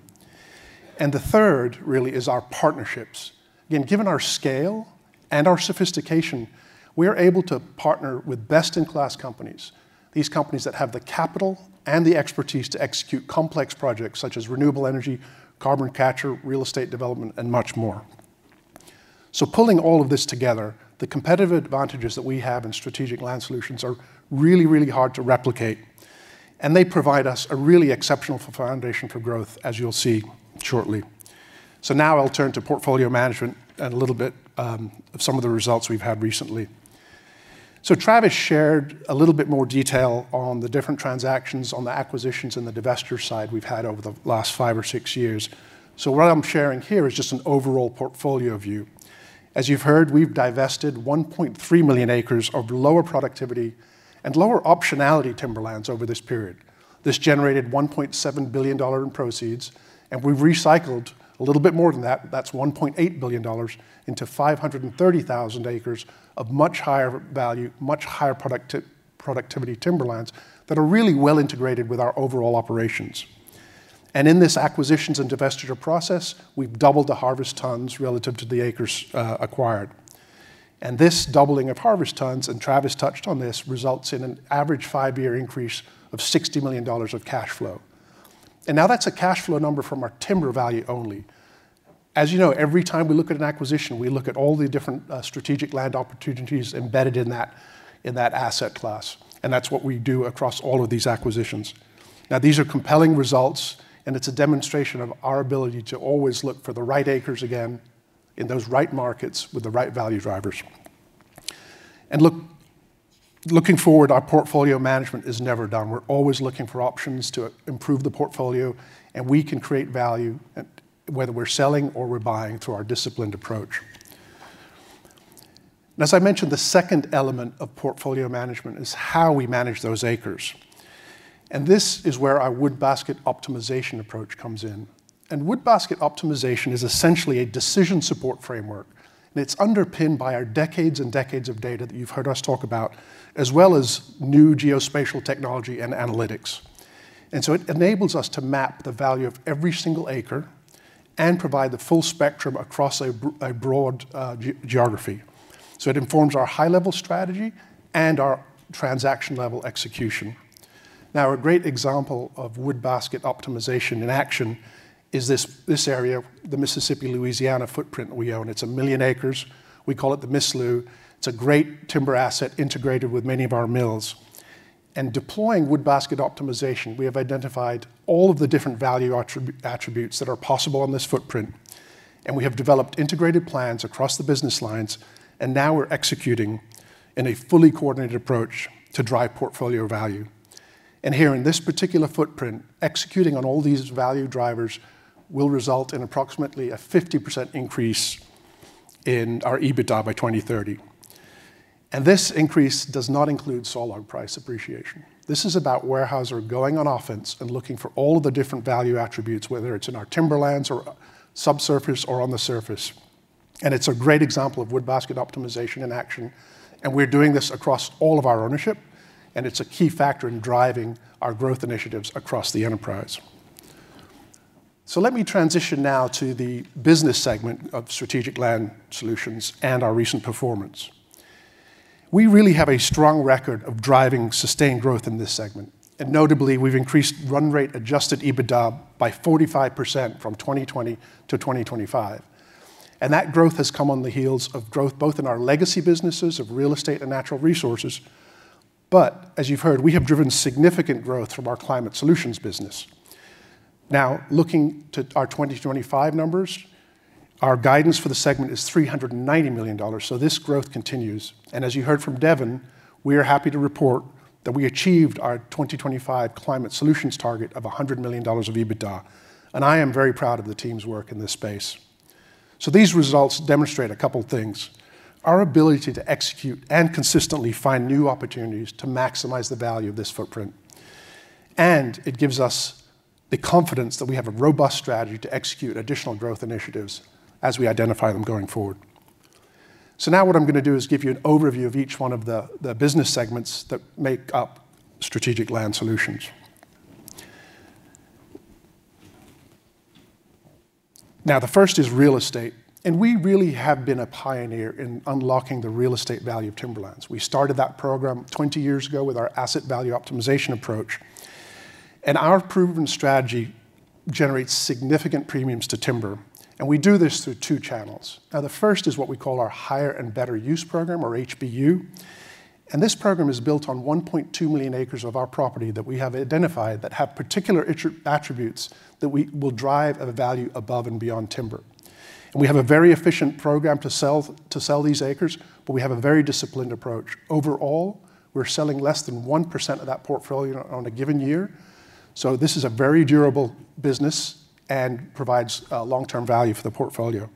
And the third really is our partnerships. Again, given our scale and our sophistication, we are able to partner with best-in-class companies, these companies that have the capital and the expertise to execute complex projects such as renewable energy, carbon capture, real estate development, and much more. So pulling all of this together, the competitive advantages that we have in Strategic Land Solutions are really, really hard to replicate. And they provide us a really exceptional foundation for growth, as you'll see shortly. So now I'll turn to portfolio management and a little bit of some of the results we've had recently. Travis shared a little bit more detail on the different transactions on the acquisitions and the divestitures side we've had over the last five or six years. So what I'm sharing here is just an overall portfolio view. As you've heard, we've divested 1.3 million acres of lower productivity and lower optionality timberlands over this period. This generated $1.7 billion in proceeds. And we've recycled a little bit more than that. That's $1.8 billion into 530,000 acres of much higher value, much higher productivity timberlands that are really well integrated with our overall operations. And in this acquisitions and divestiture process, we've doubled the harvest tons relative to the acres acquired. And this doubling of harvest tons, and Travis touched on this, results in an average five-year increase of $60 million of cash flow. And now that's a cash flow number from our timber value only. As you know, every time we look at an acquisition, we look at all the different strategic land opportunities embedded in that asset class, and that's what we do across all of these acquisitions. Now, these are compelling results, and it's a demonstration of our ability to always look for the right acres again in those right markets with the right value drivers, and looking forward, our portfolio management is never done. We're always looking for options to improve the portfolio, and we can create value, whether we're selling or we're buying through our disciplined approach. As I mentioned, the second element of portfolio management is how we manage those acres, and this is where our Wood Basket Optimization approach comes in, and Wood Basket Optimization is essentially a decision support framework. It's underpinned by our decades and decades of data that you've heard us talk about, as well as new geospatial technology and analytics. It enables us to map the value of every single acre and provide the full spectrum across a broad geography. It informs our high-level strategy and our transaction-level execution. Now, a great example of wood basket optimization in action is this area, the Mississippi-Louisiana footprint we own. It's a million acres. We call it the MISLU. It's a great timber asset integrated with many of our mills. Deploying wood basket optimization, we have identified all of the different value attributes that are possible on this footprint. We have developed integrated plans across the business lines. Now we're executing in a fully coordinated approach to drive portfolio value. Here in this particular footprint, executing on all these value drivers will result in approximately a 50% increase in our EBITDA by 2030. This increase does not include saw log price appreciation. This is about Weyerhaeuser going on offense and looking for all of the different value attributes, whether it's in our timberlands or subsurface or on the surface. It is a great example of wood basket optimization in action. We are doing this across all of our ownership. It is a key factor in driving our growth initiatives across the enterprise. Let me transition now to the business segment of Strategic Land Solutions and our recent performance. We really have a strong record of driving sustained growth in this segment. Notably, we have increased run-rate adjusted EBITDA by 45% from 2020 to 2025. That growth has come on the heels of growth both in our legacy businesses of real estate and natural resources. But as you've heard, we have driven significant growth from our Climate Solutions business. Now, looking to our 2025 numbers, our guidance for the segment is $390 million. So this growth continues. And as you heard from Devin, we are happy to report that we achieved our 2025 Climate Solutions target of $100 million of EBITDA. And I am very proud of the team's work in this space. So these results demonstrate a couple of things. Our ability to execute and consistently find new opportunities to maximize the value of this footprint. And it gives us the confidence that we have a robust strategy to execute additional growth initiatives as we identify them going forward. So now what I'm going to do is give you an overview of each one of the business segments that make up Strategic Land Solutions. Now, the first is real estate. And we really have been a pioneer in unlocking the real estate value of timberlands. We started that program 20 years ago with our asset value optimization approach. And our proven strategy generates significant premiums to timber. And we do this through two channels. Now, the first is what we call our Higher and Better Use program, or HBU. And this program is built on 1.2 million acres of our property that we have identified that have particular attributes that will drive a value above and beyond timber. And we have a very efficient program to sell these acres, but we have a very disciplined approach. Overall, we're selling less than 1% of that portfolio on a given year. So this is a very durable business and provides long-term value for the portfolio.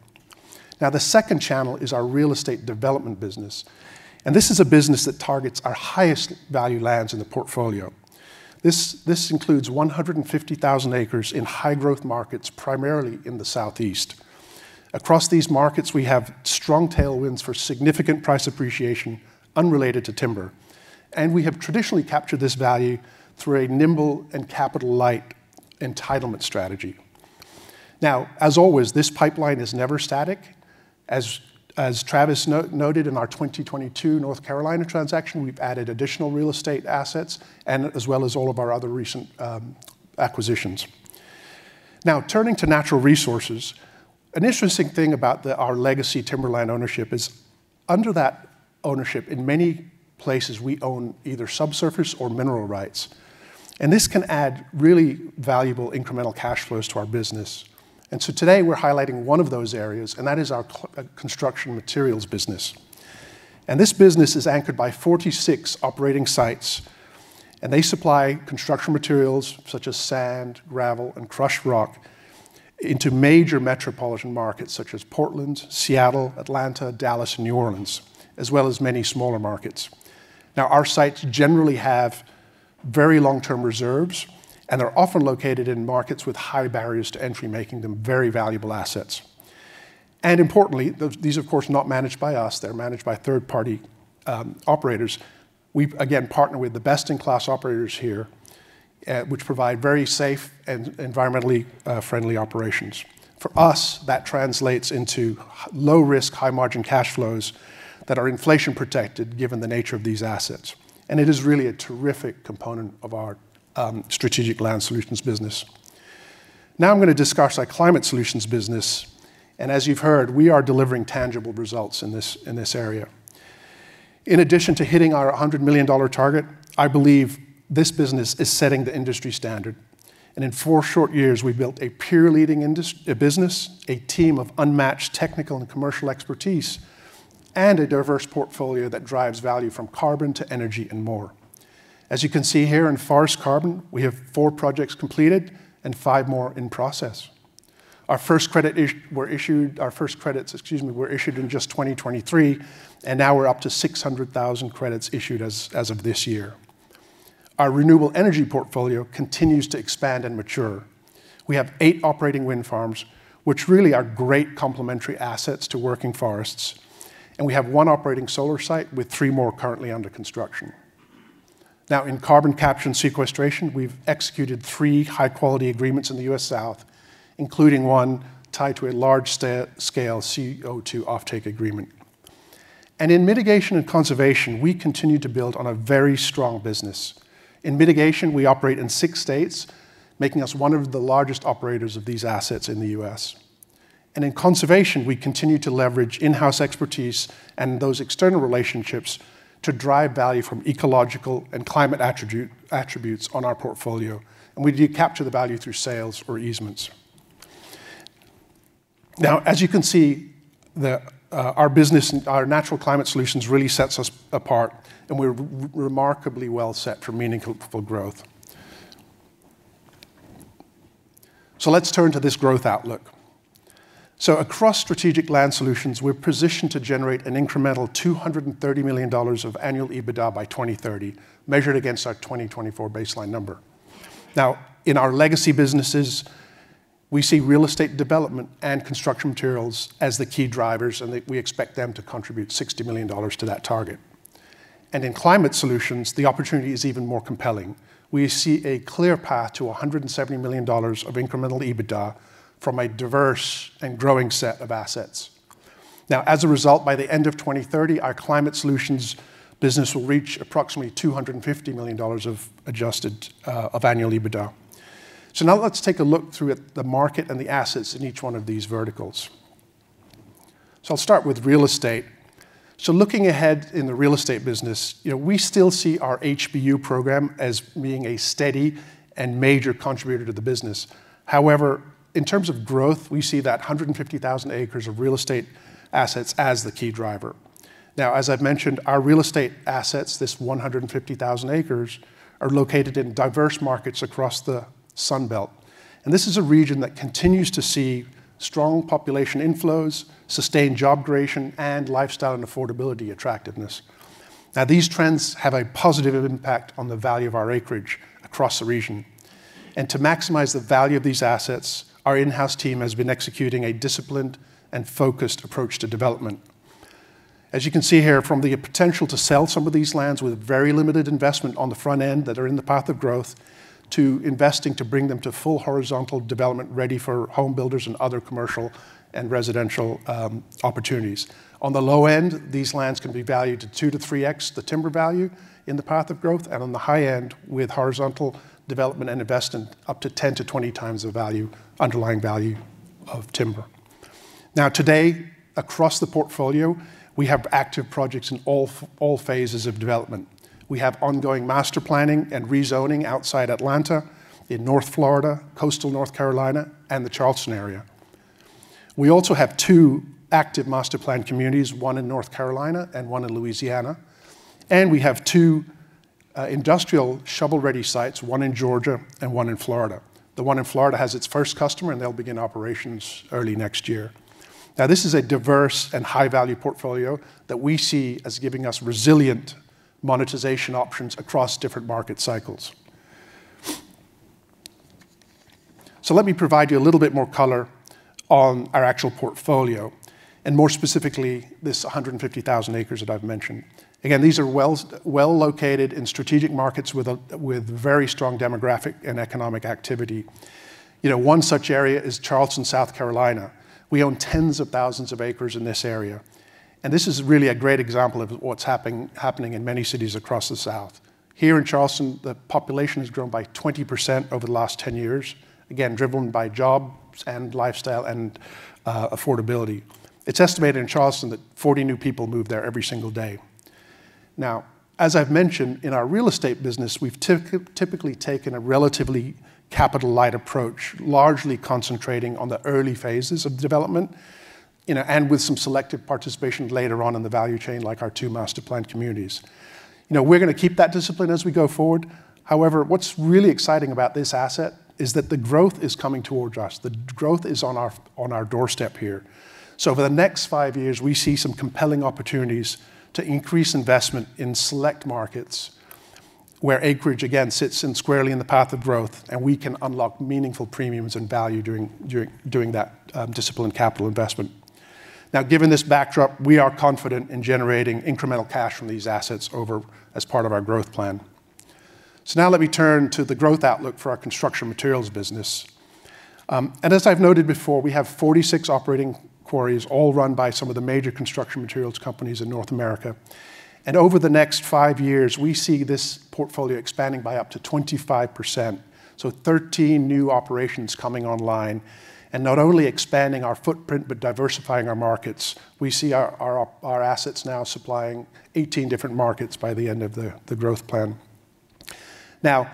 Now, the second channel is our real estate development business. And this is a business that targets our highest value lands in the portfolio. This includes 150,000 acres in high-growth markets, primarily in the South East. Across these markets, we have strong tailwinds for significant price appreciation unrelated to timber. And we have traditionally captured this value through a nimble and capital-light entitlement strategy. Now, as always, this pipeline is never static. As Travis noted in our 2022 North Carolina transaction, we've added additional real estate assets as well as all of our other recent acquisitions. Now, turning to natural resources, an interesting thing about our legacy timberland ownership is, under that ownership, in many places, we own either subsurface or mineral rights. And this can add really valuable incremental cash flows to our business. And so today, we're highlighting one of those areas, and that is our construction materials business. And this business is anchored by 46 operating sites. And they supply construction materials such as sand, gravel, and crushed rock into major metropolitan markets such as Portland, Seattle, Atlanta, Dallas, and New Orleans, as well as many smaller markets. Now, our sites generally have very long-term reserves, and they're often located in markets with high barriers to entry, making them very valuable assets. And importantly, these, of course, are not managed by us. They're managed by third-party operators. We, again, partner with the best-in-class operators here, which provide very safe and environmentally friendly operations. For us, that translates into low-risk, high-margin cash flows that are inflation-protected given the nature of these assets. And it is really a terrific component of our Strategic Land Solutions business. Now, I'm going to discuss our Climate Solutions business. And as you've heard, we are delivering tangible results in this area. In addition to hitting our $100 million target, I believe this business is setting the industry standard, and in four short years, we've built a peer-leading business, a team of unmatched technical and commercial expertise, and a diverse portfolio that drives value from carbon to energy and more. As you can see here in Forest Carbon, we have four projects completed and five more in process. Our first credits were issued in just 2023, and now we're up to 600,000 credits issued as of this year. Our renewable energy portfolio continues to expand and mature. We have eight operating wind farms, which really are great complementary assets to working forests, and we have one operating solar site with three more currently under construction. Now, in carbon capture and sequestration, we've executed three high-quality agreements in the U.S. South, including one tied to a large-scale CO2 offtake agreement. And in mitigation and conservation, we continue to build on a very strong business. In mitigation, we operate in six states, making us one of the largest operators of these assets in the U.S. And in conservation, we continue to leverage in-house expertise and those external relationships to drive value from ecological and climate attributes on our portfolio. And we capture the value through sales or easements. Now, as you can see, our business and our natural Climate Solutions really set us apart, and we're remarkably well set for meaningful growth. So let's turn to this growth outlook. So across Strategic Land Solutions, we're positioned to generate an incremental $230 million of annual EBITDA by 2030, measured against our 2024 baseline number. Now, in our legacy businesses, we see real estate development and construction materials as the key drivers, and we expect them to contribute $60 million to that target, and in Climate Solutions, the opportunity is even more compelling. We see a clear path to $170 million of incremental EBITDA from a diverse and growing set of assets. Now, as a result, by the end of 2030, our Climate Solutions business will reach approximately $250 million of annual EBITDA, so now let's take a look through at the market and the assets in each one of these verticals, so I'll start with real estate, so looking ahead in the real estate business, we still see our HBU program as being a steady and major contributor to the business. However, in terms of growth, we see that 150,000 acres of real estate assets as the key driver. Now, as I've mentioned, our real estate assets, this 150,000 acres, are located in diverse markets across the Sun Belt. And this is a region that continues to see strong population inflows, sustained job creation, and lifestyle and affordability attractiveness. Now, these trends have a positive impact on the value of our acreage across the region. And to maximize the value of these assets, our in-house team has been executing a disciplined and focused approach to development. As you can see here, from the potential to sell some of these lands with very limited investment on the front end that are in the path of growth to investing to bring them to full horizontal development ready for home builders and other commercial and residential opportunities. On the low end, these lands can be valued to 2x - 3x the timber value in the path of growth. And on the high end, with horizontal development and investment, up to 10-20 times the underlying value of timber. Now, today, across the portfolio, we have active projects in all phases of development. We have ongoing master planning and rezoning outside Atlanta, in North Florida, coastal North Carolina, and the Charleston area. We also have two active master plan communities, one in North Carolina and one in Louisiana. And we have two industrial shovel-ready sites, one in Georgia and one in Florida. The one in Florida has its first customer, and they'll begin operations early next year. Now, this is a diverse and high-value portfolio that we see as giving us resilient monetization options across different market cycles. So let me provide you a little bit more color on our actual portfolio, and more specifically, this 150,000 acres that I've mentioned. Again, these are well-located in strategic markets with very strong demographic and economic activity. One such area is Charleston, South Carolina. We own tens of thousands of acres in this area, and this is really a great example of what's happening in many cities across the South. Here in Charleston, the population has grown by 20% over the last 10 years, again, driven by jobs and lifestyle and affordability. It's estimated in Charleston that 40 new people move there every single day. Now, as I've mentioned, in our real estate business, we've typically taken a relatively capital-light approach, largely concentrating on the early phases of development and with some selective participation later on in the value chain, like our two master plan communities. We're going to keep that discipline as we go forward. However, what's really exciting about this asset is that the growth is coming towards us. The growth is on our doorstep here, so for the next five years, we see some compelling opportunities to increase investment in select markets where acreage, again, sits squarely in the path of growth, and we can unlock meaningful premiums and value during that disciplined capital investment. Now, given this backdrop, we are confident in generating incremental cash from these assets as part of our growth plan, so now let me turn to the growth outlook for our construction materials business, as I've noted before, we have 46 operating quarries, all run by some of the major construction materials companies in North America, and over the next five years, we see this portfolio expanding by up to 25%, so 13 new operations coming online, and not only expanding our footprint, but diversifying our markets. We see our assets now supplying 18 different markets by the end of the growth plan. Now,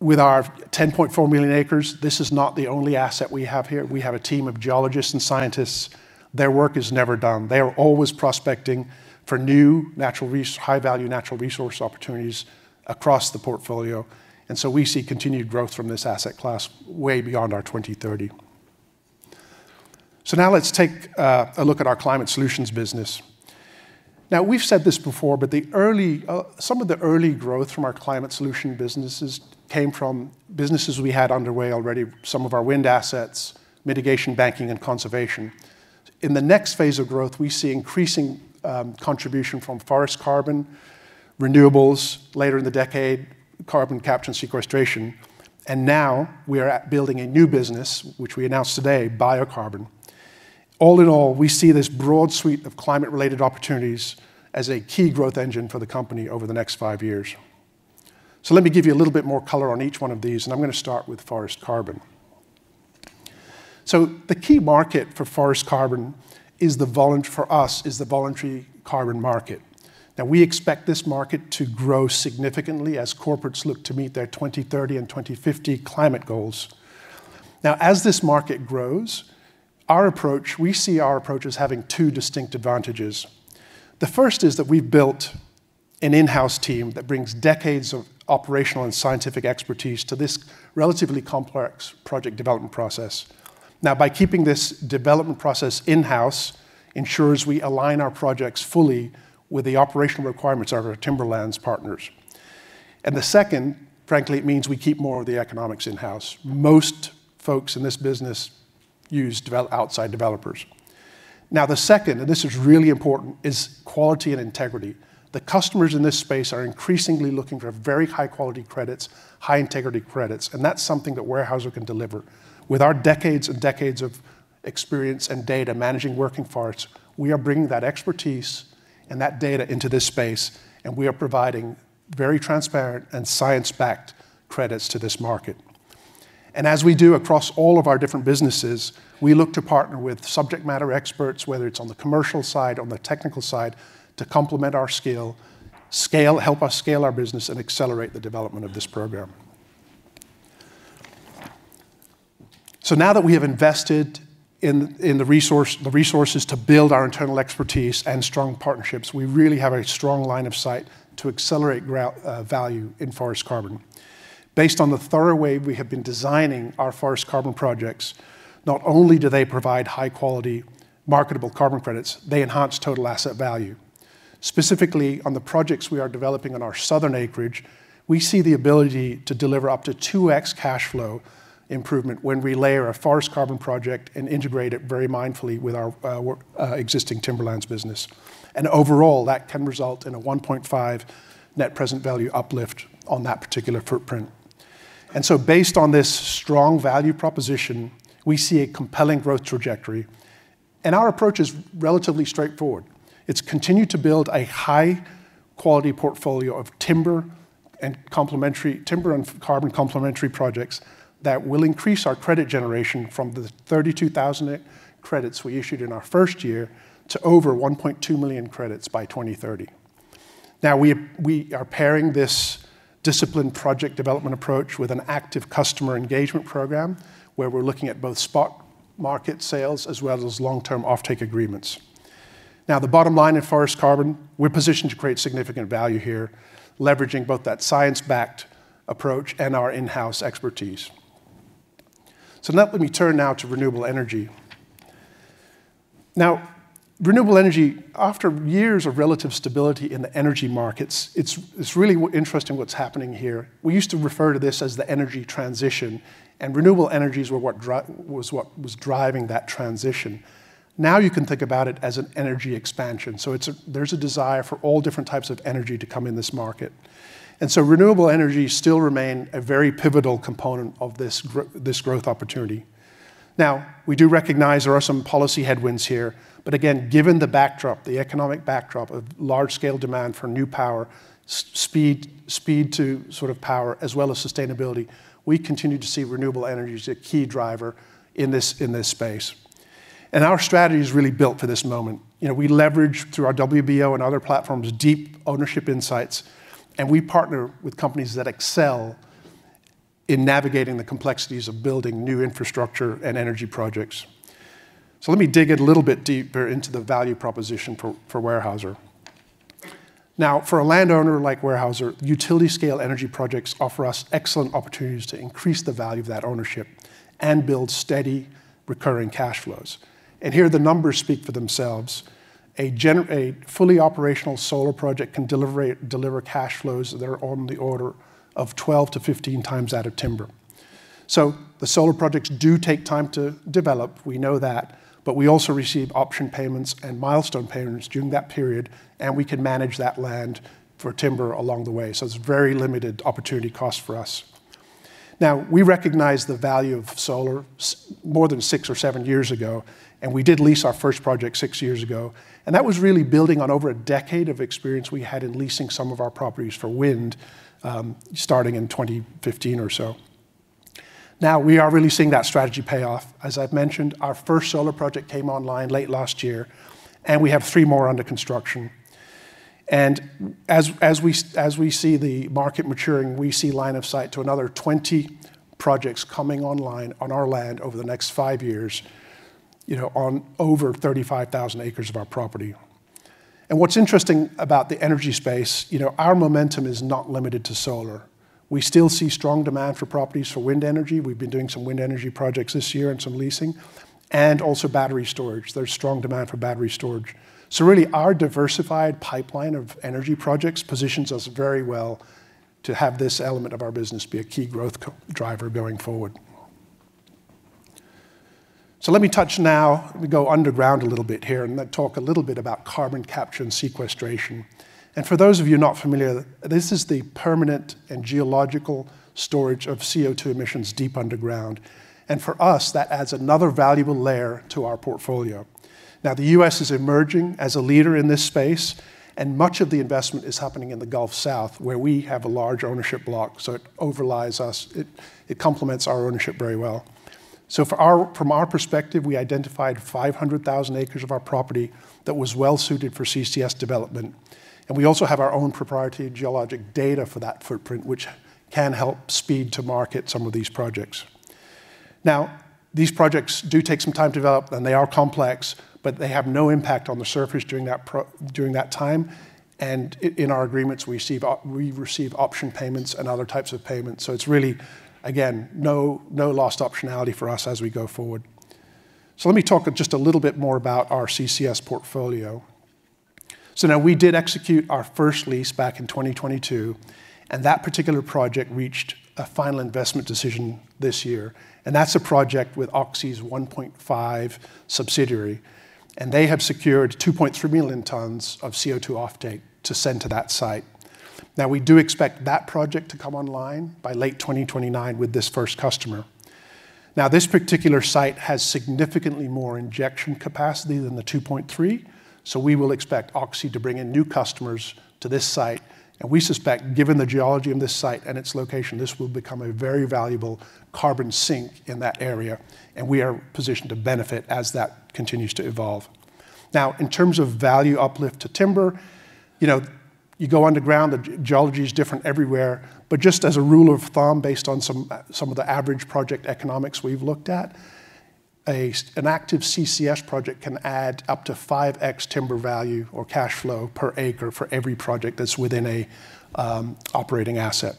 with our 10.4 million acres, this is not the only asset we have here. We have a team of geologists and scientists. Their work is never done. They are always prospecting for new high-value natural resource opportunities across the portfolio. And so we see continued growth from this asset class way beyond our 2030. So now let's take a look at our Climate Solutions business. Now, we've said this before, but some of the early growth from our climate solution businesses came from businesses we had underway already, some of our wind assets, mitigation, banking, and conservation. In the next phase of growth, we see increasing contribution from forest carbon, renewables, later in the decade, carbon capture and sequestration. And now we are building a new business, which we announced today, biocarbon. All in all, we see this broad suite of climate-related opportunities as a key growth engine for the company over the next five years. So let me give you a little bit more color on each one of these, and I'm going to start with forest carbon. So the key market for forest carbon for us is the voluntary carbon market. Now, we expect this market to grow significantly as corporates look to meet their 2030 and 2050 climate goals. Now, as this market grows, we see our approach as having two distinct advantages. The first is that we've built an in-house team that brings decades of operational and scientific expertise to this relatively complex project development process. Now, by keeping this development process in-house, it ensures we align our projects fully with the operational requirements of our timberlands partners. And the second, frankly, it means we keep more of the economics in-house. Most folks in this business use outside developers. Now, the second, and this is really important, is quality and integrity. The customers in this space are increasingly looking for very high-quality credits, high-integrity credits. And that's something that Weyerhaeuser can deliver. With our decades and decades of experience and data managing working forests, we are bringing that expertise and that data into this space, and we are providing very transparent and science-backed credits to this market. And as we do across all of our different businesses, we look to partner with subject matter experts, whether it's on the commercial side, on the technical side, to complement our scale, help us scale our business, and accelerate the development of this program. So now that we have invested in the resources to build our internal expertise and strong partnerships, we really have a strong line of sight to accelerate value in forest carbon. Based on the thorough way we have been designing our forest carbon projects, not only do they provide high-quality, marketable carbon credits, they enhance total asset value. Specifically, on the projects we are developing on our southern acreage, we see the ability to deliver up to 2x cash flow improvement when we layer a forest carbon project and integrate it very mindfully with our existing timberlands business. And overall, that can result in a 1.5 net present value uplift on that particular footprint. And so based on this strong value proposition, we see a compelling growth trajectory. And our approach is relatively straightforward. We continue to build a high-quality portfolio of timber and carbon complementary projects that will increase our credit generation from the 32,000 credits we issued in our first year to over 1.2 million credits by 2030. Now, we are pairing this disciplined project development approach with an active customer engagement program where we're looking at both spot market sales as well as long-term offtake agreements. Now, the bottom line in forest carbon, we're positioned to create significant value here, leveraging both that science-backed approach and our in-house expertise. So let me turn now to renewable energy. Now, renewable energy, after years of relative stability in the energy markets, it's really interesting what's happening here. We used to refer to this as the energy transition, and renewable energies was what was driving that transition. Now you can think about it as an energy expansion. So there's a desire for all different types of energy to come in this market. And so renewable energy still remains a very pivotal component of this growth opportunity. Now, we do recognize there are some policy headwinds here. But again, given the backdrop, the economic backdrop of large-scale demand for new power, speed to sort of power, as well as sustainability, we continue to see renewable energy as a key driver in this space. And our strategy is really built for this moment. We leverage, through our WBO and other platforms, deep ownership insights, and we partner with companies that excel in navigating the complexities of building new infrastructure and energy projects. So let me dig a little bit deeper into the value proposition for Weyerhaeuser. Now, for a landowner like Weyerhaeuser, utility-scale energy projects offer us excellent opportunities to increase the value of that ownership and build steady recurring cash flows. Here the numbers speak for themselves. A fully operational solar project can deliver cash flows that are on the order of 12-15 times that of timber. The solar projects do take time to develop, we know that, but we also receive option payments and milestone payments during that period, and we can manage that land for timber along the way. It's a very limited opportunity cost for us. Now, we recognize the value of solar more than six or seven years ago, and we did lease our first project six years ago. That was really building on over a decade of experience we had in leasing some of our properties for wind starting in 2015 or so. Now, we are really seeing that strategy pay off. As I've mentioned, our first solar project came online late last year, and we have three more under construction. And as we see the market maturing, we see line of sight to another 20 projects coming online on our land over the next five years on over 35,000 acres of our property. And what's interesting about the energy space, our momentum is not limited to solar. We still see strong demand for properties for wind energy. We've been doing some wind energy projects this year and some leasing, and also battery storage. There's strong demand for battery storage. So really, our diversified pipeline of energy projects positions us very well to have this element of our business be a key growth driver going forward. So let me touch now, let me go underground a little bit here and then talk a little bit about carbon capture and sequestration. And for those of you not familiar, this is the permanent and geological storage of CO2 emissions deep underground. And for us, that adds another valuable layer to our portfolio. Now, the U.S. is emerging as a leader in this space, and much of the investment is happening in the Gulf South, where we have a large ownership block. So it overlies us. It complements our ownership very well. So from our perspective, we identified 500,000 acres of our property that was well-suited for CCS development. And we also have our own proprietary geologic data for that footprint, which can help speed to market some of these projects. Now, these projects do take some time to develop, and they are complex, but they have no impact on the surface during that time. And in our agreements, we receive option payments and other types of payments. So it's really, again, no lost optionality for us as we go forward. So let me talk just a little bit more about our CCS portfolio. So now we did execute our first lease back in 2022, and that particular project reached a final investment decision this year. And that's a project with Oxy's 1PointFive subsidiary. And they have secured 2.3 million tons of CO2 offtake to send to that site. Now, we do expect that project to come online by late 2029 with this first customer. Now, this particular site has significantly more injection capacity than the 2.3. So we will expect Oxy to bring in new customers to this site. We suspect, given the geology of this site and its location, this will become a very valuable carbon sink in that area. We are positioned to benefit as that continues to evolve. Now, in terms of value uplift to timber, you go underground, the geology is different everywhere. Just as a rule of thumb, based on some of the average project economics we've looked at, an active CCS project can add up to 5x timber value or cash flow per acre for every project that's within an operating asset.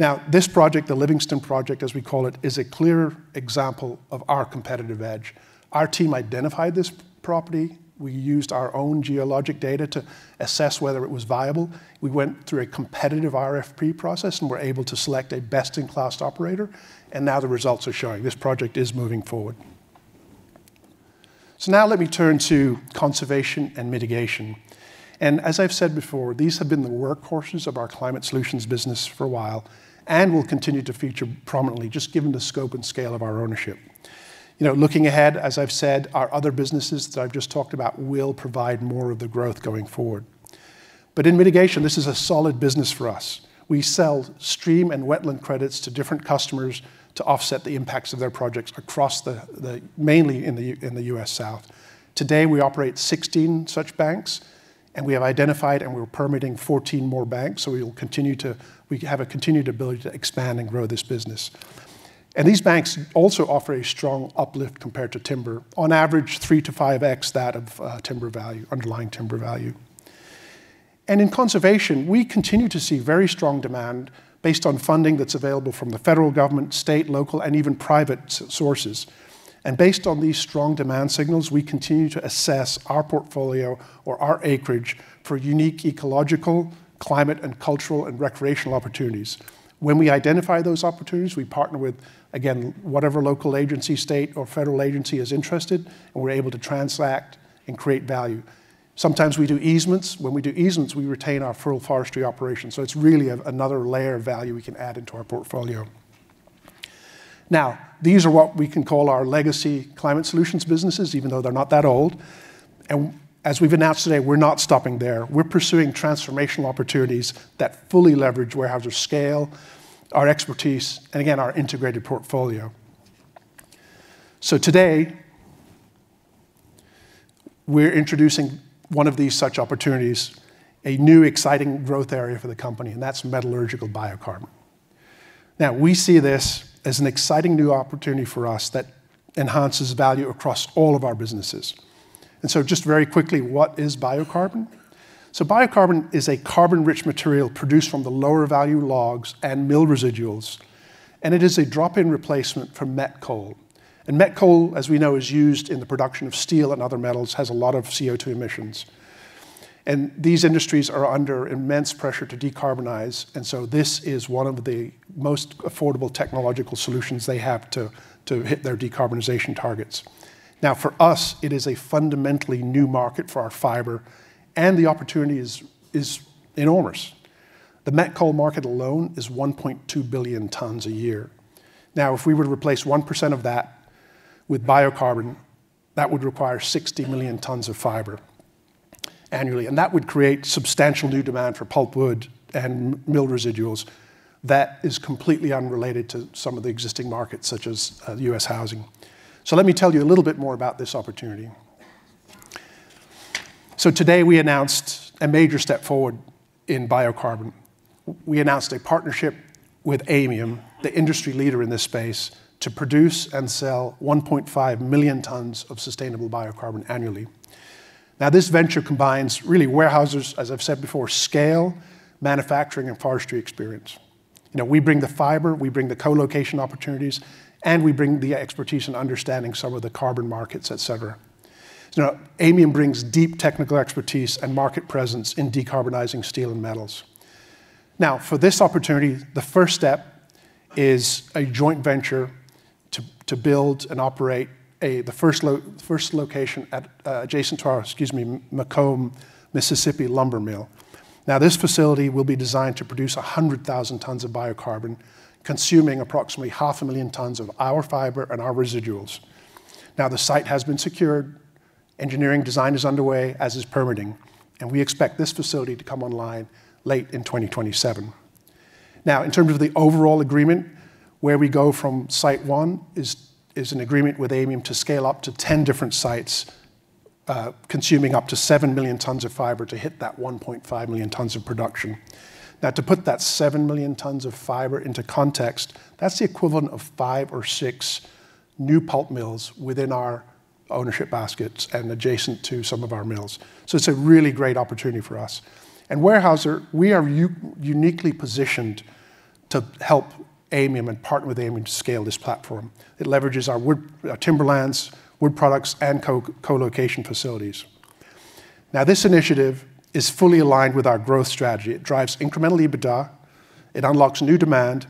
Now, this project, the Livingston project, as we call it, is a clear example of our competitive edge. Our team identified this property. We used our own geologic data to assess whether it was viable. We went through a competitive RFP process and were able to select a best-in-class operator. Now the results are showing this project is moving forward. Now let me turn to conservation and mitigation. As I've said before, these have been the workhorses of our Climate Solutions business for a while and will continue to feature prominently, just given the scope and scale of our ownership. Looking ahead, as I've said, our other businesses that I've just talked about will provide more of the growth going forward. But in mitigation, this is a solid business for us. We sell stream and wetland credits to different customers to offset the impacts of their projects across the, mainly in the U.S. South. Today, we operate 16 such banks, and we have identified and we're permitting 14 more banks. We will continue to have a continued ability to expand and grow this business. These banks also offer a strong uplift compared to timber, on average 3x-5x that of underlying timber value. In conservation, we continue to see very strong demand based on funding that's available from the federal government, state, local, and even private sources. Based on these strong demand signals, we continue to assess our portfolio or our acreage for unique ecological, climate, and cultural and recreational opportunities. When we identify those opportunities, we partner with, again, whatever local agency, state, or federal agency is interested, and we're able to transact and create value. Sometimes we do easements. When we do easements, we retain our rural forestry operations. It's really another layer of value we can add into our portfolio. These are what we can call our legacy Climate Solutions businesses, even though they're not that old. As we've announced today, we're not stopping there. We're pursuing transformational opportunities that fully leverage Weyerhaeuser's scale, our expertise, and again, our integrated portfolio. Today, we're introducing one of these such opportunities, a new exciting growth area for the company, and that's metallurgical biocarbon. Now, we see this as an exciting new opportunity for us that enhances value across all of our businesses. Just very quickly, what is biocarbon? Biocarbon is a carbon-rich material produced from the lower-value logs and mill residuals, and it is a drop-in replacement for met coal. Met coal, as we know, is used in the production of steel and other metals, has a lot of CO2 emissions. These industries are under immense pressure to decarbonize. This is one of the most affordable technological solutions they have to hit their decarbonization targets. Now, for us, it is a fundamentally new market for our fiber, and the opportunity is enormous. The met coal market alone is 1.2 billion tons a year. Now, if we were to replace 1% of that with biocarbon, that would require 60 million tons of fiber annually. And that would create substantial new demand for pulp wood and mill residuals. That is completely unrelated to some of the existing markets, such as U.S. housing, so let me tell you a little bit more about this opportunity, so today, we announced a major step forward in biocarbon. We announced a partnership with Aymium, the industry leader in this space, to produce and sell 1.5 million tons of sustainable biocarbon annually. Now, this venture combines really Weyerhaeuser's, as I've said before, scale, manufacturing, and forestry experience. We bring the fiber, we bring the co-location opportunities, and we bring the expertise and understanding of some of the carbon markets, etc. Aymium brings deep technical expertise and market presence in decarbonizing steel and metals. Now, for this opportunity, the first step is a joint venture to build and operate the first location adjacent to our, excuse me, McComb, Mississippi lumber mill. Now, this facility will be designed to produce 100,000 tons of biocarbon, consuming approximately 500,000 tons of our fiber and our residuals. Now, the site has been secured. Engineering design is underway, as is permitting, and we expect this facility to come online late in 2027. Now, in terms of the overall agreement, where we go from site one is an agreement with Aymium to scale up to 10 different sites, consuming up to seven million tons of fiber to hit that 1.5 million tons of production. Now, to put that seven million tons of fiber into context, that's the equivalent of five or six new pulp mills within our ownership baskets and adjacent to some of our mills. So it's a really great opportunity for us. And Weyerhaeuser, we are uniquely positioned to help Aymium and partner with Aymium to scale this platform. It leverages our timberlands, wood products, and co-location facilities. Now, this initiative is fully aligned with our growth strategy. It drives incremental EBITDA, it unlocks new demand,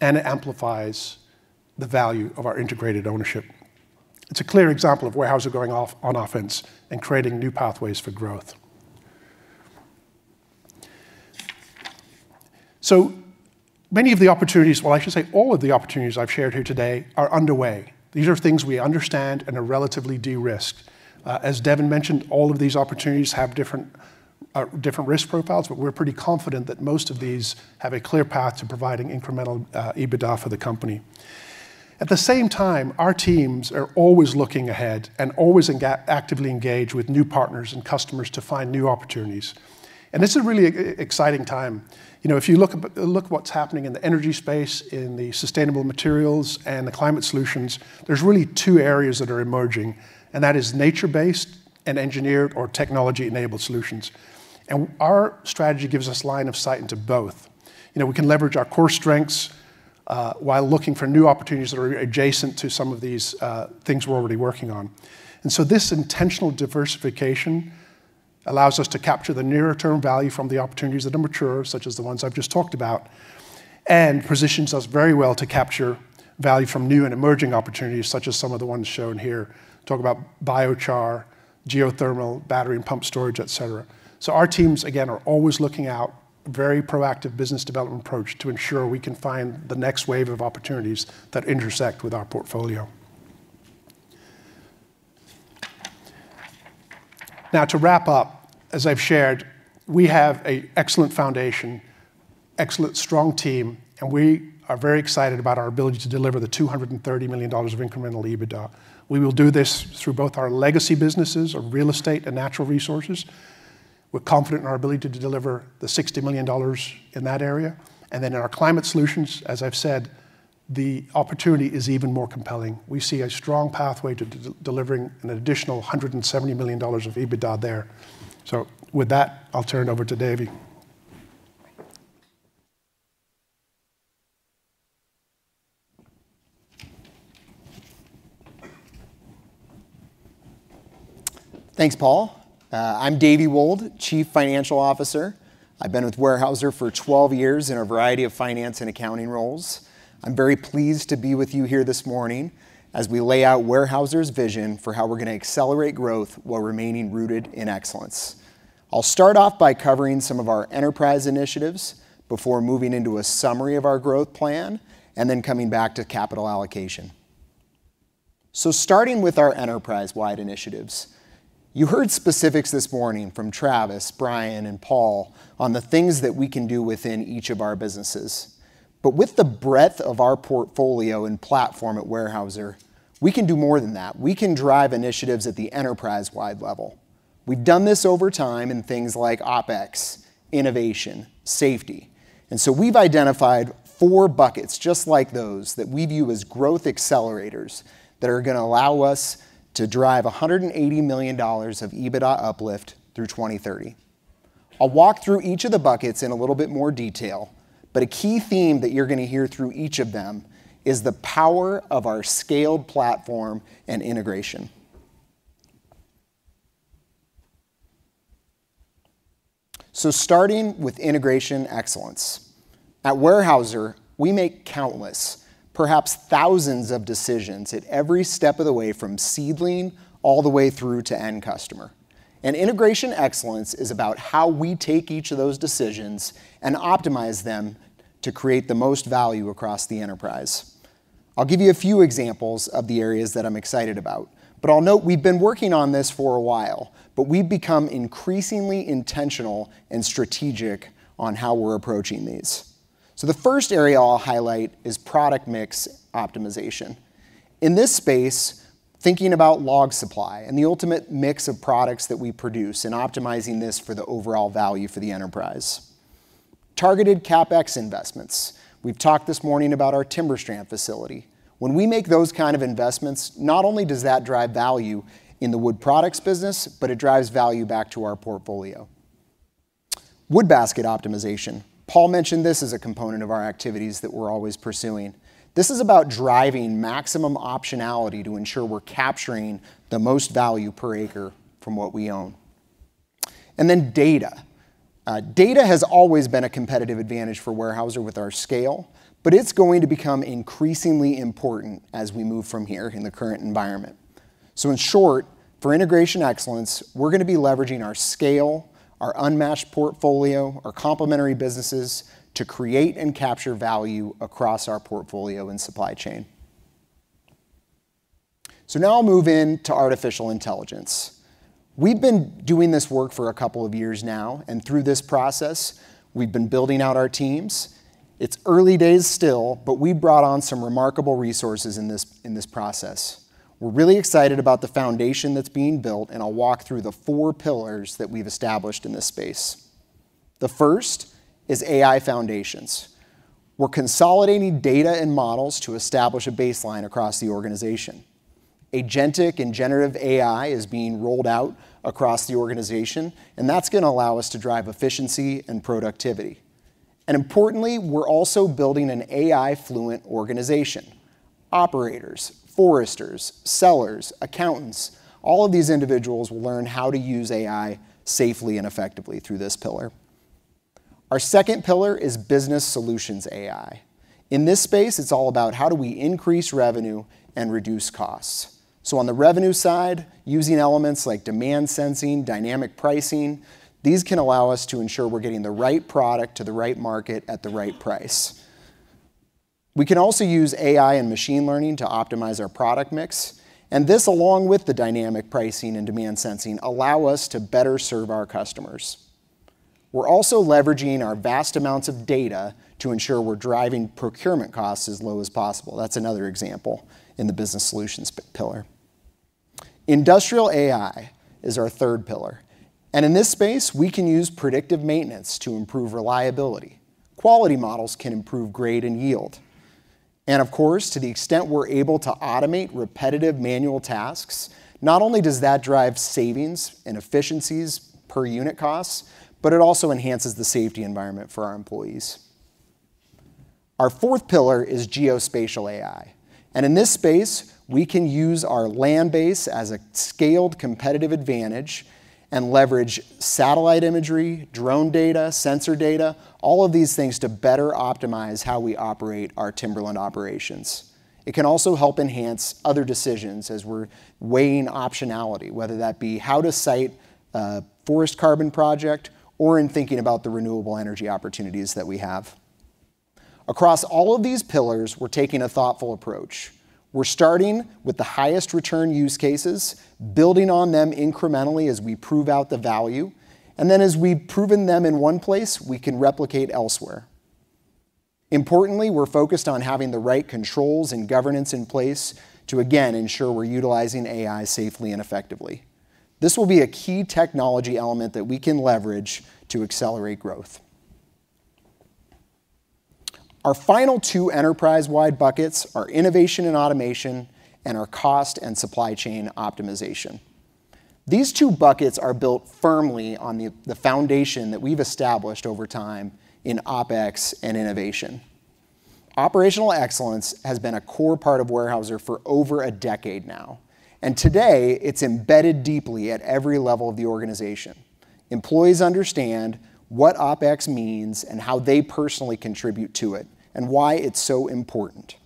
and it amplifies the value of our integrated ownership. It's a clear example of Weyerhaeuser going off on offense and creating new pathways for growth. Many of the opportunities, well, I should say all of the opportunities I've shared here today are underway. These are things we understand and are relatively de-risked. As Devin mentioned, all of these opportunities have different risk profiles, but we're pretty confident that most of these have a clear path to providing incremental EBITDA for the company. At the same time, our teams are always looking ahead and always actively engaged with new partners and customers to find new opportunities. This is a really exciting time. If you look at what's happening in the energy space, in the sustainable materials and the Climate Solutions, there are really two areas that are emerging, and that is nature-based and engineered or technology-enabled solutions. Our strategy gives us line of sight into both. We can leverage our core strengths while looking for new opportunities that are adjacent to some of these things we're already working on. And so this intentional diversification allows us to capture the nearer-term value from the opportunities that are mature, such as the ones I've just talked about, and positions us very well to capture value from new and emerging opportunities, such as some of the ones shown here, talk about biocarbon, geothermal, battery and pump storage, etc. So our teams, again, are always looking out for a very proactive business development approach to ensure we can find the next wave of opportunities that intersect with our portfolio. Now, to wrap up, as I've shared, we have an excellent foundation, excellent strong team, and we are very excited about our ability to deliver the $230 million of incremental EBITDA. We will do this through both our legacy businesses of real estate and natural resources. We're confident in our ability to deliver the $60 million in that area. And then in our Climate Solutions, as I've said, the opportunity is even more compelling. We see a strong pathway to delivering an additional $170 million of EBITDA there. So with that, I'll turn it over to David.
Thanks, Paul. I'm David Wold, Chief Financial Officer. I've been with Weyerhaeuser for 12 years in a variety of finance and accounting roles. I'm very pleased to be with you here this morning as we lay out Weyerhaeuser's vision for how we're going to accelerate growth while remaining rooted in excellence. I'll start off by covering some of our enterprise initiatives before moving into a summary of our growth plan and then coming back to capital allocation. So starting with our enterprise-wide initiatives, you heard specifics this morning from Travis, Brian, and Paul on the things that we can do within each of our businesses. But with the breadth of our portfolio and platform at Weyerhaeuser, we can do more than that. We can drive initiatives at the enterprise-wide level. We've done this over time in things like OpEx, innovation, safety. And so we've identified four buckets, just like those, that we view as growth accelerators that are going to allow us to drive $180 million of EBITDA uplift through 2030. I'll walk through each of the buckets in a little bit more detail, but a key theme that you're going to hear through each of them is the power of our scaled platform and integration. So starting with integration excellence. At Weyerhaeuser, we make countless, perhaps thousands of decisions at every step of the way from seedling all the way through to end customer. And integration excellence is about how we take each of those decisions and optimize them to create the most value across the enterprise. I'll give you a few examples of the areas that I'm excited about. But I'll note we've been working on this for a while, but we've become increasingly intentional and strategic on how we're approaching these. So the first area I'll highlight is product mix optimization. In this space, thinking about log supply and the ultimate mix of products that we produce and optimizing this for the overall value for the enterprise. Targeted CapEx investments. We've talked this morning about our TimberStrand facility. When we make those kinds of investments, not only does that drive value in the wood products business, but it drives value back to our portfolio. Wood Basket Optimization. Paul mentioned this as a component of our activities that we're always pursuing. This is about driving maximum optionality to ensure we're capturing the most value per acre from what we own, and then data. Data has always been a competitive advantage for Weyerhaeuser with our scale, but it's going to become increasingly important as we move from here in the current environment. In short, for operational excellence, we're going to be leveraging our scale, our unmatched portfolio, our complementary businesses to create and capture value across our portfolio and supply chain. Now I'll move into artificial intelligence. We've been doing this work for a couple of years now, and through this process, we've been building out our teams. It's early days still, but we brought on some remarkable resources in this process. We're really excited about the foundation that's being built, and I'll walk through the four pillars that we've established in this space. The first is AI foundations. We're consolidating data and models to establish a baseline across the organization. Agentic and generative AI is being rolled out across the organization, and that's going to allow us to drive efficiency and productivity. And importantly, we're also building an AI-fluent organization. Operators, foresters, sellers, accountants, all of these individuals will learn how to use AI safely and effectively through this pillar. Our second pillar is business solutions AI. In this space, it's all about how do we increase revenue and reduce costs. So on the revenue side, using elements like demand sensing, dynamic pricing, these can allow us to ensure we're getting the right product to the right market at the right price. We can also use AI and machine learning to optimize our product mix. And this, along with the dynamic pricing and demand sensing, allows us to better serve our customers. We're also leveraging our vast amounts of data to ensure we're driving procurement costs as low as possible. That's another example in the business solutions pillar. Industrial AI is our third pillar. And in this space, we can use predictive maintenance to improve reliability. Quality models can improve grade and yield. And of course, to the extent we're able to automate repetitive manual tasks, not only does that drive savings and efficiencies per unit costs, but it also enhances the safety environment for our employees. Our fourth pillar is geospatial AI. And in this space, we can use our land base as a scaled competitive advantage and leverage satellite imagery, drone data, sensor data, all of these things to better optimize how we operate our timberland operations. It can also help enhance other decisions as we're weighing optionality, whether that be how to site a forest carbon project or in thinking about the renewable energy opportunities that we have. Across all of these pillars, we're taking a thoughtful approach. We're starting with the highest return use cases, building on them incrementally as we prove out the value. And then as we've proven them in one place, we can replicate elsewhere. Importantly, we're focused on having the right controls and governance in place to, again, ensure we're utilizing AI safely and effectively. This will be a key technology element that we can leverage to accelerate growth. Our final two enterprise-wide buckets are innovation and automation and our cost and supply chain optimization. These two buckets are built firmly on the foundation that we've established over time in OpEx and innovation. Operational excellence has been a core part of Weyerhaeuser for over a decade now, and today, it's embedded deeply at every level of the organization. Employees understand what OpEx means and how they personally contribute to it and why it's so important,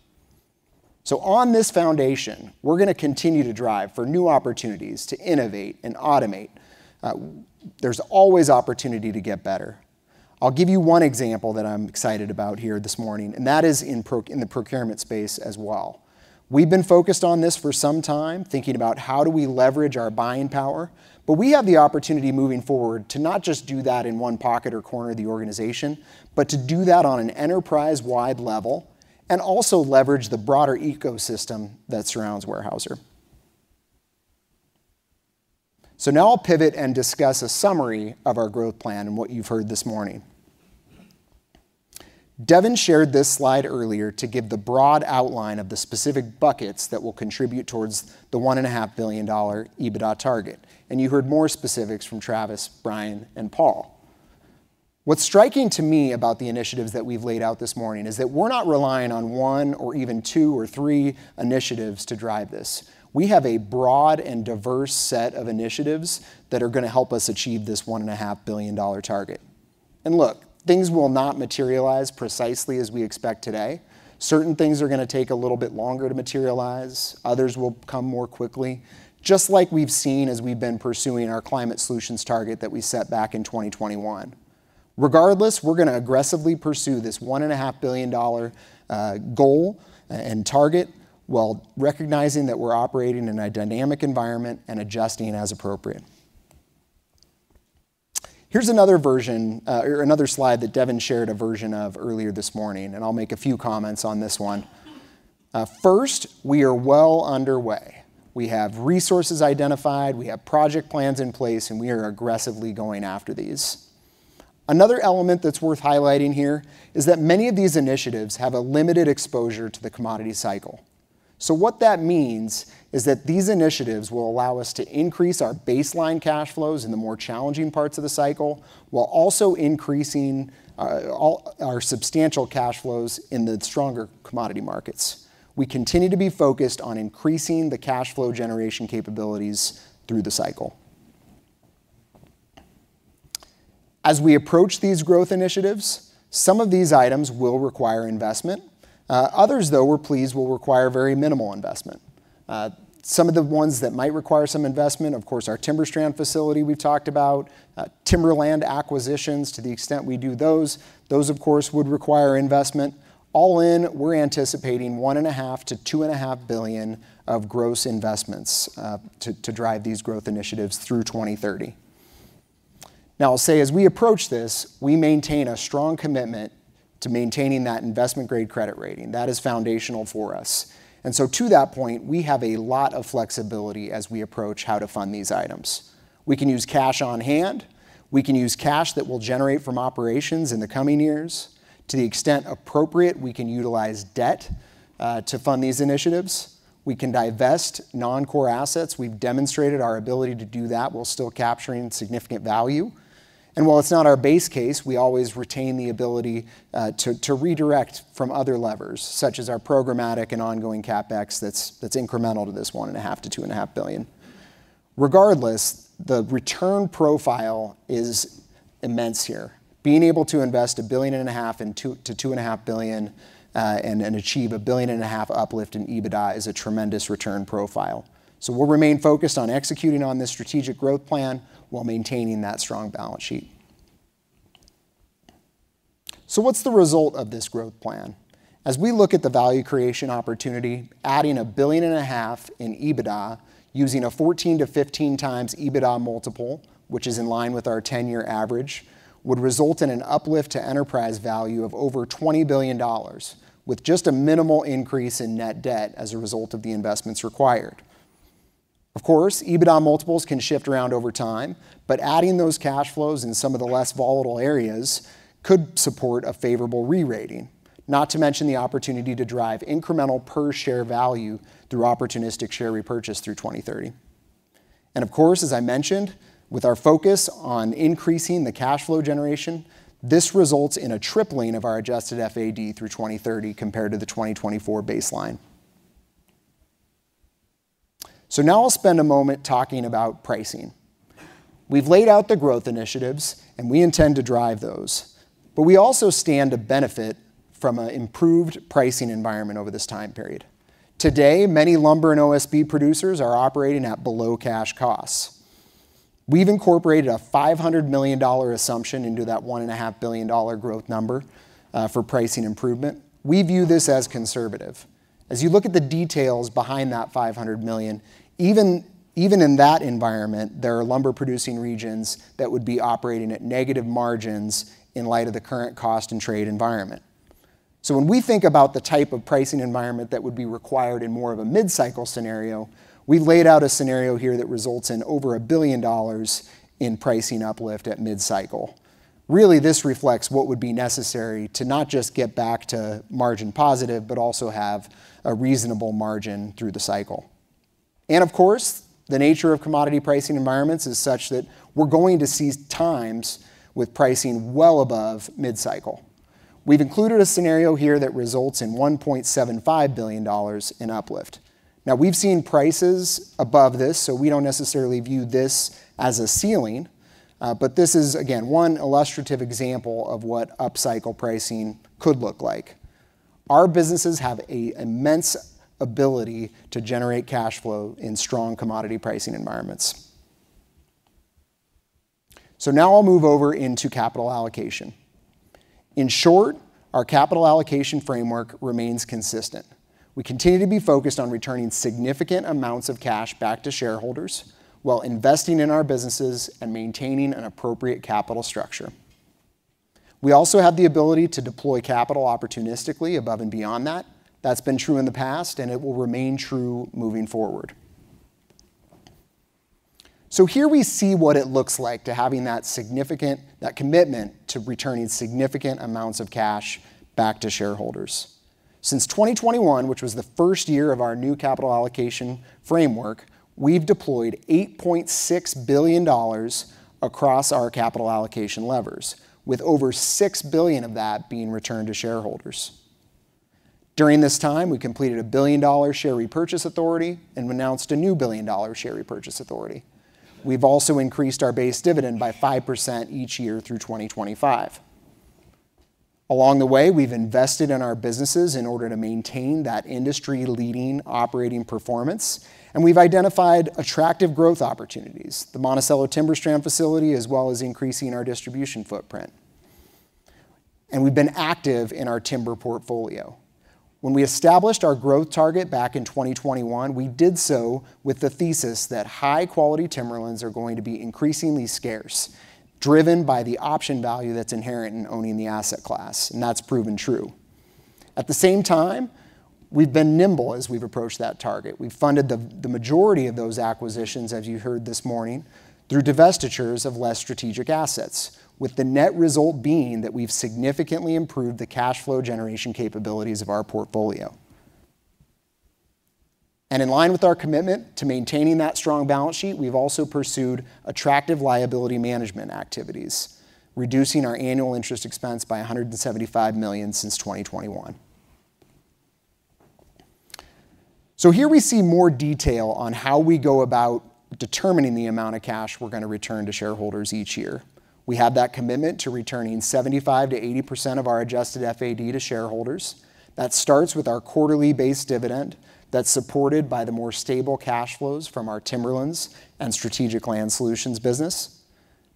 so on this foundation, we're going to continue to drive for new opportunities to innovate and automate. There's always opportunity to get better. I'll give you one example that I'm excited about here this morning, and that is in the procurement space as well. We've been focused on this for some time, thinking about how do we leverage our buying power. But we have the opportunity moving forward to not just do that in one pocket or corner of the organization, but to do that on an enterprise-wide level and also leverage the broader ecosystem that surrounds Weyerhaeuser. So now I'll pivot and discuss a summary of our growth plan and what you've heard this morning. Devin shared this slide earlier to give the broad outline of the specific buckets that will contribute towards the $1.5 billion EBITDA target. And you heard more specifics from Travis, Brian, and Paul. What's striking to me about the initiatives that we've laid out this morning is that we're not relying on one or even two or three initiatives to drive this. We have a broad and diverse set of initiatives that are going to help us achieve this $1.5 billion target. And look, things will not materialize precisely as we expect today. Certain things are going to take a little bit longer to materialize. Others will come more quickly, just like we've seen as we've been pursuing our Climate Solutions target that we set back in 2021. Regardless, we're going to aggressively pursue this $1.5 billion goal and target while recognizing that we're operating in a dynamic environment and adjusting as appropriate. Here's another version, or another slide that Devin shared a version of earlier this morning, and I'll make a few comments on this one. First, we are well underway. We have resources identified, we have project plans in place, and we are aggressively going after these. Another element that's worth highlighting here is that many of these initiatives have a limited exposure to the commodity cycle. So what that means is that these initiatives will allow us to increase our baseline cash flows in the more challenging parts of the cycle while also increasing our substantial cash flows in the stronger commodity markets. We continue to be focused on increasing the cash flow generation capabilities through the cycle. As we approach these growth initiatives, some of these items will require investment. Others, though we're pleased, will require very minimal investment. Some of the ones that might require some investment, of course, our TimberStrand facility we've talked about, timberland acquisitions to the extent we do those, those, of course, would require investment. All in, we're anticipating $1.5 billion-$2.5 billion of gross investments to drive these growth initiatives through 2030. Now, I'll say as we approach this, we maintain a strong commitment to maintaining that investment-grade credit rating. That is foundational for us. To that point, we have a lot of flexibility as we approach how to fund these items. We can use cash on hand. We can use cash that will generate from operations in the coming years. To the extent appropriate, we can utilize debt to fund these initiatives. We can divest non-core assets. We've demonstrated our ability to do that while still capturing significant value. While it's not our base case, we always retain the ability to redirect from other levers, such as our programmatic and ongoing CapEx that's incremental to this $1.5 billion-$2.5 billion. Regardless, the return profile is immense here. Being able to invest $1.5 billion-$2.5 billion and achieve a $1.5 billion uplift in EBITDA is a tremendous return profile. We'll remain focused on executing on this strategic growth plan while maintaining that strong balance sheet. What's the result of this growth plan? As we look at the value creation opportunity, adding $1.5 billion in EBITDA using a 14 times -15 times EBITDA multiple, which is in line with our 10-year average, would result in an uplift to enterprise value of over $20 billion, with just a minimal increase in net debt as a result of the investments required. Of course, EBITDA multiples can shift around over time, but adding those cash flows in some of the less volatile areas could support a favorable re-rating, not to mention the opportunity to drive incremental per-share value through opportunistic share repurchase through 2030. And of course, as I mentioned, with our focus on increasing the cash flow generation, this results in a tripling of our adjusted FAD through 2030 compared to the 2024 baseline. So now I'll spend a moment talking about pricing. We've laid out the growth initiatives, and we intend to drive those. But we also stand to benefit from an improved pricing environment over this time period. Today, many lumber and OSB producers are operating at below cash costs. We've incorporated a $500 million assumption into that $1.5 billion growth number for pricing improvement. We view this as conservative. As you look at the details behind that $500 million, even in that environment, there are lumber-producing regions that would be operating at negative margins in light of the current cost and trade environment. So when we think about the type of pricing environment that would be required in more of a mid-cycle scenario, we've laid out a scenario here that results in over a billion dollars in pricing uplift at mid-cycle. Really, this reflects what would be necessary to not just get back to margin positive, but also have a reasonable margin through the cycle. And of course, the nature of commodity pricing environments is such that we're going to see times with pricing well above mid-cycle. We've included a scenario here that results in $1.75 billion in uplift. Now, we've seen prices above this, so we don't necessarily view this as a ceiling, but this is, again, one illustrative example of what upcycle pricing could look like. Our businesses have an immense ability to generate cash flow in strong commodity pricing environments. So now I'll move over into capital allocation. In short, our capital allocation framework remains consistent. We continue to be focused on returning significant amounts of cash back to shareholders while investing in our businesses and maintaining an appropriate capital structure. We also have the ability to deploy capital opportunistically above and beyond that. That's been true in the past, and it will remain true moving forward. So here we see what it looks like to having that significant commitment to returning significant amounts of cash back to shareholders. Since 2021, which was the first year of our new capital allocation framework, we've deployed $8.6 billion across our capital allocation levers, with over $6 billion of that being returned to shareholders. During this time, we completed a billion-dollar share repurchase authority and announced a new billion-dollar share repurchase authority. We've also increased our base dividend by 5% each year through 2025. Along the way, we've invested in our businesses in order to maintain that industry-leading operating performance, and we've identified attractive growth opportunities, the Monticello TimberStrand facility, as well as increasing our distribution footprint. We've been active in our timber portfolio. When we established our growth target back in 2021, we did so with the thesis that high-quality timberlands are going to be increasingly scarce, driven by the option value that's inherent in owning the asset class, and that's proven true. At the same time, we've been nimble as we've approached that target. We've funded the majority of those acquisitions, as you heard this morning, through divestitures of less strategic assets, with the net result being that we've significantly improved the cash flow generation capabilities of our portfolio. In line with our commitment to maintaining that strong balance sheet, we've also pursued attractive liability management activities, reducing our annual interest expense by $175 million since 2021. Here we see more detail on how we go about determining the amount of cash we're going to return to shareholders each year. We have that commitment to returning 75%-80% of our Adjusted FAD to shareholders. That starts with our quarterly base dividend that's supported by the more stable cash flows from our timberlands and Strategic Land Solutions business.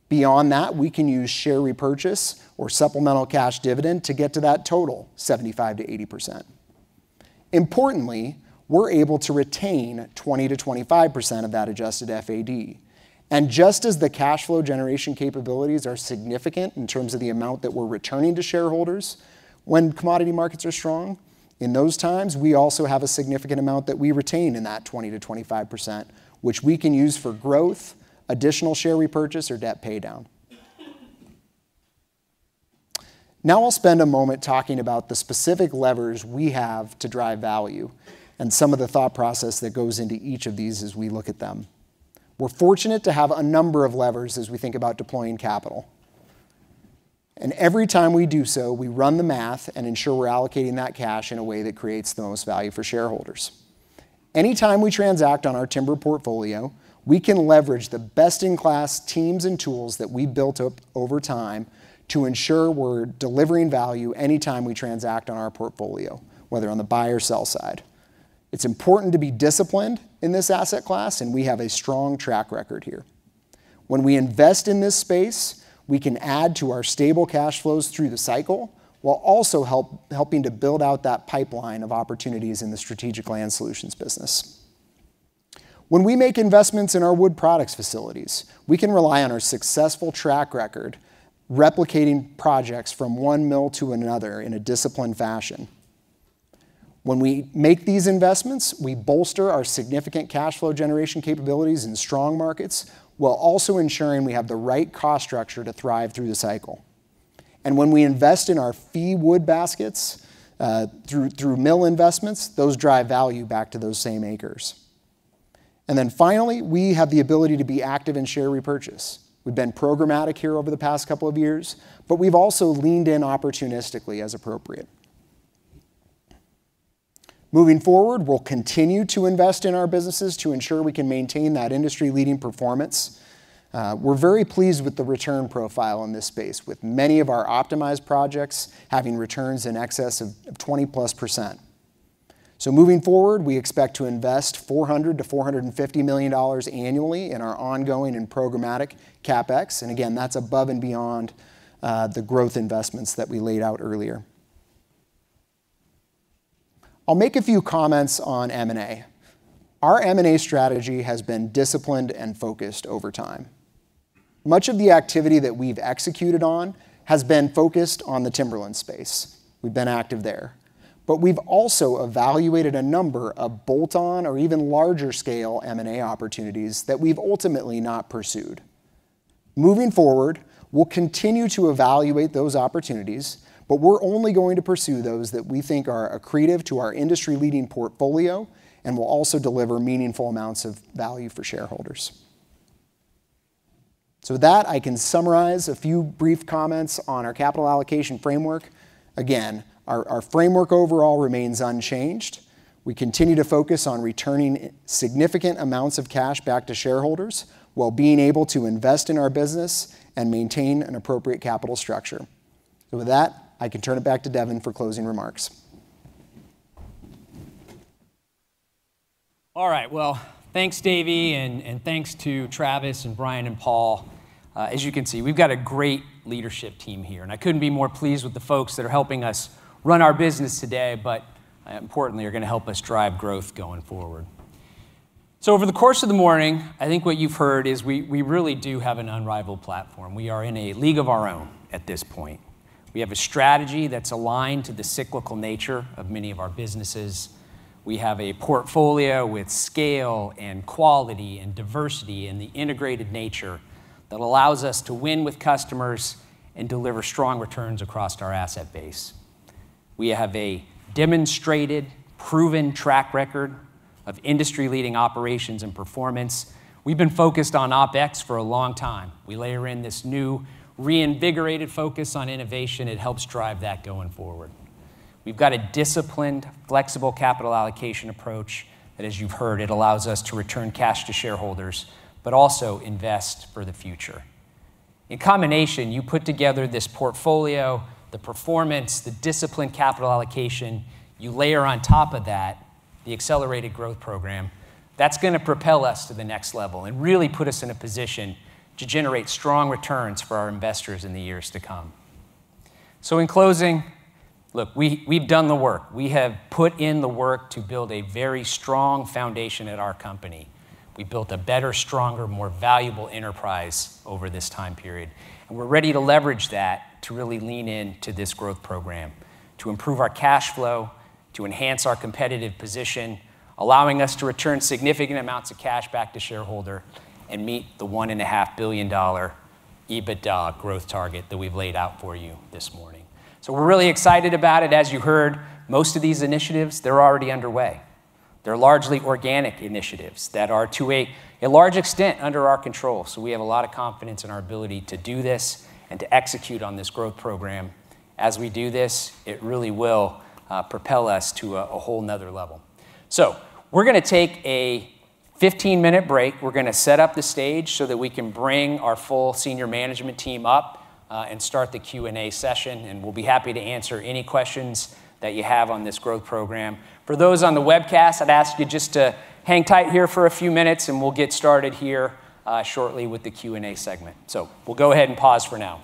Beyond that, we can use share repurchase or supplemental cash dividend to get to that total 75%-80%. Importantly, we're able to retain 20%-25% of that Adjusted FAD. And just as the cash flow generation capabilities are significant in terms of the amount that we're returning to shareholders, when commodity markets are strong, in those times, we also have a significant amount that we retain in that 20%-25%, which we can use for growth, additional share repurchase, or debt paydown. Now I'll spend a moment talking about the specific levers we have to drive value and some of the thought process that goes into each of these as we look at them. We're fortunate to have a number of levers as we think about deploying capital. And every time we do so, we run the math and ensure we're allocating that cash in a way that creates the most value for shareholders. Anytime we transact on our timber portfolio, we can leverage the best-in-class teams and tools that we built up over time to ensure we're delivering value anytime we transact on our portfolio, whether on the buy or sell side. It's important to be disciplined in this asset class, and we have a strong track record here. When we invest in this space, we can add to our stable cash flows through the cycle while also helping to build out that pipeline of opportunities in the Strategic Land Solutions business. When we make investments in our wood products facilities, we can rely on our successful track record replicating projects from one mill to another in a disciplined fashion. When we make these investments, we bolster our significant cash flow generation capabilities in strong markets while also ensuring we have the right cost structure to thrive through the cycle. And when we invest in our fee wood baskets through mill investments, those drive value back to those same acres. And then finally, we have the ability to be active in share repurchase. We've been programmatic here over the past couple of years, but we've also leaned in opportunistically as appropriate. Moving forward, we'll continue to invest in our businesses to ensure we can maintain that industry-leading performance. We're very pleased with the return profile in this space, with many of our optimized projects having returns in excess of 20%+. So moving forward, we expect to invest $400 million-$450 million annually in our ongoing and programmatic CapEx. And again, that's above and beyond the growth investments that we laid out earlier. I'll make a few comments on M&A. Our M&A strategy has been disciplined and focused over time. Much of the activity that we've executed on has been focused on the timberland space. We've been active there. But we've also evaluated a number of bolt-on or even larger scale M&A opportunities that we've ultimately not pursued. Moving forward, we'll continue to evaluate those opportunities, but we're only going to pursue those that we think are accretive to our industry-leading portfolio and will also deliver meaningful amounts of value for shareholders. So with that, I can summarize a few brief comments on our capital allocation framework. Again, our framework overall remains unchanged. We continue to focus on returning significant amounts of cash back to shareholders while being able to invest in our business and maintain an appropriate capital structure. So with that, I can turn it back to Devin for closing remarks.
All right. Well, thanks, David, and thanks to Travis and Brian and Paul. As you can see, we've got a great leadership team here. And I couldn't be more pleased with the folks that are helping us run our business today, but importantly, are going to help us drive growth going forward. Over the course of the morning, I think what you've heard is we really do have an unrivaled platform. We are in a league of our own at this point. We have a strategy that's aligned to the cyclical nature of many of our businesses. We have a portfolio with scale and quality and diversity and the integrated nature that allows us to win with customers and deliver strong returns across our asset base. We have a demonstrated, proven track record of industry-leading operations and performance. We've been focused on OpEx for a long time. We layer in this new reinvigorated focus on innovation. It helps drive that going forward. We've got a disciplined, flexible capital allocation approach that, as you've heard, allows us to return cash to shareholders, but also invest for the future. In combination, you put together this portfolio, the performance, the disciplined capital allocation. You layer on top of that the accelerated growth program. That's going to propel us to the next level and really put us in a position to generate strong returns for our investors in the years to come. So in closing, look, we've done the work. We have put in the work to build a very strong foundation at our company. We built a better, stronger, more valuable enterprise over this time period. And we're ready to leverage that to really lean into this growth program, to improve our cash flow, to enhance our competitive position, allowing us to return significant amounts of cash back to shareholder and meet the $1.5 billion EBITDA growth target that we've laid out for you this morning. So we're really excited about it. As you heard, most of these initiatives, they're already underway. They're largely organic initiatives that are to a large extent under our control. So we have a lot of confidence in our ability to do this and to execute on this growth program. As we do this, it really will propel us to a whole nother level. So we're going to take a 15-minute break. We're going to set up the stage so that we can bring our full senior management team up and start the Q&A session. And we'll be happy to answer any questions that you have on this growth program. For those on the webcast, I'd ask you just to hang tight here for a few minutes, and we'll get started here shortly with the Q&A segment. So we'll go ahead and pause for now.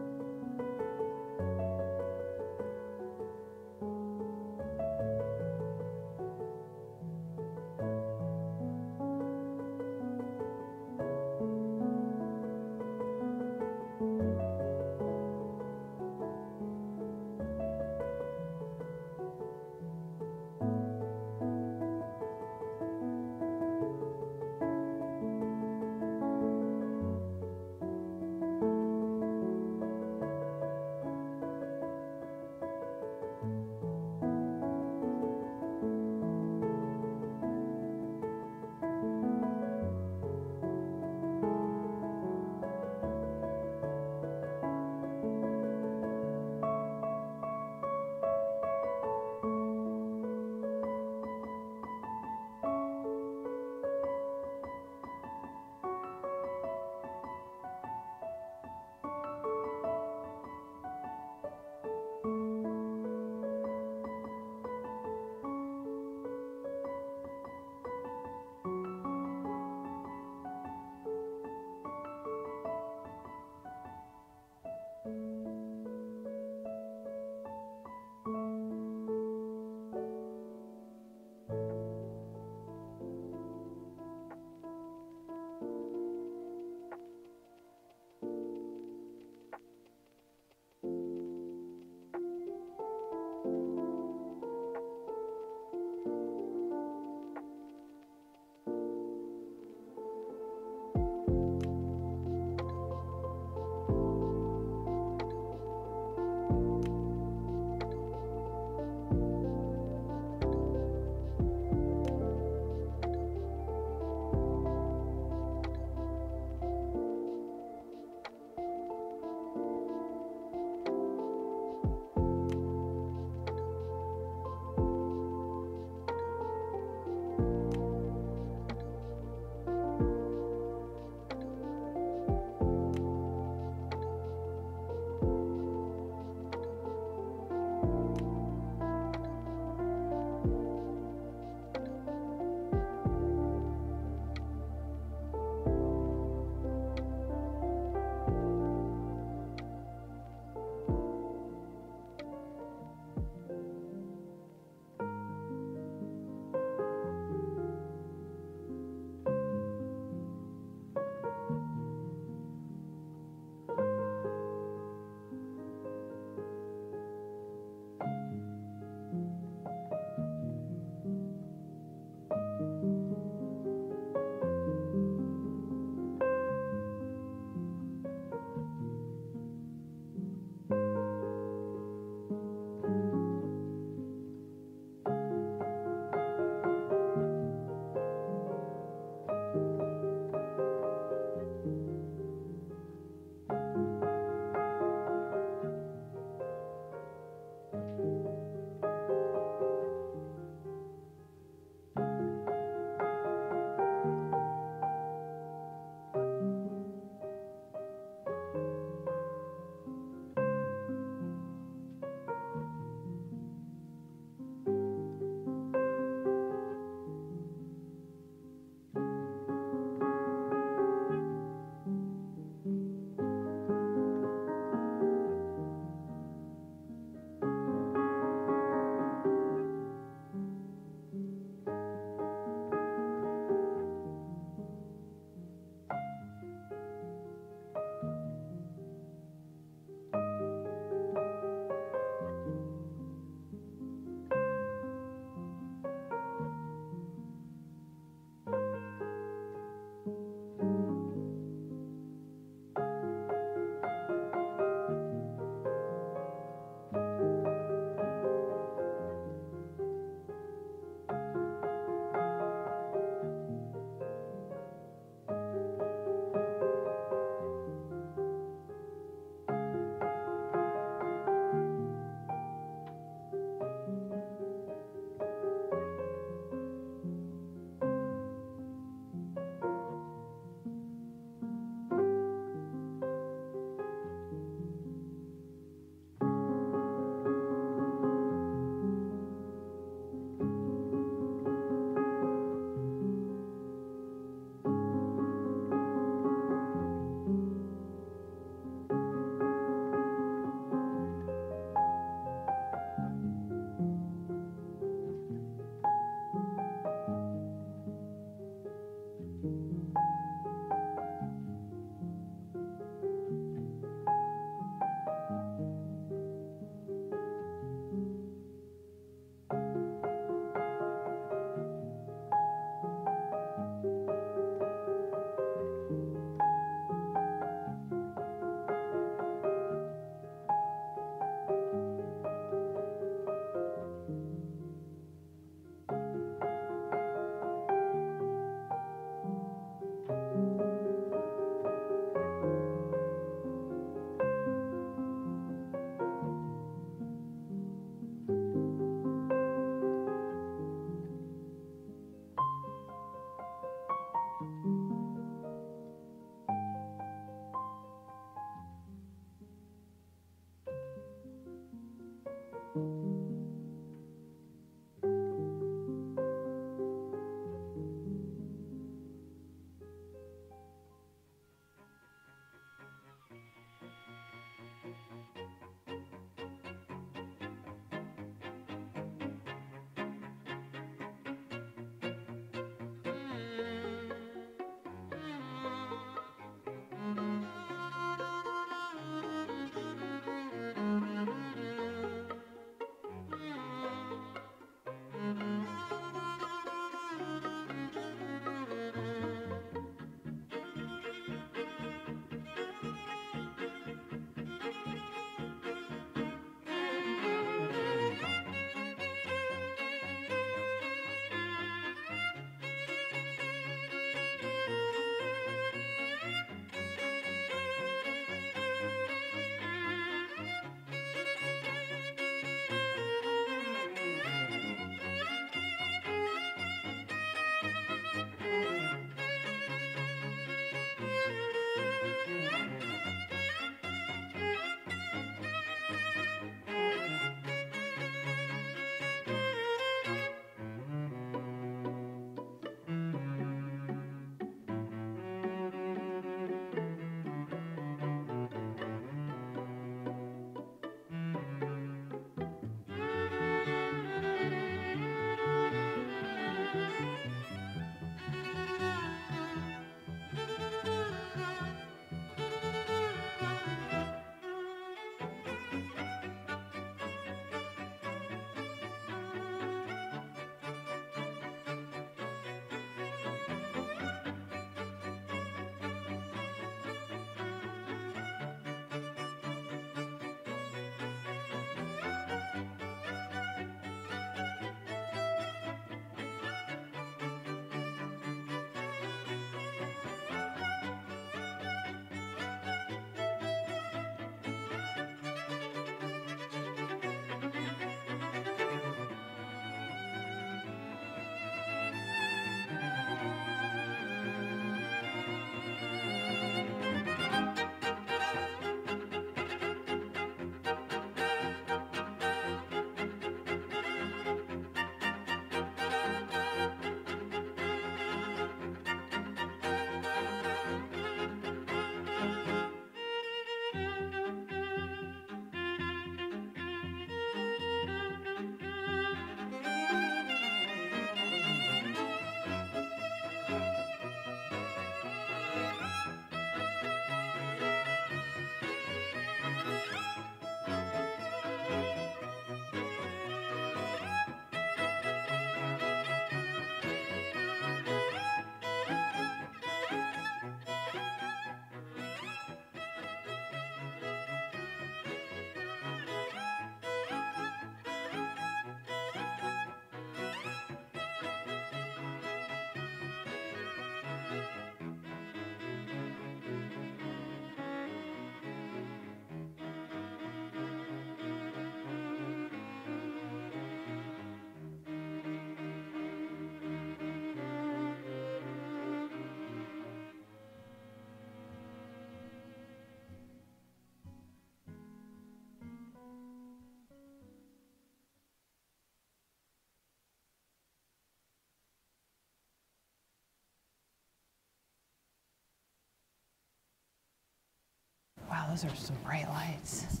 Wow, those are some bright lights.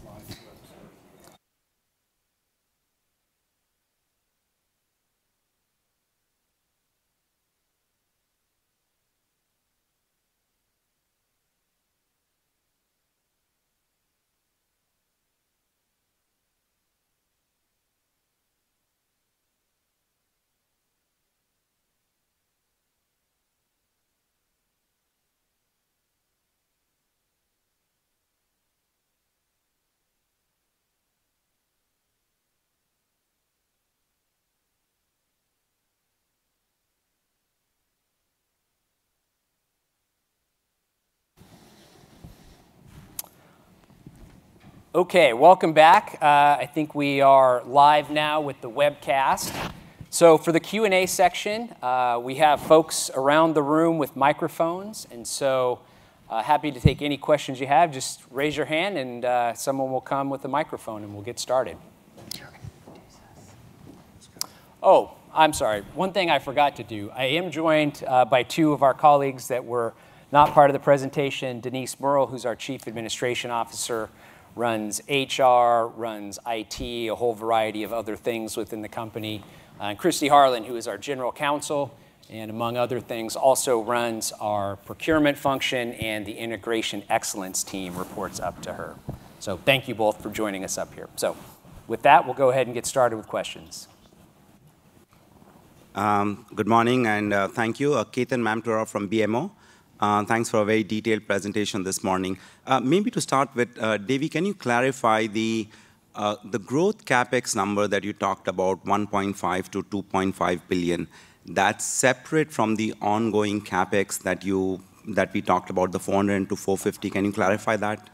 Okay, welcome back. I think we are live now with the webcast. So for the Q&A section, we have folks around the room with microphones. And so happy to take any questions you have. Just raise your hand, and someone will come with a microphone, and we'll get started. Oh, I'm sorry. One thing I forgot to do: I am joined by two of our colleagues that were not part of the presentation, Denise Merle, who's our Chief Administration Officer, runs HR, runs IT, a whole variety of other things within the company, and Kristy Harlan, who is our General Counsel, and among other things, also runs our procurement function, and the Integration Excellence Team reports up to her. So thank you both for joining us up here. So with that, we'll go ahead and get started with questions.
Good morning, and thank you. Ketan Mamtora from BMO. Thanks for a very detailed presentation this morning. Maybe to start with, David, can you clarify the growth CapEx number that you talked about, $1.5 billion -$2.5 billion? That's separate from the ongoing CapEx that we talked about, the $400 million-$450 million. Can you clarify that?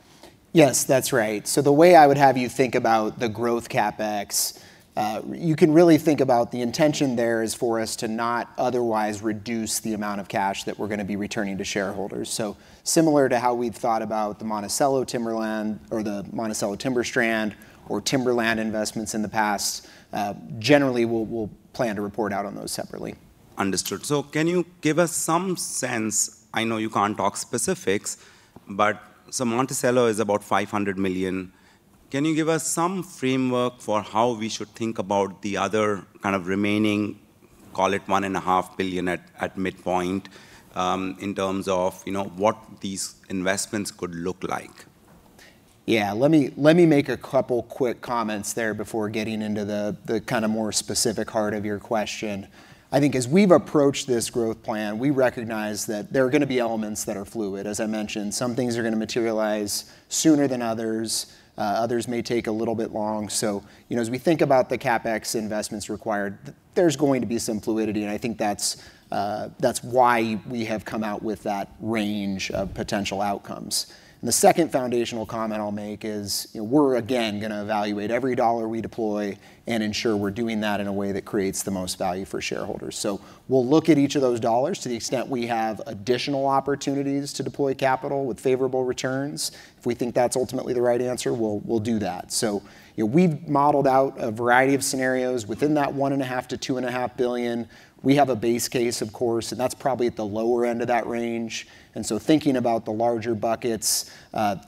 Yes, that's right. So the way I would have you think about the growth CapEx, you can really think about the intention there is for us to not otherwise reduce the amount of cash that we're going to be returning to shareholders. So similar to how we'd thought about the Monticello TimberStrand or Timberlands investments in the past, generally, we'll plan to report out on those separately.
Understood. So can you give us some sense? I know you can't talk specifics, but so Monticello is about $500 million. Can you give us some framework for how we should think about the other kind of remaining, call it $1.5 billion at midpoint, in terms of what these investments could look like?
Yeah, let me make a couple quick comments there before getting into the kind of more specific heart of your question. I think as we've approached this growth plan, we recognize that there are going to be elements that are fluid. As I mentioned, some things are going to materialize sooner than others. Others may take a little bit long. So as we think about the CapEx investments required, there's going to be some fluidity. And I think that's why we have come out with that range of potential outcomes. And the second foundational comment I'll make is we're, again, going to evaluate every dollar we deploy and ensure we're doing that in a way that creates the most value for shareholders. So we'll look at each of those dollars to the extent we have additional opportunities to deploy capital with favorable returns. If we think that's ultimately the right answer, we'll do that. So we've modeled out a variety of scenarios within that $1.5 billion-$2.5 billion. We have a base case, of course, and that's probably at the lower end of that range. And so thinking about the larger buckets,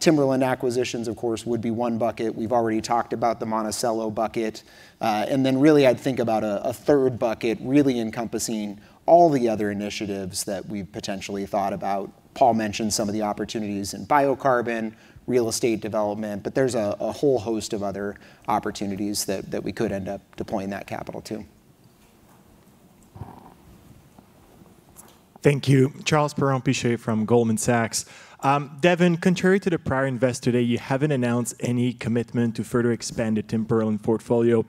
Timberland acquisitions, of course, would be one bucket. We've already talked about the Monticello bucket. And then really, I'd think about a third bucket really encompassing all the other initiatives that we've potentially thought about. Paul mentioned some of the opportunities in biocarbon, real estate development, but there's a whole host of other opportunities that we could end up deploying that capital to.
Thank you. Charles Perron-Piché from Goldman Sachs. Devin, contrary to the prior investor today, you haven't announced any commitment to further expand the timberland portfolio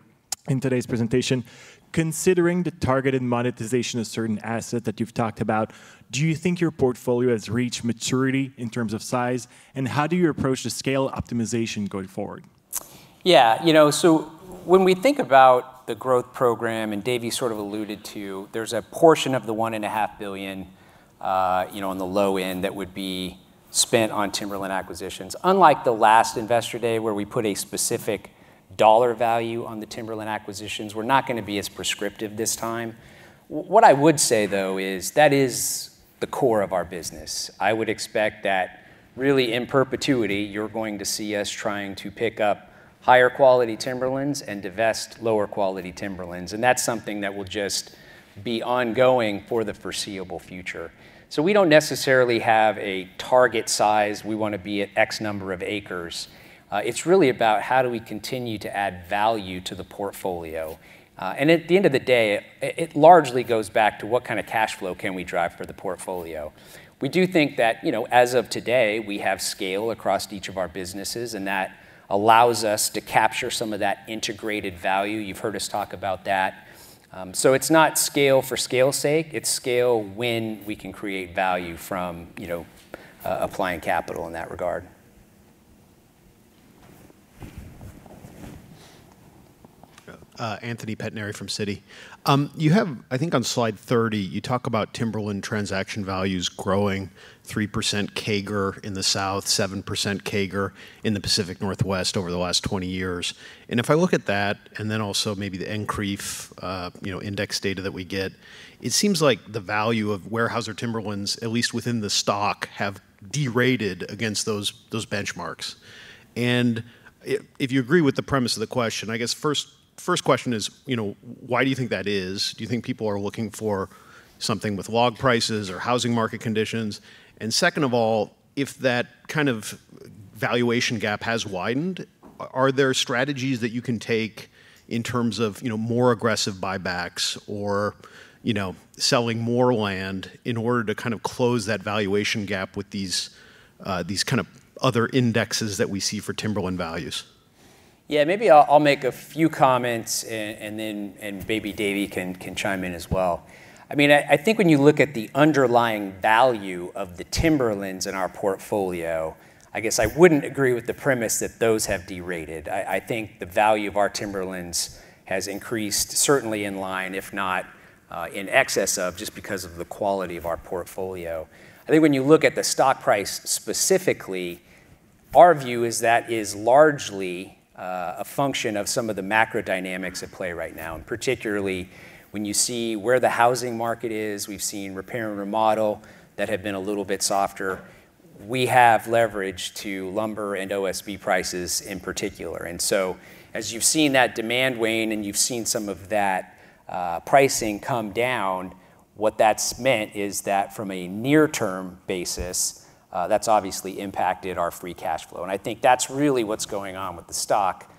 in today's presentation. Considering the targeted monetization of certain assets that you've talked about, do you think your portfolio has reached maturity in terms of size? And how do you approach the scale optimization going forward?
Yeah, so when we think about the growth program, and David sort of alluded to, there's a portion of the $1.5 billion on the low end that would be spent on timberland acquisitions. Unlike the last investor day where we put a specific dollar value on the timberland acquisitions, we're not going to be as prescriptive this time. What I would say, though, is that is the core of our business. I would expect that really, in perpetuity, you're going to see us trying to pick up higher quality Timberlands and divest lower quality Timberlands. And that's something that will just be ongoing for the foreseeable future, so we don't necessarily have a target size. We want to be at X number of acres. It's really about how do we continue to add value to the portfolio. And at the end of the day, it largely goes back to what kind of cash flow can we drive for the portfolio. We do think that as of today, we have scale across each of our businesses, and that allows us to capture some of that integrated value. You've heard us talk about that, so it's not scale for scale's sake. It's scale when we can create value from applying capital in that regard.
Anthony Pettinari from Citi. You have, I think on slide 30, you talk about Timberland transaction values growing 3% CAGR in the South, 7% CAGR in the Pacific Northwest over the last 20 years. And if I look at that, and then also maybe the NCREEF index data that we get, it seems like the value of warehouse or Timberlands, at least within the stock, have derated against those benchmarks. And if you agree with the premise of the question, I guess first question is, why do you think that is? Do you think people are looking for something with log prices or housing market conditions? Second of all, if that kind of valuation gap has widened, are there strategies that you can take in terms of more aggressive buybacks or selling more land in order to kind of close that valuation gap with these kind of other indexes that we see for timberland values?
Yeah, maybe I'll make a few comments, and then maybe David can chime in as well. I mean, I think when you look at the underlying value of the timberlands in our portfolio, I guess I wouldn't agree with the premise that those have derated. I think the value of our timberlands has increased, certainly in line, if not in excess of, just because of the quality of our portfolio. I think when you look at the stock price specifically, our view is that is largely a function of some of the macro dynamics at play right now, and particularly when you see where the housing market is. We've seen repair and remodel that have been a little bit softer. We have leverage to lumber and OSB prices in particular. And so as you've seen that demand wane, and you've seen some of that pricing come down, what that's meant is that from a near-term basis, that's obviously impacted our free cash flow. And I think that's really what's going on with the stock,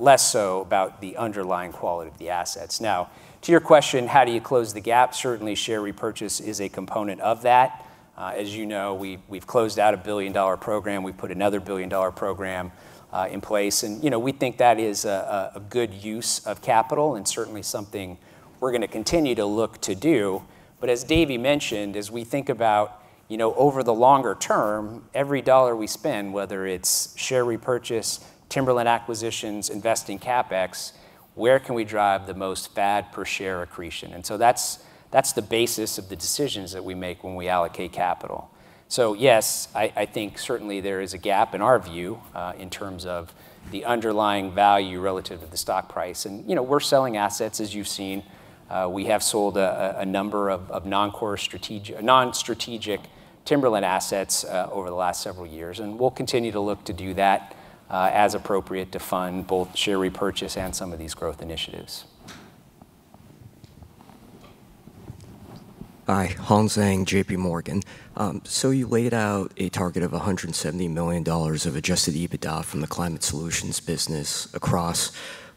less so about the underlying quality of the assets. Now, to your question, how do you close the gap? Certainly, share repurchase is a component of that. As you know, we've closed out a $1 billion program. We've put another $1 billion program in place. We think that is a good use of capital and certainly something we're going to continue to look to do. As David mentioned, as we think about over the longer term, every dollar we spend, whether it's share repurchase, timberland acquisitions, investing CapEx, where can we drive the most value per share accretion? That's the basis of the decisions that we make when we allocate capital. Yes, I think certainly there is a gap in our view in terms of the underlying value relative to the stock price. We're selling assets, as you've seen. We have sold a number of non-strategic timberland assets over the last several years. We'll continue to look to do that as appropriate to fund both share repurchase and some of these growth initiatives.
Hi, Hong Shen, J.P. Morgan. You laid out a target of $170 million of adjusted EBITDA from the Climate Solutions business across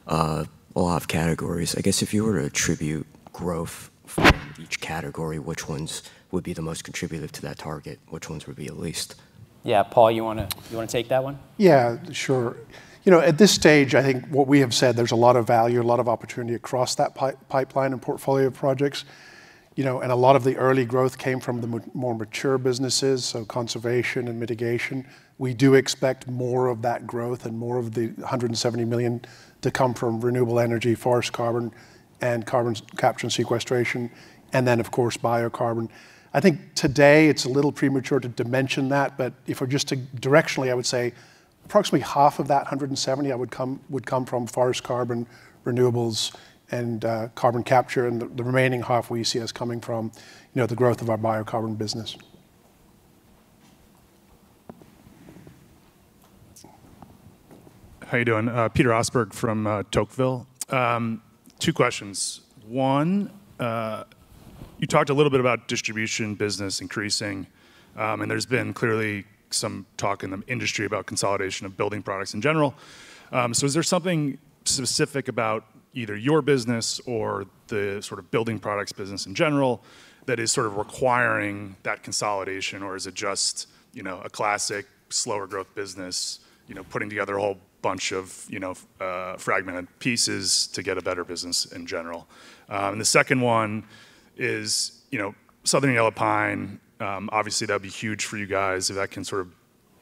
a lot of categories. I guess if you were to attribute growth for each category, which ones would be the most contributive to that target? Which ones would be the least?
Yeah, Paul, you want to take that one?
Yeah, sure. At this stage, I think what we have said, there's a lot of value, a lot of opportunity across that pipeline and portfolio of projects. A lot of the early growth came from the more mature businesses, so conservation and mitigation. We do expect more of that growth and more of the $170 million to come from renewable energy, forest carbon, and carbon capture and sequestration, and then, of course, biocarbon. I think today it's a little premature to dimension that. But if we're just to directionally, I would say approximately half of that 170 would come from forest carbon, renewables, and carbon capture, and the remaining half we see us coming from the growth of our Biocarbon business.
How are you doing? Peter Ostberg from Tocqueville. Two questions. One, you talked a little bit about distribution business increasing, and there's been clearly some talk in the industry about consolidation of building products in general. So is there something specific about either your business or the sort of building products business in general that is sort of requiring that consolidation, or is it just a classic slower growth business putting together a whole bunch of fragmented pieces to get a better business in general? And the second one is Southern Yellow Pine. Obviously, that would be huge for you guys if that can sort of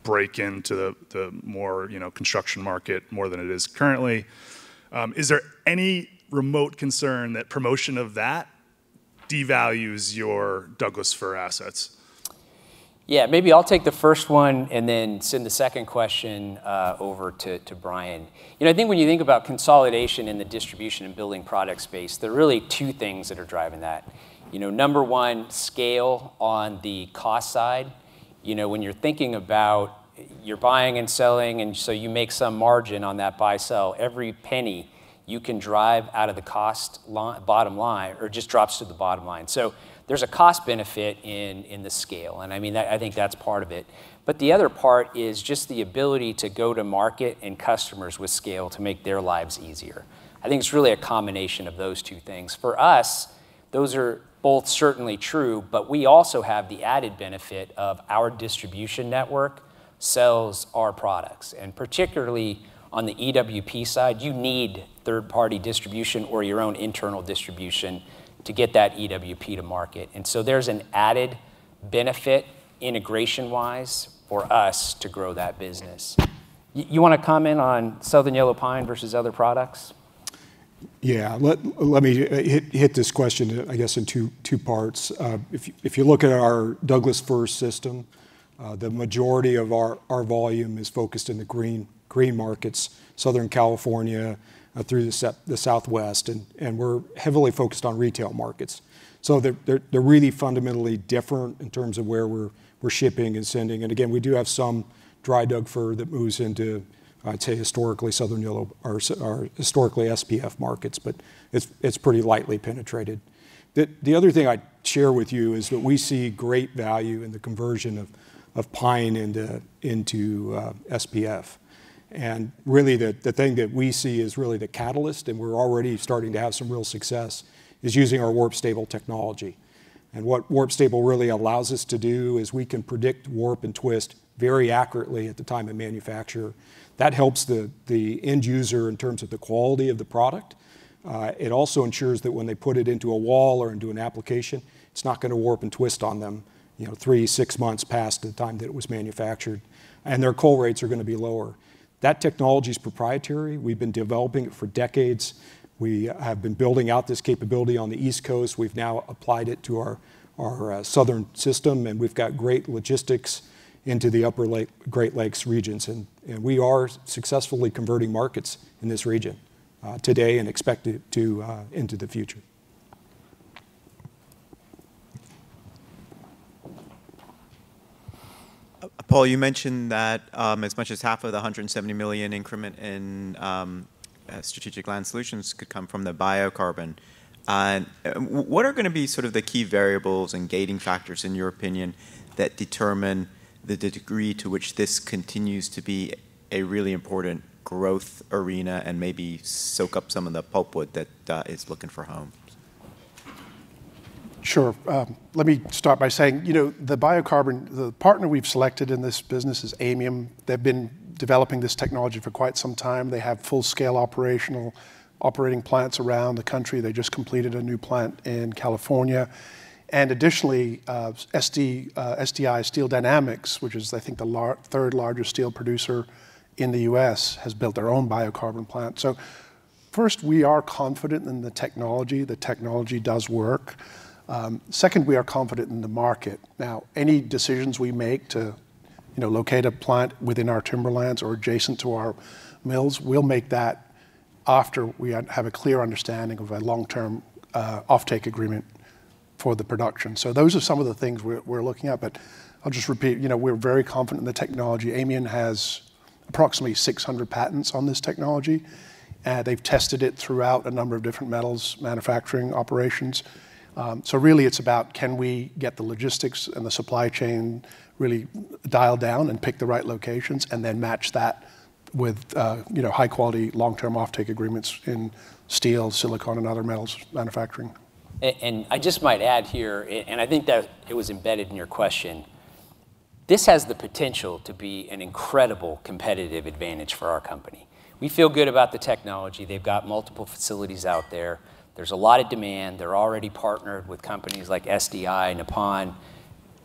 break into the more construction market more than it is currently. Is there any remote concern that promotion of that devalues your Douglas-fir assets?
Yeah, maybe I'll take the first one and then send the second question over to Brian. I think when you think about consolidation in the distribution and building products space, there are really two things that are driving that. Number one, scale on the cost side. When you're thinking about buying and selling, and so you make some margin on that buy-sell, every penny you can drive out of the cost bottom line, it just drops to the bottom line. So there's a cost benefit in the scale. And I mean, I think that's part of it. But the other part is just the ability to go to market and customers with scale to make their lives easier. I think it's really a combination of those two things. For us, those are both certainly true, but we also have the added benefit of our distribution network sells our products. And particularly on the EWP side, you need third-party distribution or your own internal distribution to get that EWP to market. And so there's an added benefit integration-wise for us to grow that business. You want to comment on Southern Yellow Pine versus other products?
Yeah, let me hit this question, I guess, in two parts. If you look at our Douglas-fir system, the majority of our volume is focused in the green markets, Southern California through the Southwest, and we're heavily focused on retail markets. They're really fundamentally different in terms of where we're shipping and sending. Again, we do have some dry Douglas-fir that moves into, I'd say, historically Southern Yellow or historically SPF markets, but it's pretty lightly penetrated. The other thing I'd share with you is that we see great value in the conversion of pine into SPF. Really, the thing that we see is really the catalyst, and we're already starting to have some real success, is using our warp stable technology. What warp stable really allows us to do is we can predict warp and twist very accurately at the time of manufacture. That helps the end user in terms of the quality of the product. It also ensures that when they put it into a wall or into an application, it's not going to warp and twist on them three, six months past the time that it was manufactured, and their cull rates are going to be lower. That technology is proprietary. We've been developing it for decades. We have been building out this capability on the East Coast. We've now applied it to our Southern system, and we've got great logistics into the Upper Great Lakes region. And we are successfully converting markets in this region today and expect it to into the future.
Paul, you mentioned that as much as half of the $170 million increment in Strategic Land Solutions could come from the Biocarbon. What are going to be sort of the key variables and gating factors, in your opinion, that determine the degree to which this continues to be a really important growth arena and maybe soak up some of the pulpwood that is looking for home?
Sure. Let me start by saying the Biocarbon, the partner we've selected in this business is Aymium. They've been developing this technology for quite some time. They have full-scale operating plants around the country. They just completed a new plant in California. And additionally, Steel Dynamics, which is, I think, the third largest steel producer in the U.S., has built their own Biocarbon plant. So first, we are confident in the technology. The technology does work. Second, we are confident in the market. Now, any decisions we make to locate a plant within our Timberlands or adjacent to our mills, we'll make that after we have a clear understanding of a long-term offtake agreement for the production. So those are some of the things we're looking at. But I'll just repeat, we're very confident in the technology. Aymium has approximately 600 patents on this technology. They've tested it throughout a number of different metals manufacturing operations. So really, it's about can we get the logistics and the supply chain really dialed down and pick the right locations and then match that with high-quality long-term offtake agreements in steel, silicon, and other metals manufacturing,
and I just might add here, and I think that it was embedded in your question, this has the potential to be an incredible competitive advantage for our company. We feel good about the technology. They've got multiple facilities out there. There's a lot of demand. They're already partnered with companies like SDI, Nippon.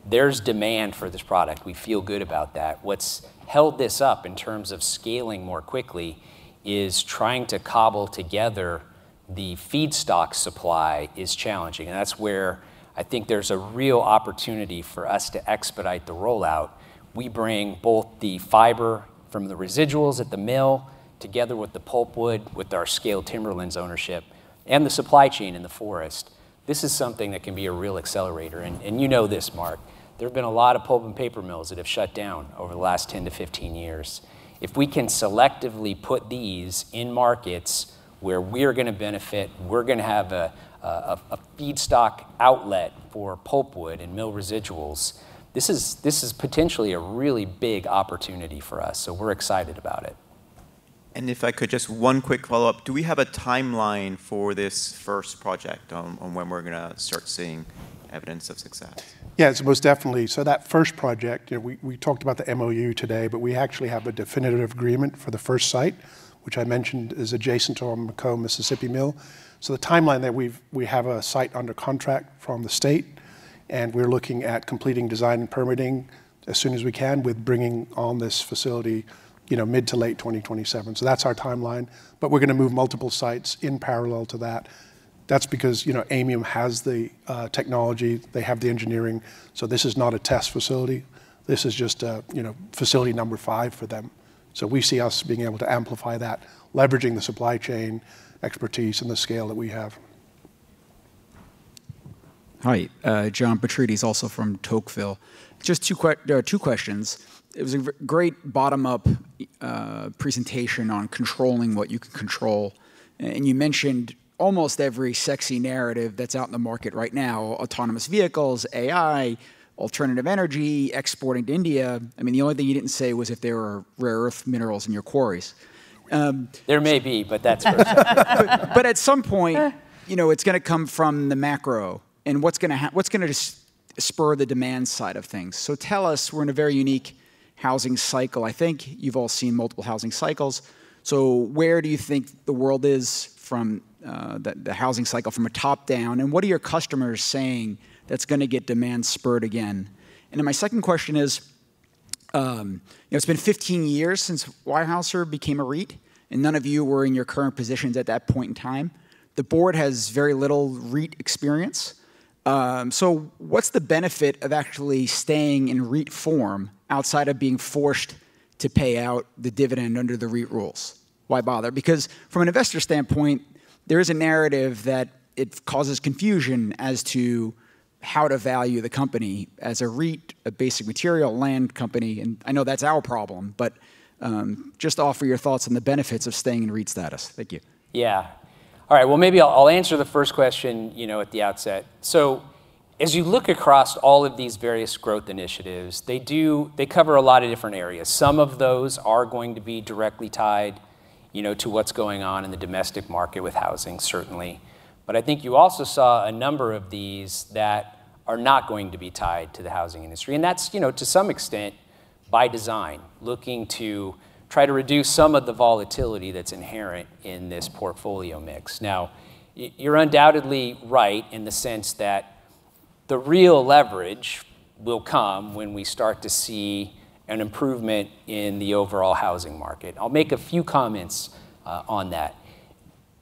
There's demand for this product. We feel good about that. What's held this up in terms of scaling more quickly is trying to cobble together the feedstock supply, is challenging. And that's where I think there's a real opportunity for us to expedite the rollout. We bring both the fiber from the residuals at the mill together with the pulpwood, with our scaled Timberlands ownership, and the supply chain in the forest. This is something that can be a real accelerator. And you know this, Mark. There have been a lot of pulp and paper mills that have shut down over the last 10 to 15 years. If we can selectively put these in markets where we're going to benefit, we're going to have a feedstock outlet for pulpwood and mill residuals. This is potentially a really big opportunity for us. So we're excited about it.
And if I could, just one quick follow-up. Do we have a timeline for this first project on when we're going to start seeing evidence of success?
Yeah, it's most definitely. So that first project, we talked about the MOU today, but we actually have a definitive agreement for the first site, which I mentioned is adjacent to our McComb Mississippi mill. So the timeline that we have a site under contract from the state, and we're looking at completing design and permitting as soon as we can with bringing on this facility mid to late 2027. So that's our timeline. But we're going to move multiple sites in parallel to that. That's because Aymium has the technology. They have the engineering. So this is not a test facility. This is just facility number five for them. So we see us being able to amplify that, leveraging the supply chain expertise and the scale that we have.
Hi, John Petrides is also from Tocqueville. Just two questions. It was a great bottom-up presentation on controlling what you can control. And you mentioned almost every sexy narrative that's out in the market right now: autonomous vehicles, AI, alternative energy, exporting to India. I mean, the only thing you didn't say was if there are rare earth minerals in your quarries.
There may be, but that's for sure.
At some point, it's going to come from the macro and what's going to spur the demand side of things. So tell us, we're in a very unique housing cycle. I think you've all seen multiple housing cycles. So where do you think the world is from the housing cycle from a top down? And what are your customers saying that's going to get demand spurred again? And my second question is, it's been 15 years since Weyerhaeuser became a REIT, and none of you were in your current positions at that point in time. The board has very little REIT experience. So what's the benefit of actually staying in REIT form outside of being forced to pay out the dividend under the REIT rules? Why bother? Because from an investor standpoint, there is a narrative that it causes confusion as to how to value the company as a REIT, a basic material land company. And I know that's our problem, but just offer your thoughts on the benefits of staying in REIT status. Thank you.
Yeah. All right. Well, maybe I'll answer the first question at the outset. So as you look across all of these various growth initiatives, they cover a lot of different areas. Some of those are going to be directly tied to what's going on in the domestic market with housing, certainly. But I think you also saw a number of these that are not going to be tied to the housing industry. And that's, to some extent, by design, looking to try to reduce some of the volatility that's inherent in this portfolio mix. Now, you're undoubtedly right in the sense that the real leverage will come when we start to see an improvement in the overall housing market. I'll make a few comments on that.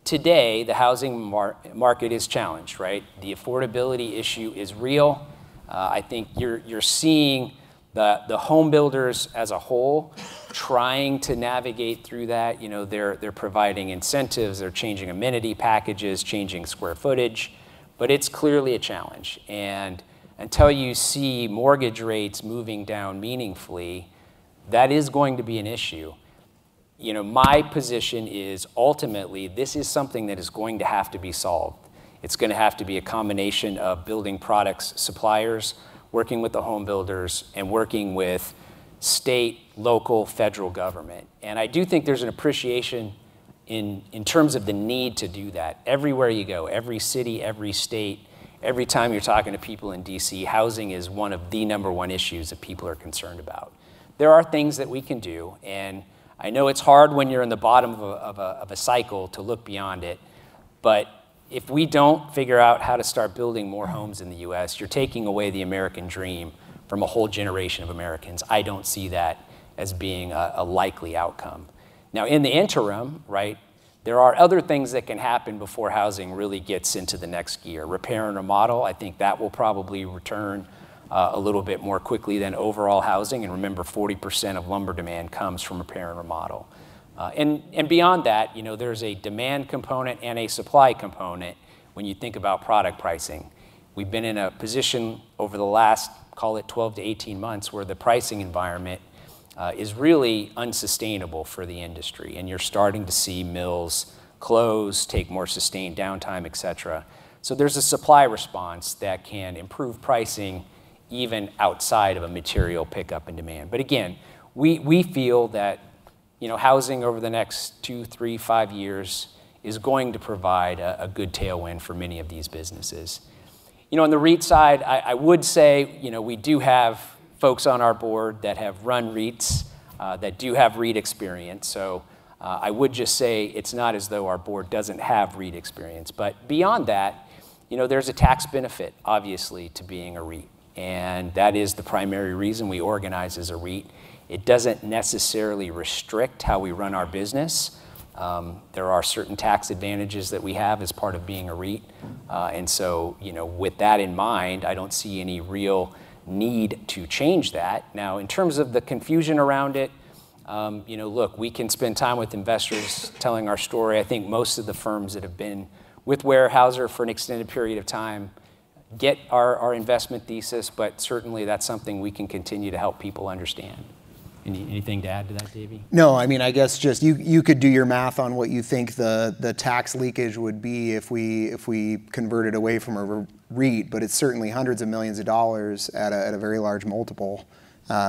Today, the housing market is challenged, right? The affordability issue is real. I think you're seeing the homebuilders as a whole trying to navigate through that. They're providing incentives. They're changing amenity packages, changing square footage, but it's clearly a challenge, and until you see mortgage rates moving down meaningfully, that is going to be an issue. My position is ultimately, this is something that is going to have to be solved. It's going to have to be a combination of building products, suppliers, working with the homebuilders, and working with state, local, federal government, and I do think there's an appreciation in terms of the need to do that. Everywhere you go, every city, every state, every time you're talking to people in DC, housing is one of the number one issues that people are concerned about. There are things that we can do. I know it's hard when you're in the bottom of a cycle to look beyond it. But if we don't figure out how to start building more homes in the U.S., you're taking away the American dream from a whole generation of Americans. I don't see that as being a likely outcome. Now, in the interim, right, there are other things that can happen before housing really gets into the next gear. Repair and remodel, I think that will probably return a little bit more quickly than overall housing. And remember, 40% of lumber demand comes from repair and remodel. And beyond that, there's a demand component and a supply component when you think about product pricing. We've been in a position over the last, call it 12 months -18 months, where the pricing environment is really unsustainable for the industry. And you're starting to see mills close, take more sustained downtime, etc. So there's a supply response that can improve pricing even outside of a material pickup in demand. But again, we feel that housing over the next two, three, five years is going to provide a good tailwind for many of these businesses. On the REIT side, I would say we do have folks on our board that have run REITs that do have REIT experience. So I would just say it's not as though our board doesn't have REIT experience. But beyond that, there's a tax benefit, obviously, to being a REIT. And that is the primary reason we organize as a REIT. It doesn't necessarily restrict how we run our business. There are certain tax advantages that we have as part of being a REIT. And so with that in mind, I don't see any real need to change that. Now, in terms of the confusion around it, look, we can spend time with investors telling our story. I think most of the firms that have been with Weyerhaeuser for an extended period of time get our investment thesis, but certainly that's something we can continue to help people understand. Anything to add to that, David?
No, I mean, I guess just you could do your math on what you think the tax leakage would be if we converted away from a REIT, but it's certainly hundreds of millions of dollars at a very large multiple.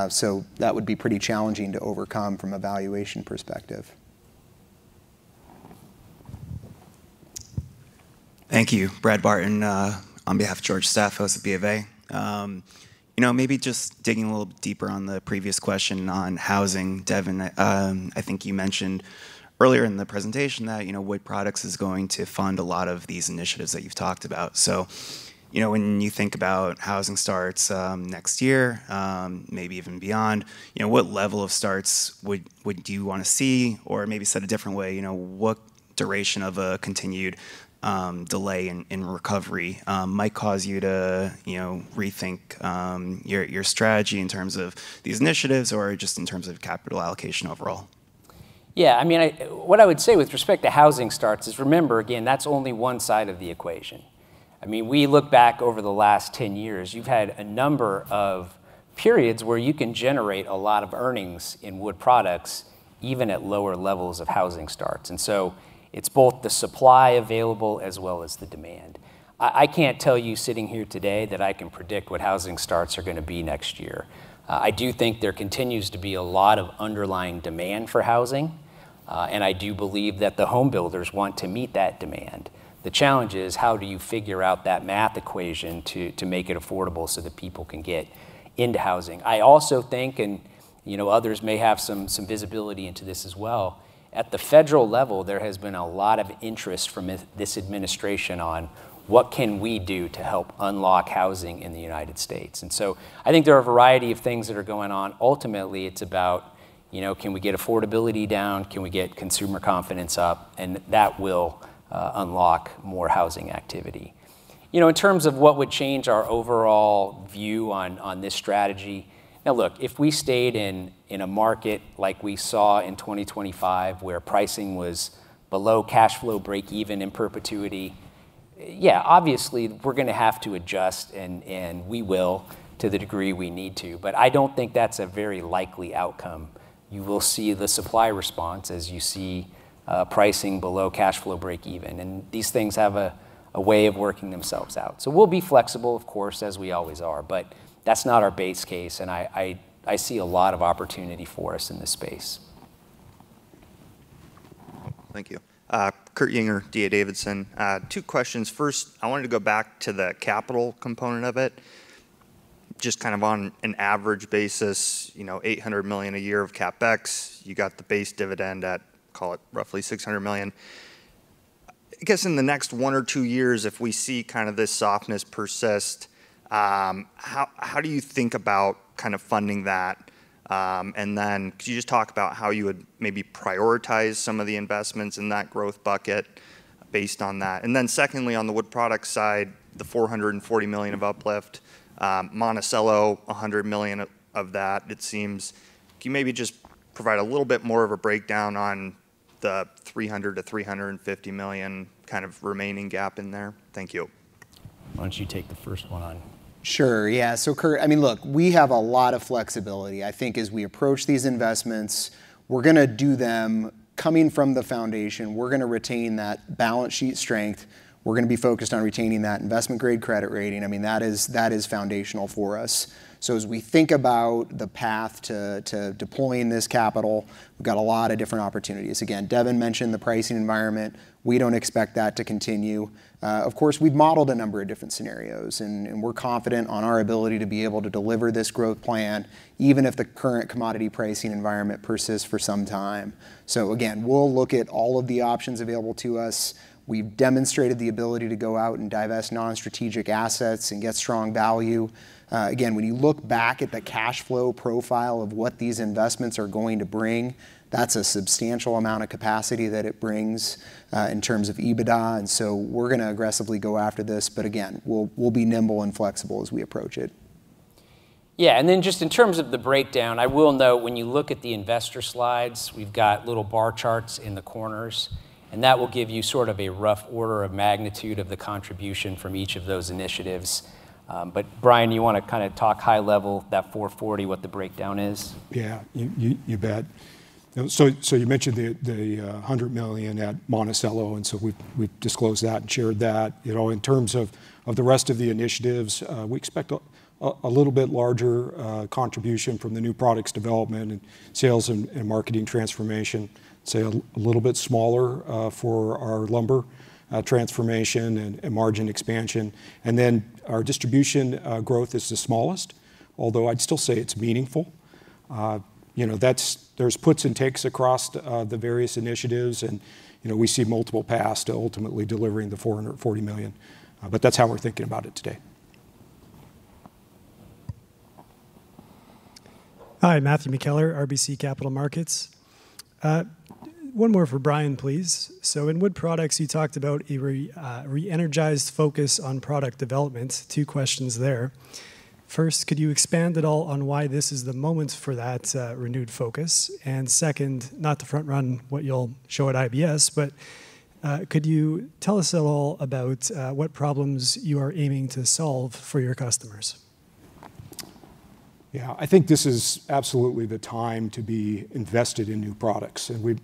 So that would be pretty challenging to overcome from a valuation perspective.
Thank you. Brad Barton on behalf of George Staphos of BofA Maybe just digging a little deeper on the previous question on housing, Devin. I think you mentioned earlier in the presentation that Wood Products is going to fund a lot of these initiatives that you've talked about. So when you think about housing starts next year, maybe even beyond, what level of starts would you want to see? Or maybe said a different way, what duration of a continued delay in recovery might cause you to rethink your strategy in terms of these initiatives or just in terms of capital allocation overall?
Yeah. I mean, what I would say with respect to housing starts is remember, again, that's only one side of the equation. I mean, we look back over the last 10 years, you've had a number of periods where you can generate a lot of earnings in Wood Products even at lower levels of housing starts. And so it's both the supply available as well as the demand. I can't tell you sitting here today that I can predict what housing starts are going to be next year. I do think there continues to be a lot of underlying demand for housing. And I do believe that the homebuilders want to meet that demand. The challenge is how do you figure out that math equation to make it affordable so that people can get into housing? I also think, and others may have some visibility into this as well, at the federal level, there has been a lot of interest from this administration on what can we do to help unlock housing in the United States. And so I think there are a variety of things that are going on. Ultimately, it's about can we get affordability down? Can we get consumer confidence up? And that will unlock more housing activity. In terms of what would change our overall view on this strategy, now look, if we stayed in a market like we saw in 2025 where pricing was below cash flow break even in perpetuity, yeah, obviously we're going to have to adjust, and we will to the degree we need to. But I don't think that's a very likely outcome. You will see the supply response as you see pricing below cash flow break even. And these things have a way of working themselves out. So we'll be flexible, of course, as we always are. But that's not our base case. And I see a lot of opportunity for us in this space.
Thank you. Kurt Yinger, DA Davidson. Two questions. First, I wanted to go back to the capital component of it. Just kind of on an average basis, $800 million a year of CapEx, you got the base dividend at, call it roughly $600 million. I guess in the next one or two years, if we see kind of this softness persist, how do you think about kind of funding that? And then you just talked about how you would maybe prioritize some of the investments in that growth bucket based on that. And then secondly, on the Wood Products side, the $440 million of uplift, Monticello, $100 million of that. It seems you maybe just provide a little bit more of a breakdown on the $300-$350 million kind of remaining gap in there. Thank you.
Why don't you take the first one on?
Sure. Yeah. So Kurt, I mean, look, we have a lot of flexibility. I think as we approach these investments, we're going to do them coming from the foundation. We're going to retain that balance sheet strength. We're going to be focused on retaining that investment-grade credit rating. I mean, that is foundational for us, so as we think about the path to deploying this capital, we've got a lot of different opportunities. Again, Devin mentioned the pricing environment. We don't expect that to continue. Of course, we've modeled a number of different scenarios, and we're confident on our ability to be able to deliver this growth plan even if the current commodity pricing environment persists for some time, so again, we'll look at all of the options available to us. We've demonstrated the ability to go out and divest non-strategic assets and get strong value. Again, when you look back at the cash flow profile of what these investments are going to bring, that's a substantial amount of capacity that it brings in terms of EBITDA, and so we're going to aggressively go after this. But again, we'll be nimble and flexible as we approach it.
Yeah. And then just in terms of the breakdown, I will note when you look at the investor slides, we've got little bar charts in the corners, and that will give you sort of a rough order of magnitude of the contribution from each of those initiatives. But Brian, you want to kind of talk high level that $440 million, what the breakdown is?
Yeah, you bet. So you mentioned the $100 million at Monticello, and so we've disclosed that and shared that. In terms of the rest of the initiatives, we expect a little bit larger contribution from the new products development and sales and marketing transformation. Say a little bit smaller for our lumber transformation and margin expansion. And then our distribution growth is the smallest, although I'd still say it's meaningful. There's puts and takes across the various initiatives. And we see multiple paths to ultimately delivering the $440 million. But that's how we're thinking about it today.
Hi, Matthew McKellar, RBC Capital Markets. One more for Brian, please. So in Wood Products, you talked about a re-energized focus on product development. Two questions there. First, could you expand at all on why this is the moment for that renewed focus? And second, not to front-run what you'll show at IBS, but could you tell us at all about what problems you are aiming to solve for your customers?
Yeah, I think this is absolutely the time to be invested in new products. And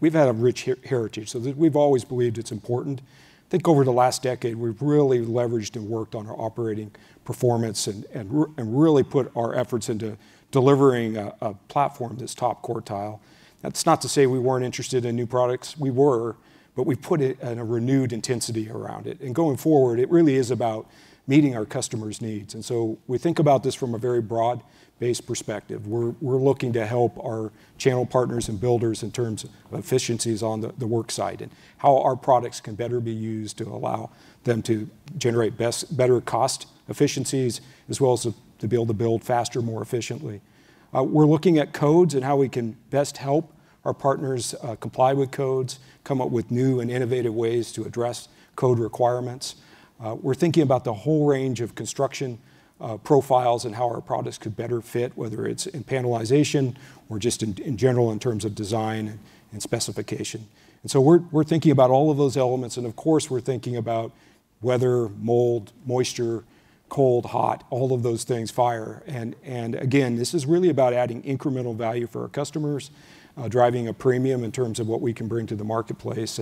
we've had a rich heritage. So we've always believed it's important. I think over the last decade, we've really leveraged and worked on our operating performance and really put our efforts into delivering a platform that's top quartile. That's not to say we weren't interested in new products. We were, but we put it in a renewed intensity around it. And going forward, it really is about meeting our customers' needs. And so we think about this from a very broad-based perspective. We're looking to help our channel partners and builders in terms of efficiencies on the work site and how our products can better be used to allow them to generate better cost efficiencies as well as to be able to build faster, more efficiently. We're looking at codes and how we can best help our partners comply with codes, come up with new and innovative ways to address code requirements. We're thinking about the whole range of construction profiles and how our products could better fit, whether it's in panelization or just in general in terms of design and specification, and so we're thinking about all of those elements, and of course, we're thinking about weather, mold, moisture, cold, hot, all of those things, fire, and again, this is really about adding incremental value for our customers, driving a premium in terms of what we can bring to the marketplace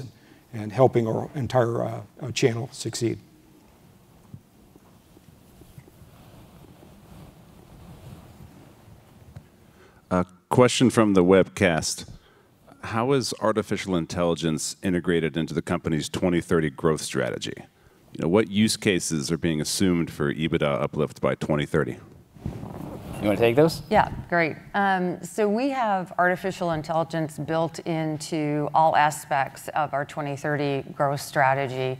and helping our entire channel succeed.
Question from the webcast. How is artificial intelligence integrated into the company's 2030 growth strategy? What use cases are being assumed for EBITDA uplift by 2030?
You want to take those?
Yeah, great. So we have artificial intelligence built into all aspects of our 2030 growth strategy.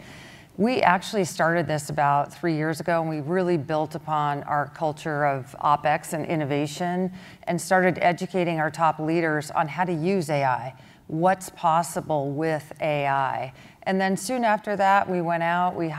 We actually started this about three years ago. And we really built upon our culture of OpEx and innovation and started educating our top leaders on how to use AI, what's possible with AI. And then soon after that, we went out, we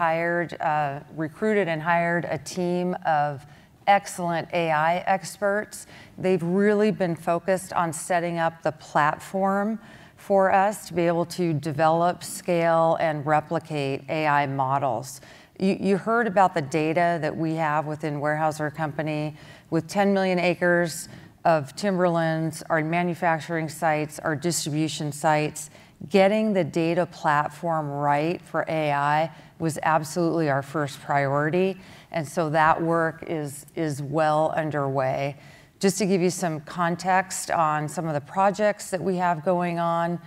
recruited and hired a team of excellent AI experts. They've really been focused on setting up the platform for us to be able to develop, scale, and replicate AI models. You heard about the data that we have within Weyerhaeuser Company. With 10 million acres of timberlands, our manufacturing sites, our distribution sites, getting the data platform right for AI was absolutely our first priority. And so that work is well underway. Just to give you some context on some of the projects that we have going on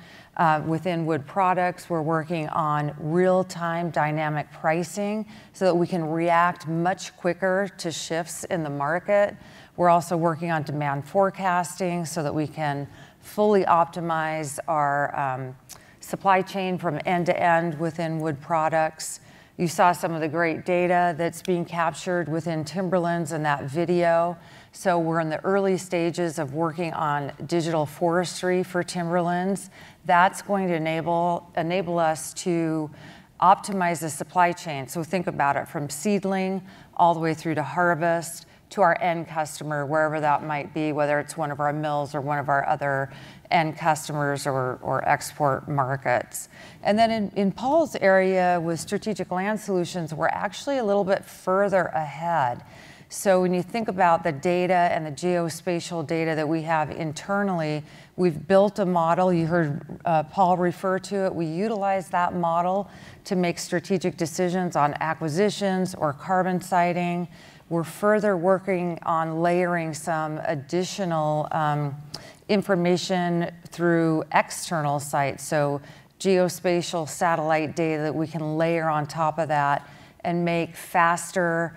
within Wood Products, we're working on real-time dynamic pricing so that we can react much quicker to shifts in the market. We're also working on demand forecasting so that we can fully optimize our supply chain from end to end within Wood Products. You saw some of the great data that's being captured within Timberlands in that video. So we're in the early stages of working on digital forestry for Timberlands. That's going to enable us to optimize the supply chain. So think about it from seedling all the way through to harvest to our end customer, wherever that might be, whether it's one of our mills or one of our other end customers or export markets. And then in Paul's area with Strategic Land Solutions, we're actually a little bit further ahead. So when you think about the data and the geospatial data that we have internally, we've built a model. You heard Paul refer to it. We utilize that model to make strategic decisions on acquisitions or carbon siting. We're further working on layering some additional information through external sites. So geospatial satellite data that we can layer on top of that and make faster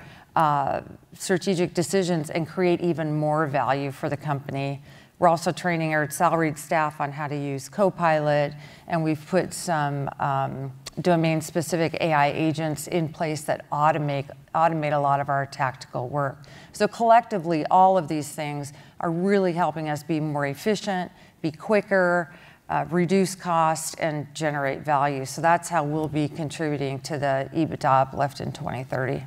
strategic decisions and create even more value for the company. We're also training our salaried staff on how to use Copilot. And we've put some domain-specific AI agents in place that automate a lot of our tactical work. So collectively, all of these things are really helping us be more efficient, be quicker, reduce cost, and generate value. So that's how we'll be contributing to the EBITDA uplift in 2030.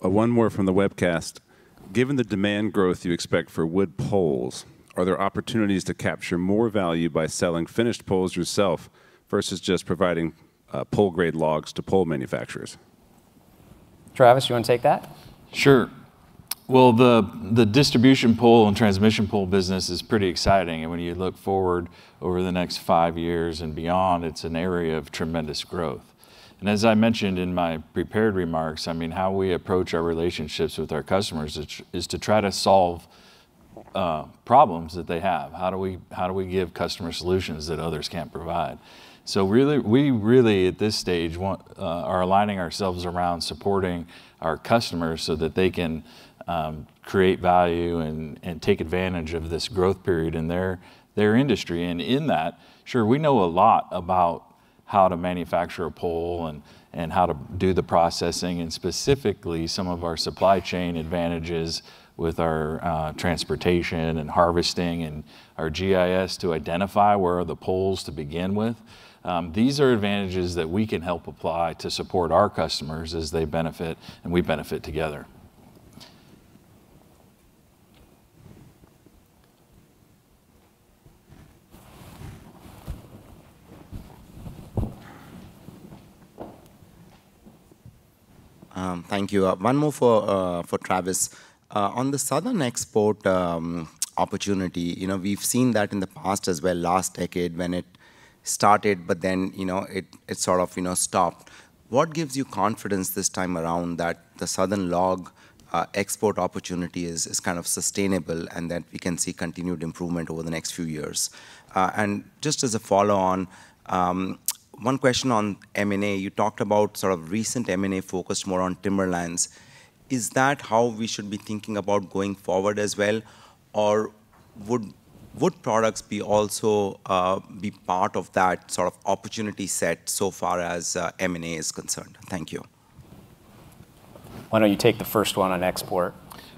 One more from the webcast. Given the demand growth you expect for wood poles, are there opportunities to capture more value by selling finished poles yourself versus just providing pole-grade logs to pole manufacturers?
Travis, you want to take that?
Sure. Well, the distribution pole and transmission pole business is pretty exciting, and when you look forward over the next five years and beyond, it's an area of tremendous growth, and as I mentioned in my prepared remarks, I mean, how we approach our relationships with our customers is to try to solve problems that they have. How do we give customers solutions that others can't provide, so we really, at this stage, are aligning ourselves around supporting our customers so that they can create value and take advantage of this growth period in their industry. And in that, sure, we know a lot about how to manufacture a pole and how to do the processing and specifically some of our supply chain advantages with our transportation and harvesting and our GIS to identify where are the poles to begin with. These are advantages that we can help apply to support our customers as they benefit and we benefit together.
Thank you. One more for Travis. On the southern export opportunity, we've seen that in the past as well last decade when it started, but then it sort of stopped. What gives you confidence this time around that the southern log export opportunity is kind of sustainable and that we can see continued improvement over the next few years? And just as a follow-on, one question on M&A. You talked about sort of recent M&A focused more on Timberlands. Is that how we should be thinking about going forward as well? Or would products be also part of that sort of opportunity set so far as M&A is concerned? Thank you.
Why don't you take the first one on export?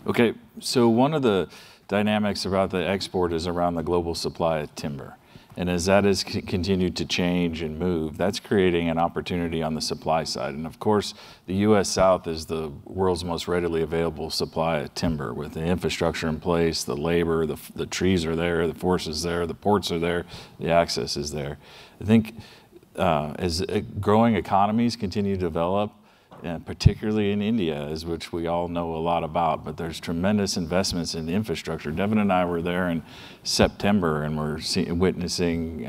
Okay. So one of the dynamics about the export is around the global supply of timber. And as that has continued to change and move, that's creating an opportunity on the supply side. And of course, the U.S. South is the world's most readily available supply of timber with the infrastructure in place, the labor, the trees are there, the forest is there, the ports are there, the access is there. I think as growing economies continue to develop, and particularly in India, which we all know a lot about, but there's tremendous investments in infrastructure. Devin and I were there in September and we're witnessing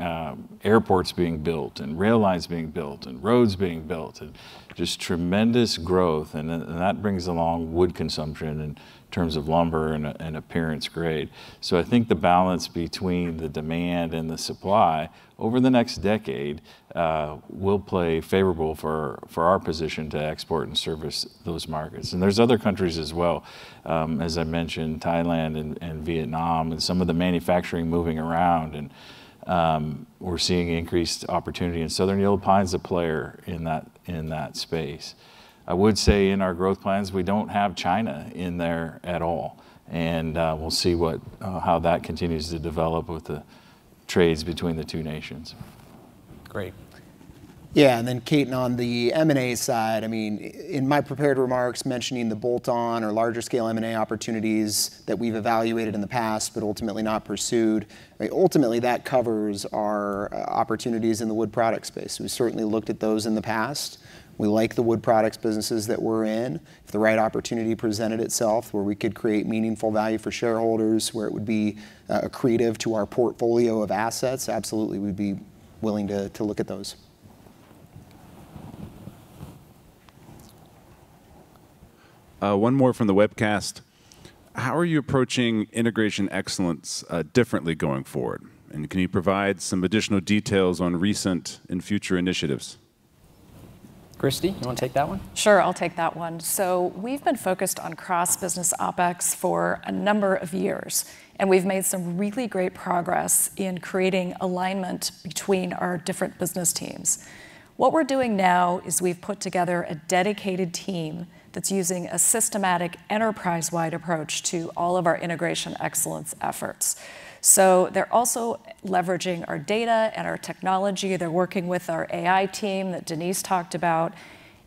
airports being built and rail lines being built and roads being built and just tremendous growth, and that brings along wood consumption in terms of lumber and appearance grade, so I think the balance between the demand and the supply over the next decade will play favorable for our position to export and service those markets, and there's other countries as well, as I mentioned, Thailand and Vietnam and some of the manufacturing moving around, and we're seeing increased opportunity and Southern Yellow Pines a player in that space. I would say in our growth plans, we don't have China in there at all, and we'll see how that continues to develop with the trades between the two nations.
Great.
Yeah. And then, Ketan, on the M&A side, I mean, in my prepared remarks mentioning the bolt-on or larger scale M&A opportunities that we've evaluated in the past, but ultimately not pursued, ultimately that covers our opportunities in the wood product space. We've certainly looked at those in the past. We like the wood products businesses that we're in. If the right opportunity presented itself where we could create meaningful value for shareholders, where it would be accretive to our portfolio of assets, absolutely we'd be willing to look at those.
One more from the webcast. How are you approaching integration excellence differently going forward? And can you provide some additional details on recent and future initiatives?
Kristy, you want to take that one?
Sure, I'll take that one. So we've been focused on cross-business OpEx for a number of years. We've made some really great progress in creating alignment between our different business teams. What we're doing now is we've put together a dedicated team that's using a systematic enterprise-wide approach to all of our integration excellence efforts. So they're also leveraging our data and our technology. They're working with our AI team that Denise talked about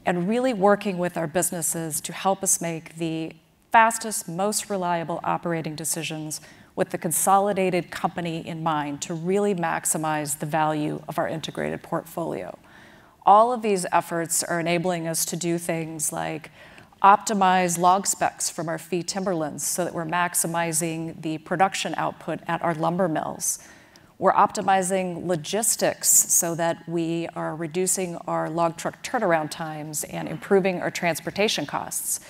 and really working with our businesses to help us make the fastest, most reliable operating decisions with the consolidated company in mind to really maximize the value of our integrated portfolio. All of these efforts are enabling us to do things like optimize log specs from our fee timberlands so that we're maximizing the production output at our lumber mills. We're optimizing logistics so that we are reducing our log truck turnaround times and improving our transportation costs.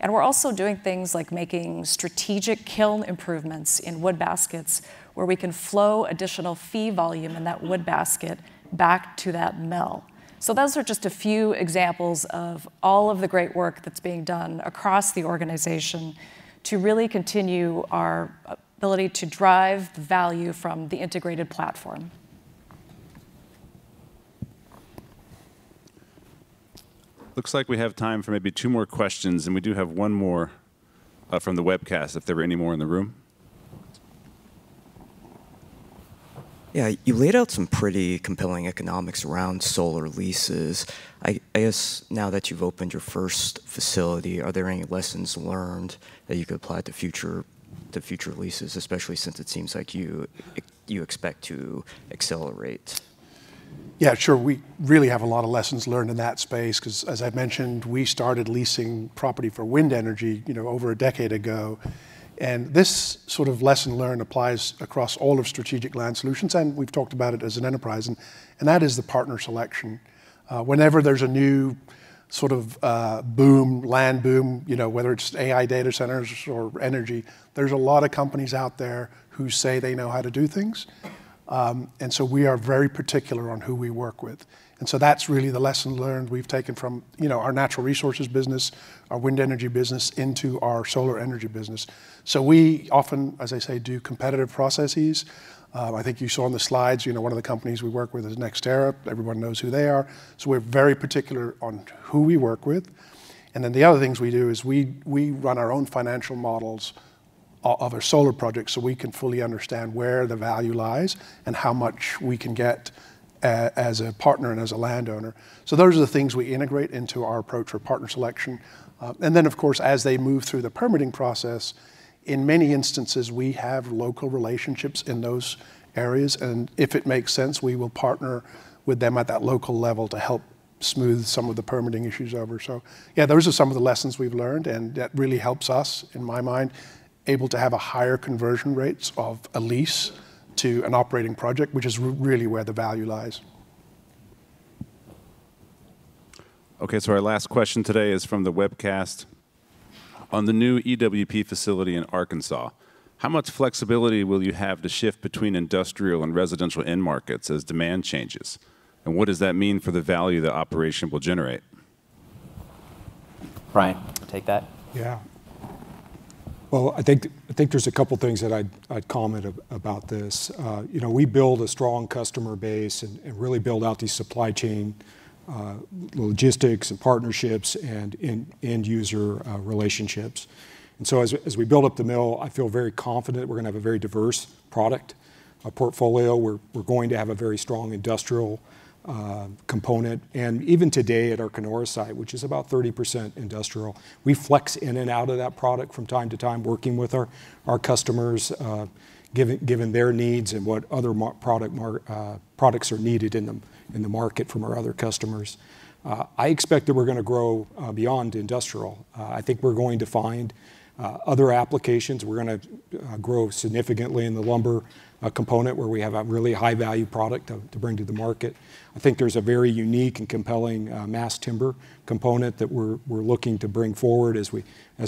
And we're also doing things like making strategic kiln improvements in wood baskets where we can flow additional feed volume in that wood basket back to that mill. So those are just a few examples of all of the great work that's being done across the organization to really continue our ability to drive value from the integrated platform.
Looks like we have time for maybe two more questions. And we do have one more from the webcast if there are any more in the room.
Yeah, you laid out some pretty compelling economics around solar leases. I guess now that you've opened your first facility, are there any lessons learned that you could apply to future leases, especially since it seems like you expect to accelerate?
Yeah, sure. We really have a lot of lessons learned in that space because, as I've mentioned, we started leasing property for wind energy over a decade ago, and this sort of lesson learned applies across all of Strategic Land Solutions. We've talked about it as an enterprise, and that is the partner selection. Whenever there's a new sort of boom, land boom, whether it's AI data centers or energy, there's a lot of companies out there who say they know how to do things, and so we are very particular on who we work with. That's really the lesson learned we've taken from our natural resources business, our wind energy business into our solar energy business, so we often, as I say, do competitive processes. I think you saw on the slides, one of the companies we work with is NextEra. Everyone knows who they are. So we're very particular on who we work with. And then the other things we do is we run our own financial models of our solar projects so we can fully understand where the value lies and how much we can get as a partner and as a landowner. So those are the things we integrate into our approach for partner selection. And then, of course, as they move through the permitting process, in many instances, we have local relationships in those areas. And if it makes sense, we will partner with them at that local level to help smooth some of the permitting issues over. So yeah, those are some of the lessons we've learned. And that really helps us, in my mind, able to have a higher conversion rate of a lease to an operating project, which is really where the value lies.
Okay. Our last question today is from the webcast. On the new EWP facility in Arkansas, how much flexibility will you have to shift between industrial and residential end markets as demand changes? And what does that mean for the value the operation will generate?
Brian, take that.
Yeah. Well, I think there's a couple of things that I'd comment about this. We build a strong customer base and really build out these supply chain logistics and partnerships and end-user relationships. And so as we build up the mill, I feel very confident we're going to have a very diverse product portfolio. We're going to have a very strong industrial component. Even today at our Kenora site, which is about 30% industrial, we flex in and out of that product from time to time, working with our customers, given their needs and what other products are needed in the market from our other customers. I expect that we're going to grow beyond industrial. I think we're going to find other applications. We're going to grow significantly in the lumber component where we have a really high-value product to bring to the market. I think there's a very unique and compelling mass timber component that we're looking to bring forward as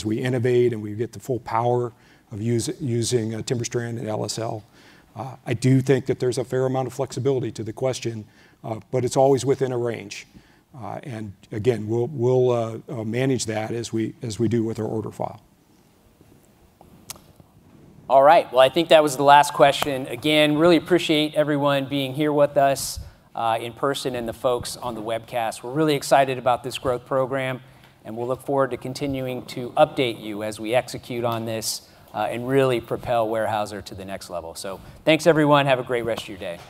we innovate and we get the full power of using TimberStrand and LSL. I do think that there's a fair amount of flexibility to the question, but it's always within a range. And again, we'll manage that as we do with our order file.
All right.
I think that was the last question. Again, really appreciate everyone being here with us in person and the folks on the webcast. We're really excited about this growth program. And we'll look forward to continuing to update you as we execute on this and really propel Weyerhaeuser to the next level. So thanks, everyone. Have a great rest of your day.